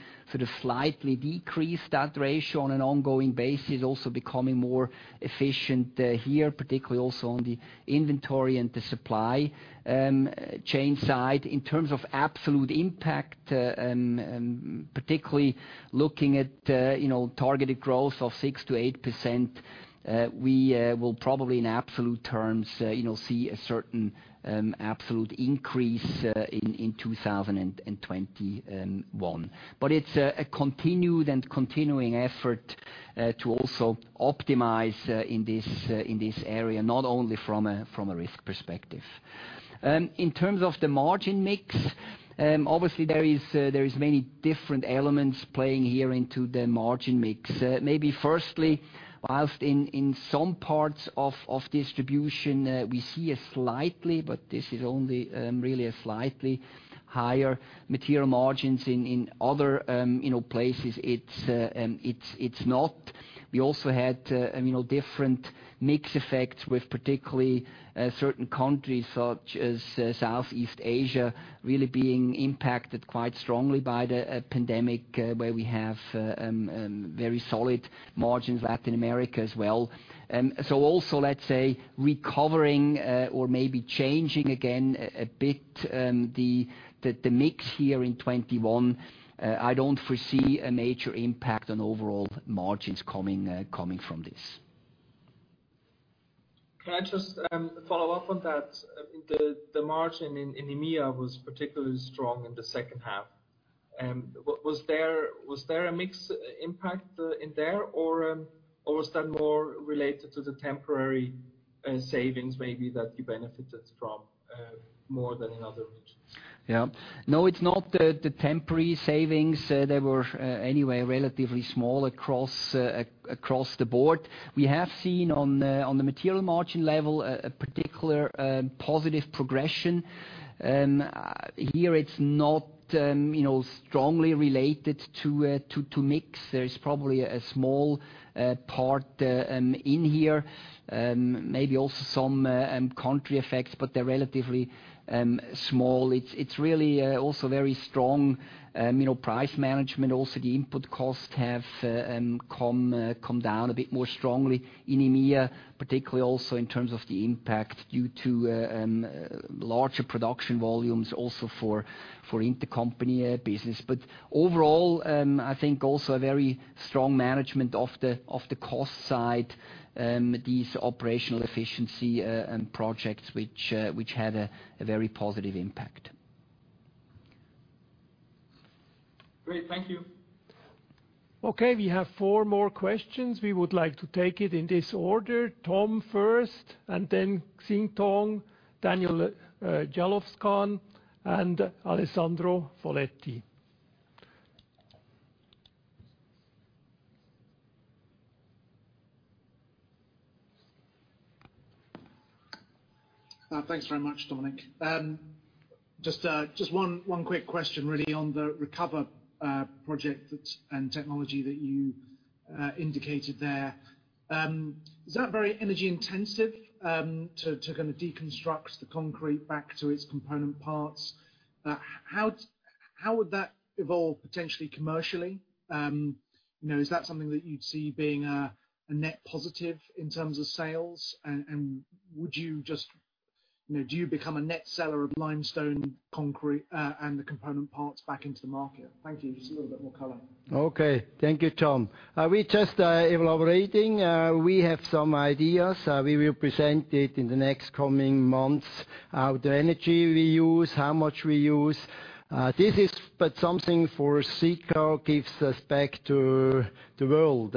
slightly decrease that ratio on an ongoing basis, also becoming more efficient here, particularly also on the inventory and the supply chain side. In terms of absolute impact, particularly looking at targeted growth of 6%-8%, we will probably in absolute terms, see a certain absolute increase in 2021. It's a continued and continuing effort to also optimize in this area, not only from a risk perspective. In terms of the margin mix, obviously there is many different elements playing here into the margin mix. Maybe firstly, whilst in some parts of distribution, we see a slightly, but this is only really a slightly higher material margins. In other places, it's not. We also had different mix effects with particularly certain countries, such as Southeast Asia, really being impacted quite strongly by the pandemic, where we have very solid margins, Latin America as well. Also, let's say, recovering or maybe changing again, a bit the mix here in 2021, I don't foresee a major impact on overall margins coming from this. Can I just follow up on that? The margin in EMEA was particularly strong in the second half. Was there a mix impact in there, or was that more related to the temporary savings maybe that you benefited from more than in other regions? Yeah. No, it's not the temporary savings. They were anyway relatively small across the board. We have seen on the material margin level, a particular positive progression. Here it's not strongly related to mix. There is probably a small part in here. Maybe also some country effects, but they're relatively small. It's really also very strong price management also. The input costs have come down a bit more strongly in EMEA, particularly also in terms of the impact due to larger production volumes, also for intercompany business. Overall, I think also a very strong management of the cost side, these operational efficiency and projects which had a very positive impact. Great. Thank you. Okay, we have four more questions. We would like to take it in this order. Tom first, and then Xintong, Daniel Jelovcan, and Alessandro Folletti. Thanks very much, Dominik. Just one quick question, really on the recover project and technology that you indicated there. Is that very energy intensive to deconstruct the concrete back to its component parts? How would that evolve potentially commercially? Is that something that you'd see being a net positive in terms of sales, and do you become a net seller of limestone, concrete, and the component parts back into the market? Thank you. Just a little bit more color. Okay. Thank you, Tom. We're just elaborating. We have some ideas. We will present it in the next coming months. The energy we use, how much we use. This is but something for Sika gives us back to the world.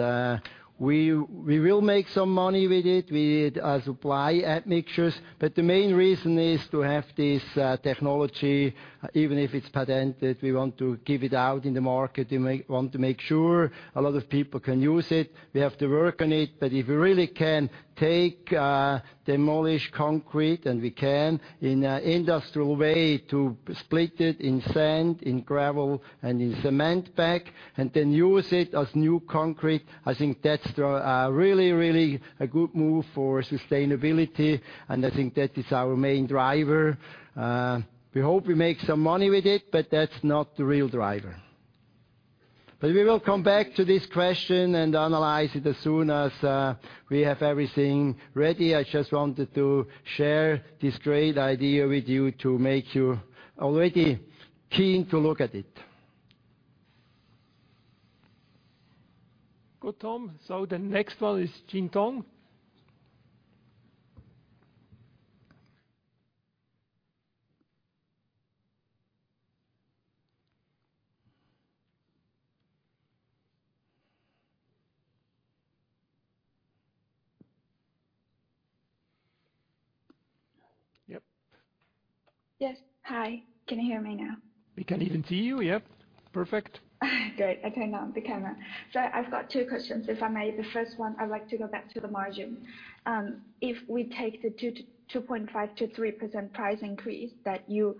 We will make some money with it. We supply admixtures, but the main reason is to have this technology, even if it's patented, we want to give it out in the market. We want to make sure a lot of people can use it. We have to work on it, but if we really can take demolish concrete, and we can, in an industrial way to split it in sand, in gravel, and in cement bag, and then use it as new concrete, I think that's really a good move for sustainability. I think that is our main driver. We hope we make some money with it, but that's not the real driver. We will come back to this question and analyze it as soon as we have everything ready. I just wanted to share this great idea with you to make you already keen to look at it. Good, Tom. The next one is Xintong Yep. Yes. Hi, can you hear me now? We can even see you. Yep. Perfect. Great. I turned on the camera. I've got two questions, if I may. The first one, I'd like to go back to the margin. If we take the 2.5%-3% price increase that you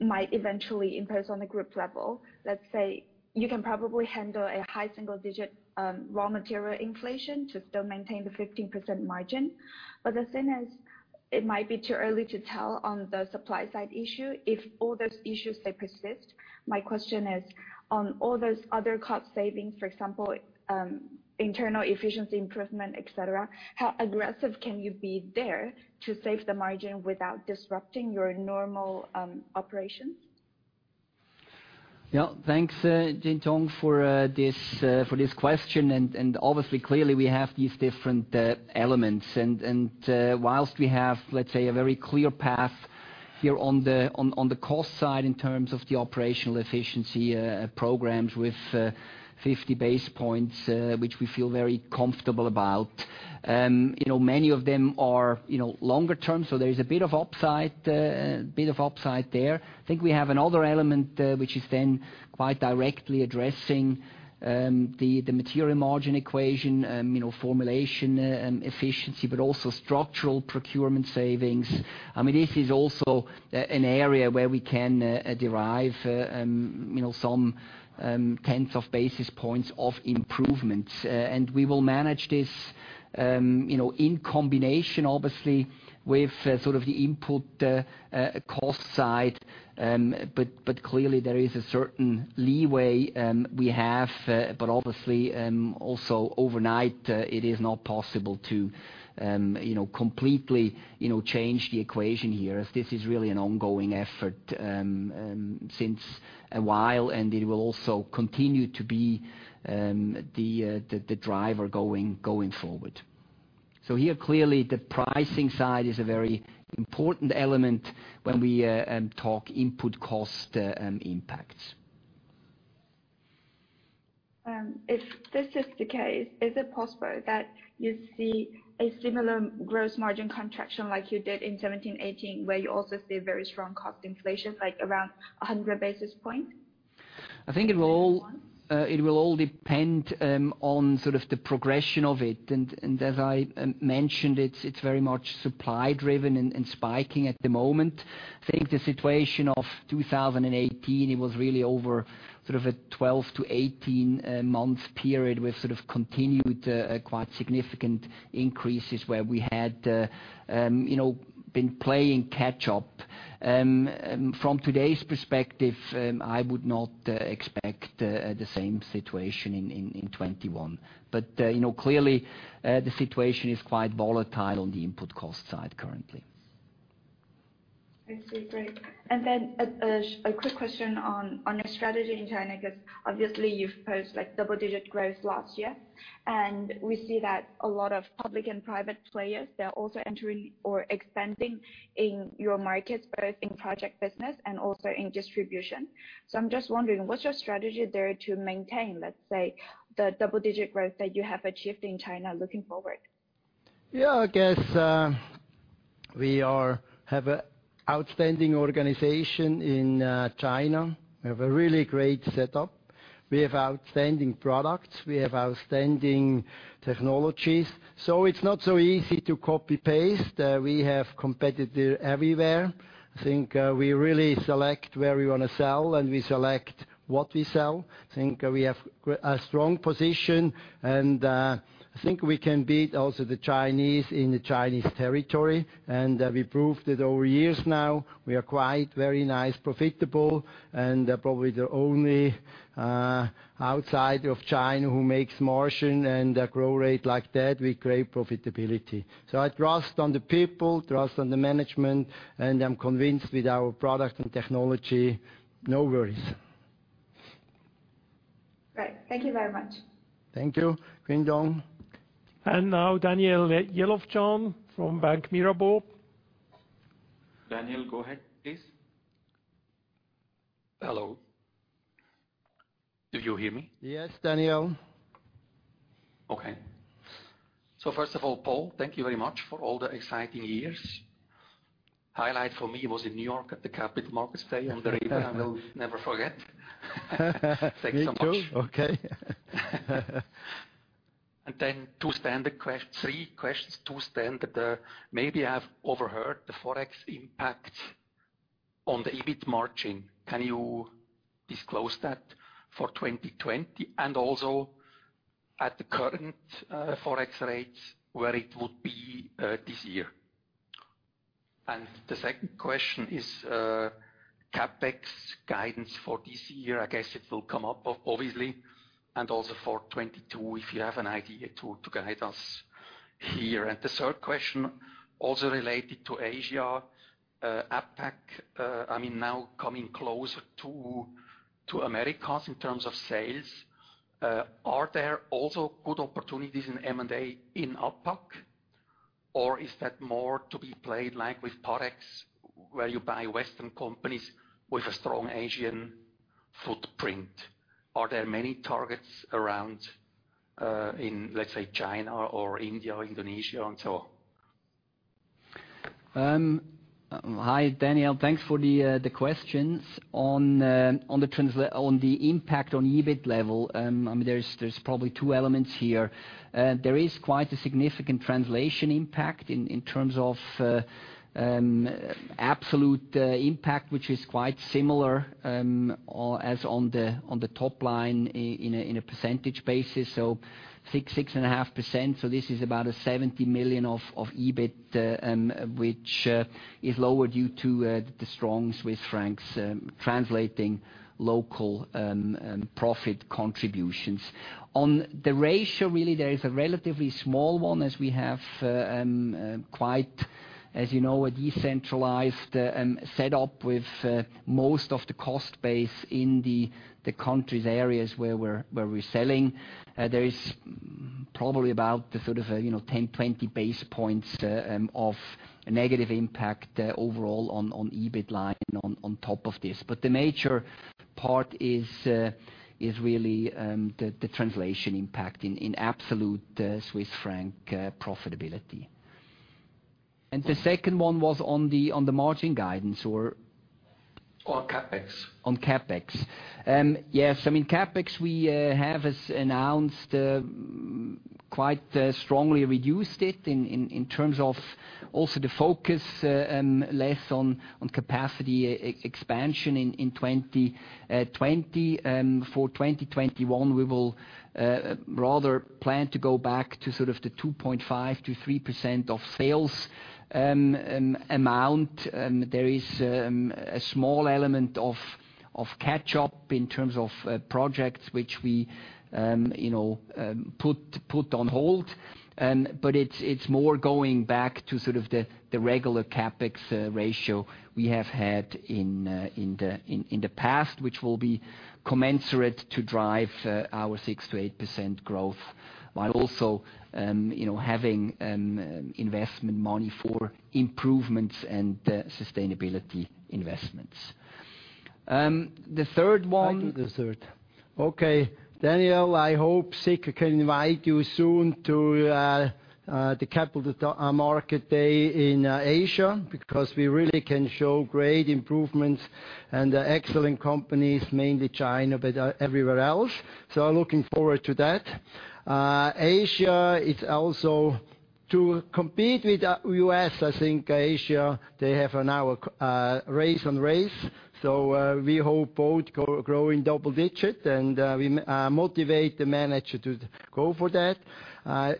might eventually impose on the group level, let's say you can probably handle a high single-digit raw material inflation to still maintain the 15% margin. The thing is, it might be too early to tell on the supply side issue if all those issues they persist. My question is on all those other cost savings, for example, internal efficiency improvement, et cetera, how aggressive can you be there to save the margin without disrupting your normal operations? Thanks, Xintong, for this question. Obviously, clearly we have these different elements. Whilst we have, let's say, a very clear path here on the cost side in terms of the operational efficiency programs with 50 basis points, which we feel very comfortable about. Many of them are longer term, so there is a bit of upside there. I think we have another element, which is then quite directly addressing the material margin equation, formulation efficiency, but also structural procurement savings. This is also an area where we can derive some tenths of basis points of improvements. We will manage this in combination, obviously, with sort of the input cost side. Clearly there is a certain leeway we have. Obviously, also overnight, it is not possible to completely change the equation here, as this is really an ongoing effort since a while, and it will also continue to be the driver going forward. Here, clearly the pricing side is a very important element when we talk input cost impacts. If this is the case, is it possible that you see a similar gross margin contraction like you did in 2017, 2018, where you also see very strong cost inflation, like around 100 basis points? I think it will all depend on sort of the progression of it. As I mentioned, it's very much supply driven and spiking at the moment. I think the situation of 2018, it was really over sort of a 12-18 month period with sort of continued quite significant increases where we had been playing catch up. From today's perspective, I would not expect the same situation in 2021. Clearly, the situation is quite volatile on the input cost side currently. I see. Great. A quick question on your strategy in China, because obviously you've posted double-digit growth last year, and we see that a lot of public and private players, they're also entering or expanding in your markets, both in project business and also in distribution. I'm just wondering, what's your strategy there to maintain, let's say, the double-digit growth that you have achieved in China looking forward? Yeah, I guess we have an outstanding organization in China. We have a really great setup. We have outstanding products. We have outstanding technologies. It's not so easy to copy-paste. We have competitors everywhere. I think we really select where we want to sell, and we select what we sell. I think we have a strong position, and I think we can beat also the Chinese in the Chinese territory. We proved it over years now. We are quite very nice profitable, and probably the only outside of China who makes margin and a growth rate like that, we create profitability. I trust on the people, trust on the management, and I'm convinced with our product and technology. No worries. Great. Thank you very much. Thank you, Xintong. Now Daniel Jelovcan from Bank Mirabaud. Daniel, go ahead, please. Hello. Do you hear me? Yes, Daniel. First of all, Paul, thank you very much for all the exciting years. Highlight for me was in New York at the Capital Markets Day on the river. I will never forget. Me too. Thanks so much. Okay. Three questions, two standard. Maybe I have overheard the Forex impact on the EBIT margin. Can you disclose that for 2020? At the current Forex rates, where it would be this year? The second question is, CapEx guidance for this year. I guess it will come up obviously, and also for 2022, if you have an idea to guide us here. The third question also related to Asia, APAC, now coming closer to Americas in terms of sales. Are there also good opportunities in M&A in APAC, or is that more to be played like with products where you buy Western companies with a strong Asian footprint? Are there many targets around in, let's say, China or India or Indonesia and so on? Hi, Daniel. Thanks for the questions. On the impact on EBIT level, there's probably two elements here. There is quite a significant translation impact in terms of absolute impact, which is quite similar as on the top line in a percentage basis, so 6.5%. This is about 70 million of EBIT, which is lower due to the strong CHF translating local profit contributions. On the ratio, really, there is a relatively small one, as we have quite, as you know, a decentralized set up with most of the cost base in the countries, areas where we're selling. There is probably about the sort of 10, 20 base points of a negative impact overall on EBIT line on top of this. The major part is really the translation impact in absolute CHF profitability. The second one was on the margin guidance or? On CapEx. CapEx. Yes, CapEx, we have, as announced, quite strongly reduced it in terms of also the focus less on capacity expansion in 2020. 2021, we will rather plan to go back to sort of the 2.5%-3% of sales amount. There is a small element of catch up in terms of projects which we put on hold. It's more going back to sort of the regular CapEx ratio we have had in the past, which will be commensurate to drive our 6%-8% growth while also having investment money for improvements and sustainability investments. I do the third. Okay, Daniel, I hope Sika can invite you soon to the Capital Market Day in Asia, because we really can show great improvements and excellent companies, mainly China, everywhere else. Looking forward to that. Asia is also to compete with U.S., I think Asia, they have now a race on race. We hope both grow in double digit, and we motivate the manager to go for that.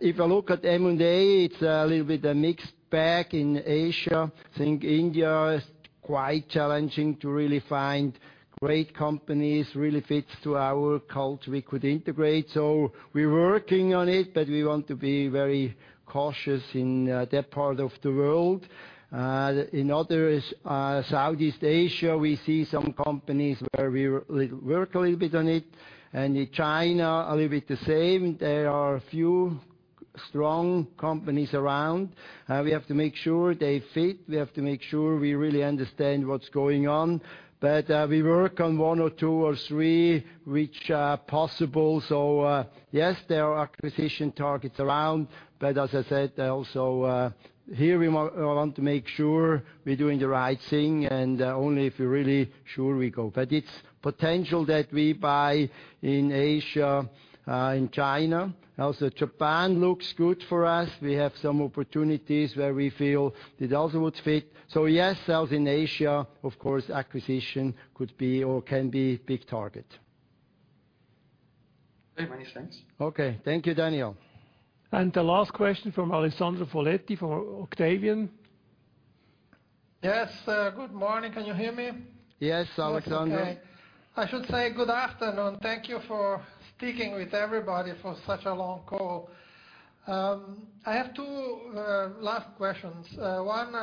If I look at M&A, it's a little bit a mixed bag in Asia. I think India is quite challenging to really find great companies, really fits to our culture we could integrate. We're working on it, but we want to be very cautious in that part of the world. In others, Southeast Asia, we see some companies where we work a little bit on it, and in China, a little bit the same. There are a few strong companies around. We have to make sure they fit. We have to make sure we really understand what's going on. We work on one or two or three, which are possible. Yes, there are acquisition targets around, but as I said, also here we want to make sure we're doing the right thing and only if we're really sure we go. It's potential that we buy in Asia, in China. Also, Japan looks good for us. We have some opportunities where we feel it also would fit. Yes, South Asia, of course, acquisition could be or can be big target. Very much. Thanks. Okay. Thank you, Daniel. The last question from Alessandro Folletti for Octavian. Good morning. Can you hear me? Yes, Alessandro. I should say good afternoon. Thank you for speaking with everybody for such a long call. I have two last questions. One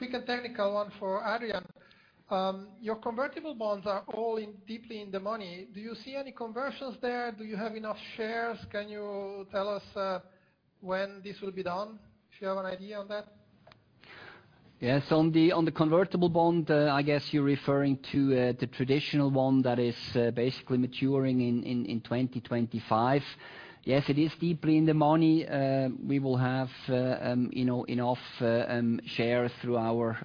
quick and technical one for Adrian. Your convertible bonds are all deeply in the money. Do you see any conversions there? Do you have enough shares? Can you tell us when this will be done? If you have an idea on that? Yes, on the convertible bond, I guess you're referring to the traditional one that is basically maturing in 2025. Yes, it is deeply in the money. We will have enough shares through our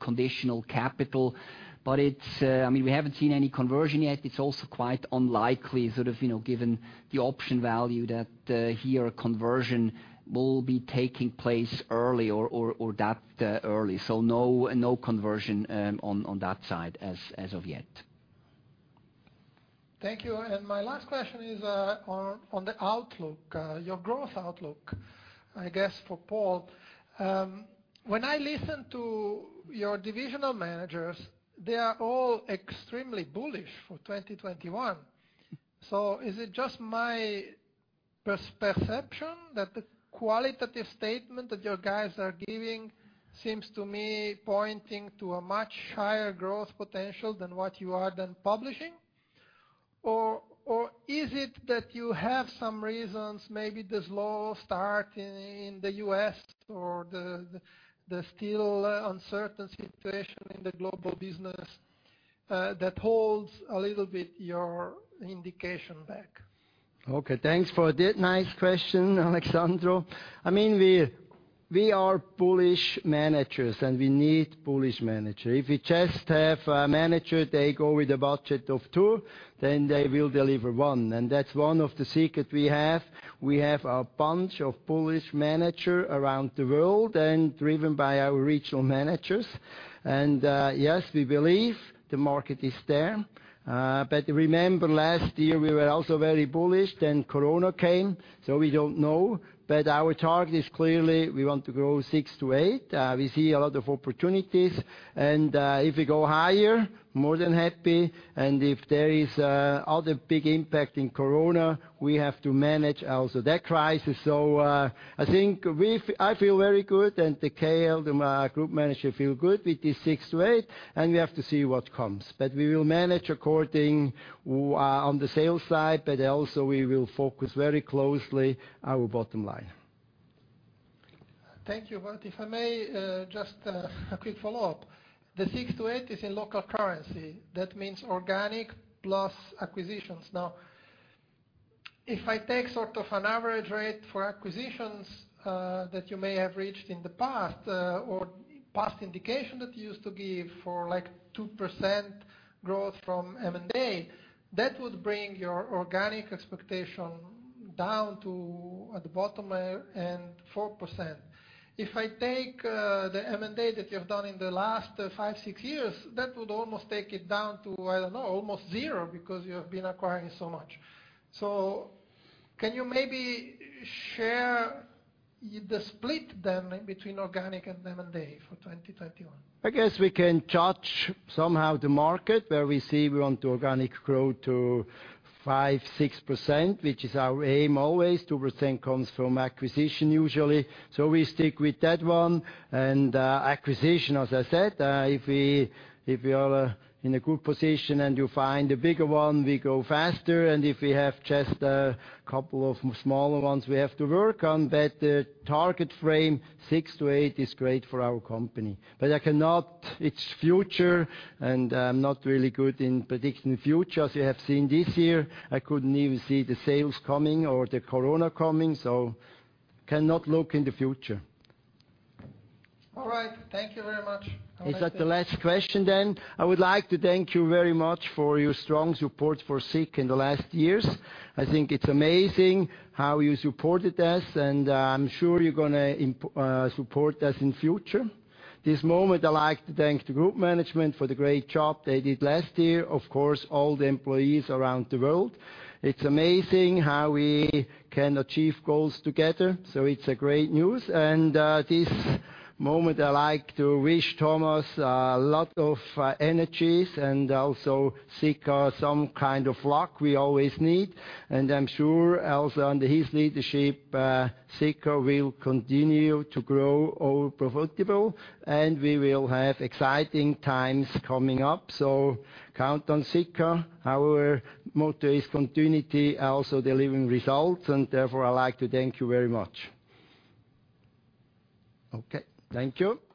conditional capital. We haven't seen any conversion yet. It's also quite unlikely, sort of given the option value that here a conversion will be taking place early or that early. No conversion on that side as of yet. Thank you. My last question is on the outlook, your growth outlook, I guess for Paul. When I listen to your divisional managers, they are all extremely bullish for 2021. Is it just my perception that the qualitative statement that your guys are giving seems to me pointing to a much higher growth potential than what you are then publishing? Is it that you have some reasons, maybe the slow start in the U.S. or the still uncertain situation in the global business, that holds a little bit your indication back? Okay, thanks for that nice question, Alessandro. We are bullish managers, we need bullish managers. If you just have a manager, they go with a budget of two, then they will deliver one. That's one of the secret we have. We have a bunch of bullish managers around the world and driven by our regional managers. Yes, we believe the market is there. Remember last year, we were also very bullish, then corona came, we don't know. Our target is clearly we want to grow six to eight. We see a lot of opportunities, if we go higher, more than happy. If there is other big impact in corona, we have to manage also that crisis. I feel very good, and the GL, the group manager, feel good with this six to eight, and we have to see what comes. We will manage according on the sales side, but also we will focus very closely our bottom line. Thank you. If I may, just a quick follow-up. The six to eight is in local currency. That means organic plus acquisitions. If I take sort of an average rate for acquisitions that you may have reached in the past, or past indication that you used to give for 2% growth from M&A, that would bring your organic expectation down to at the bottom end 4%. If I take the M&A that you've done in the last five, six years, that would almost take it down to, I don't know, almost zero because you have been acquiring so much. Can you maybe share the split then between organic and M&A for 2021? I guess we can judge somehow the market where we see we want to organic grow to 5%-6%, which is our aim always. 2% comes from acquisition usually. We stick with that one. Acquisition, as I said, if we are in a good position and you find a bigger one, we go faster. If we have just a couple of smaller ones we have to work on. The target frame 6%-8% is great for our company. It's future, and I'm not really good in predicting the future. As you have seen this year, I couldn't even see the sales coming or the corona coming, cannot look in the future. All right. Thank you very much. Is that the last question? I would like to thank you very much for your strong support for Sika in the last years. I think it's amazing how you supported us. I'm sure you're going to support us in future. This moment, I'd like to thank the group management for the great job they did last year, of course, all the employees around the world. It's amazing how we can achieve goals together. It's a great news. This moment, I like to wish Thomas a lot of energies and also Sika some kind of luck we always need. I'm sure also under his leadership, Sika will continue to grow all profitable, and we will have exciting times coming up. Count on Sika. Our motto is continuity, also delivering results, and therefore, I like to thank you very much. Okay. Thank you.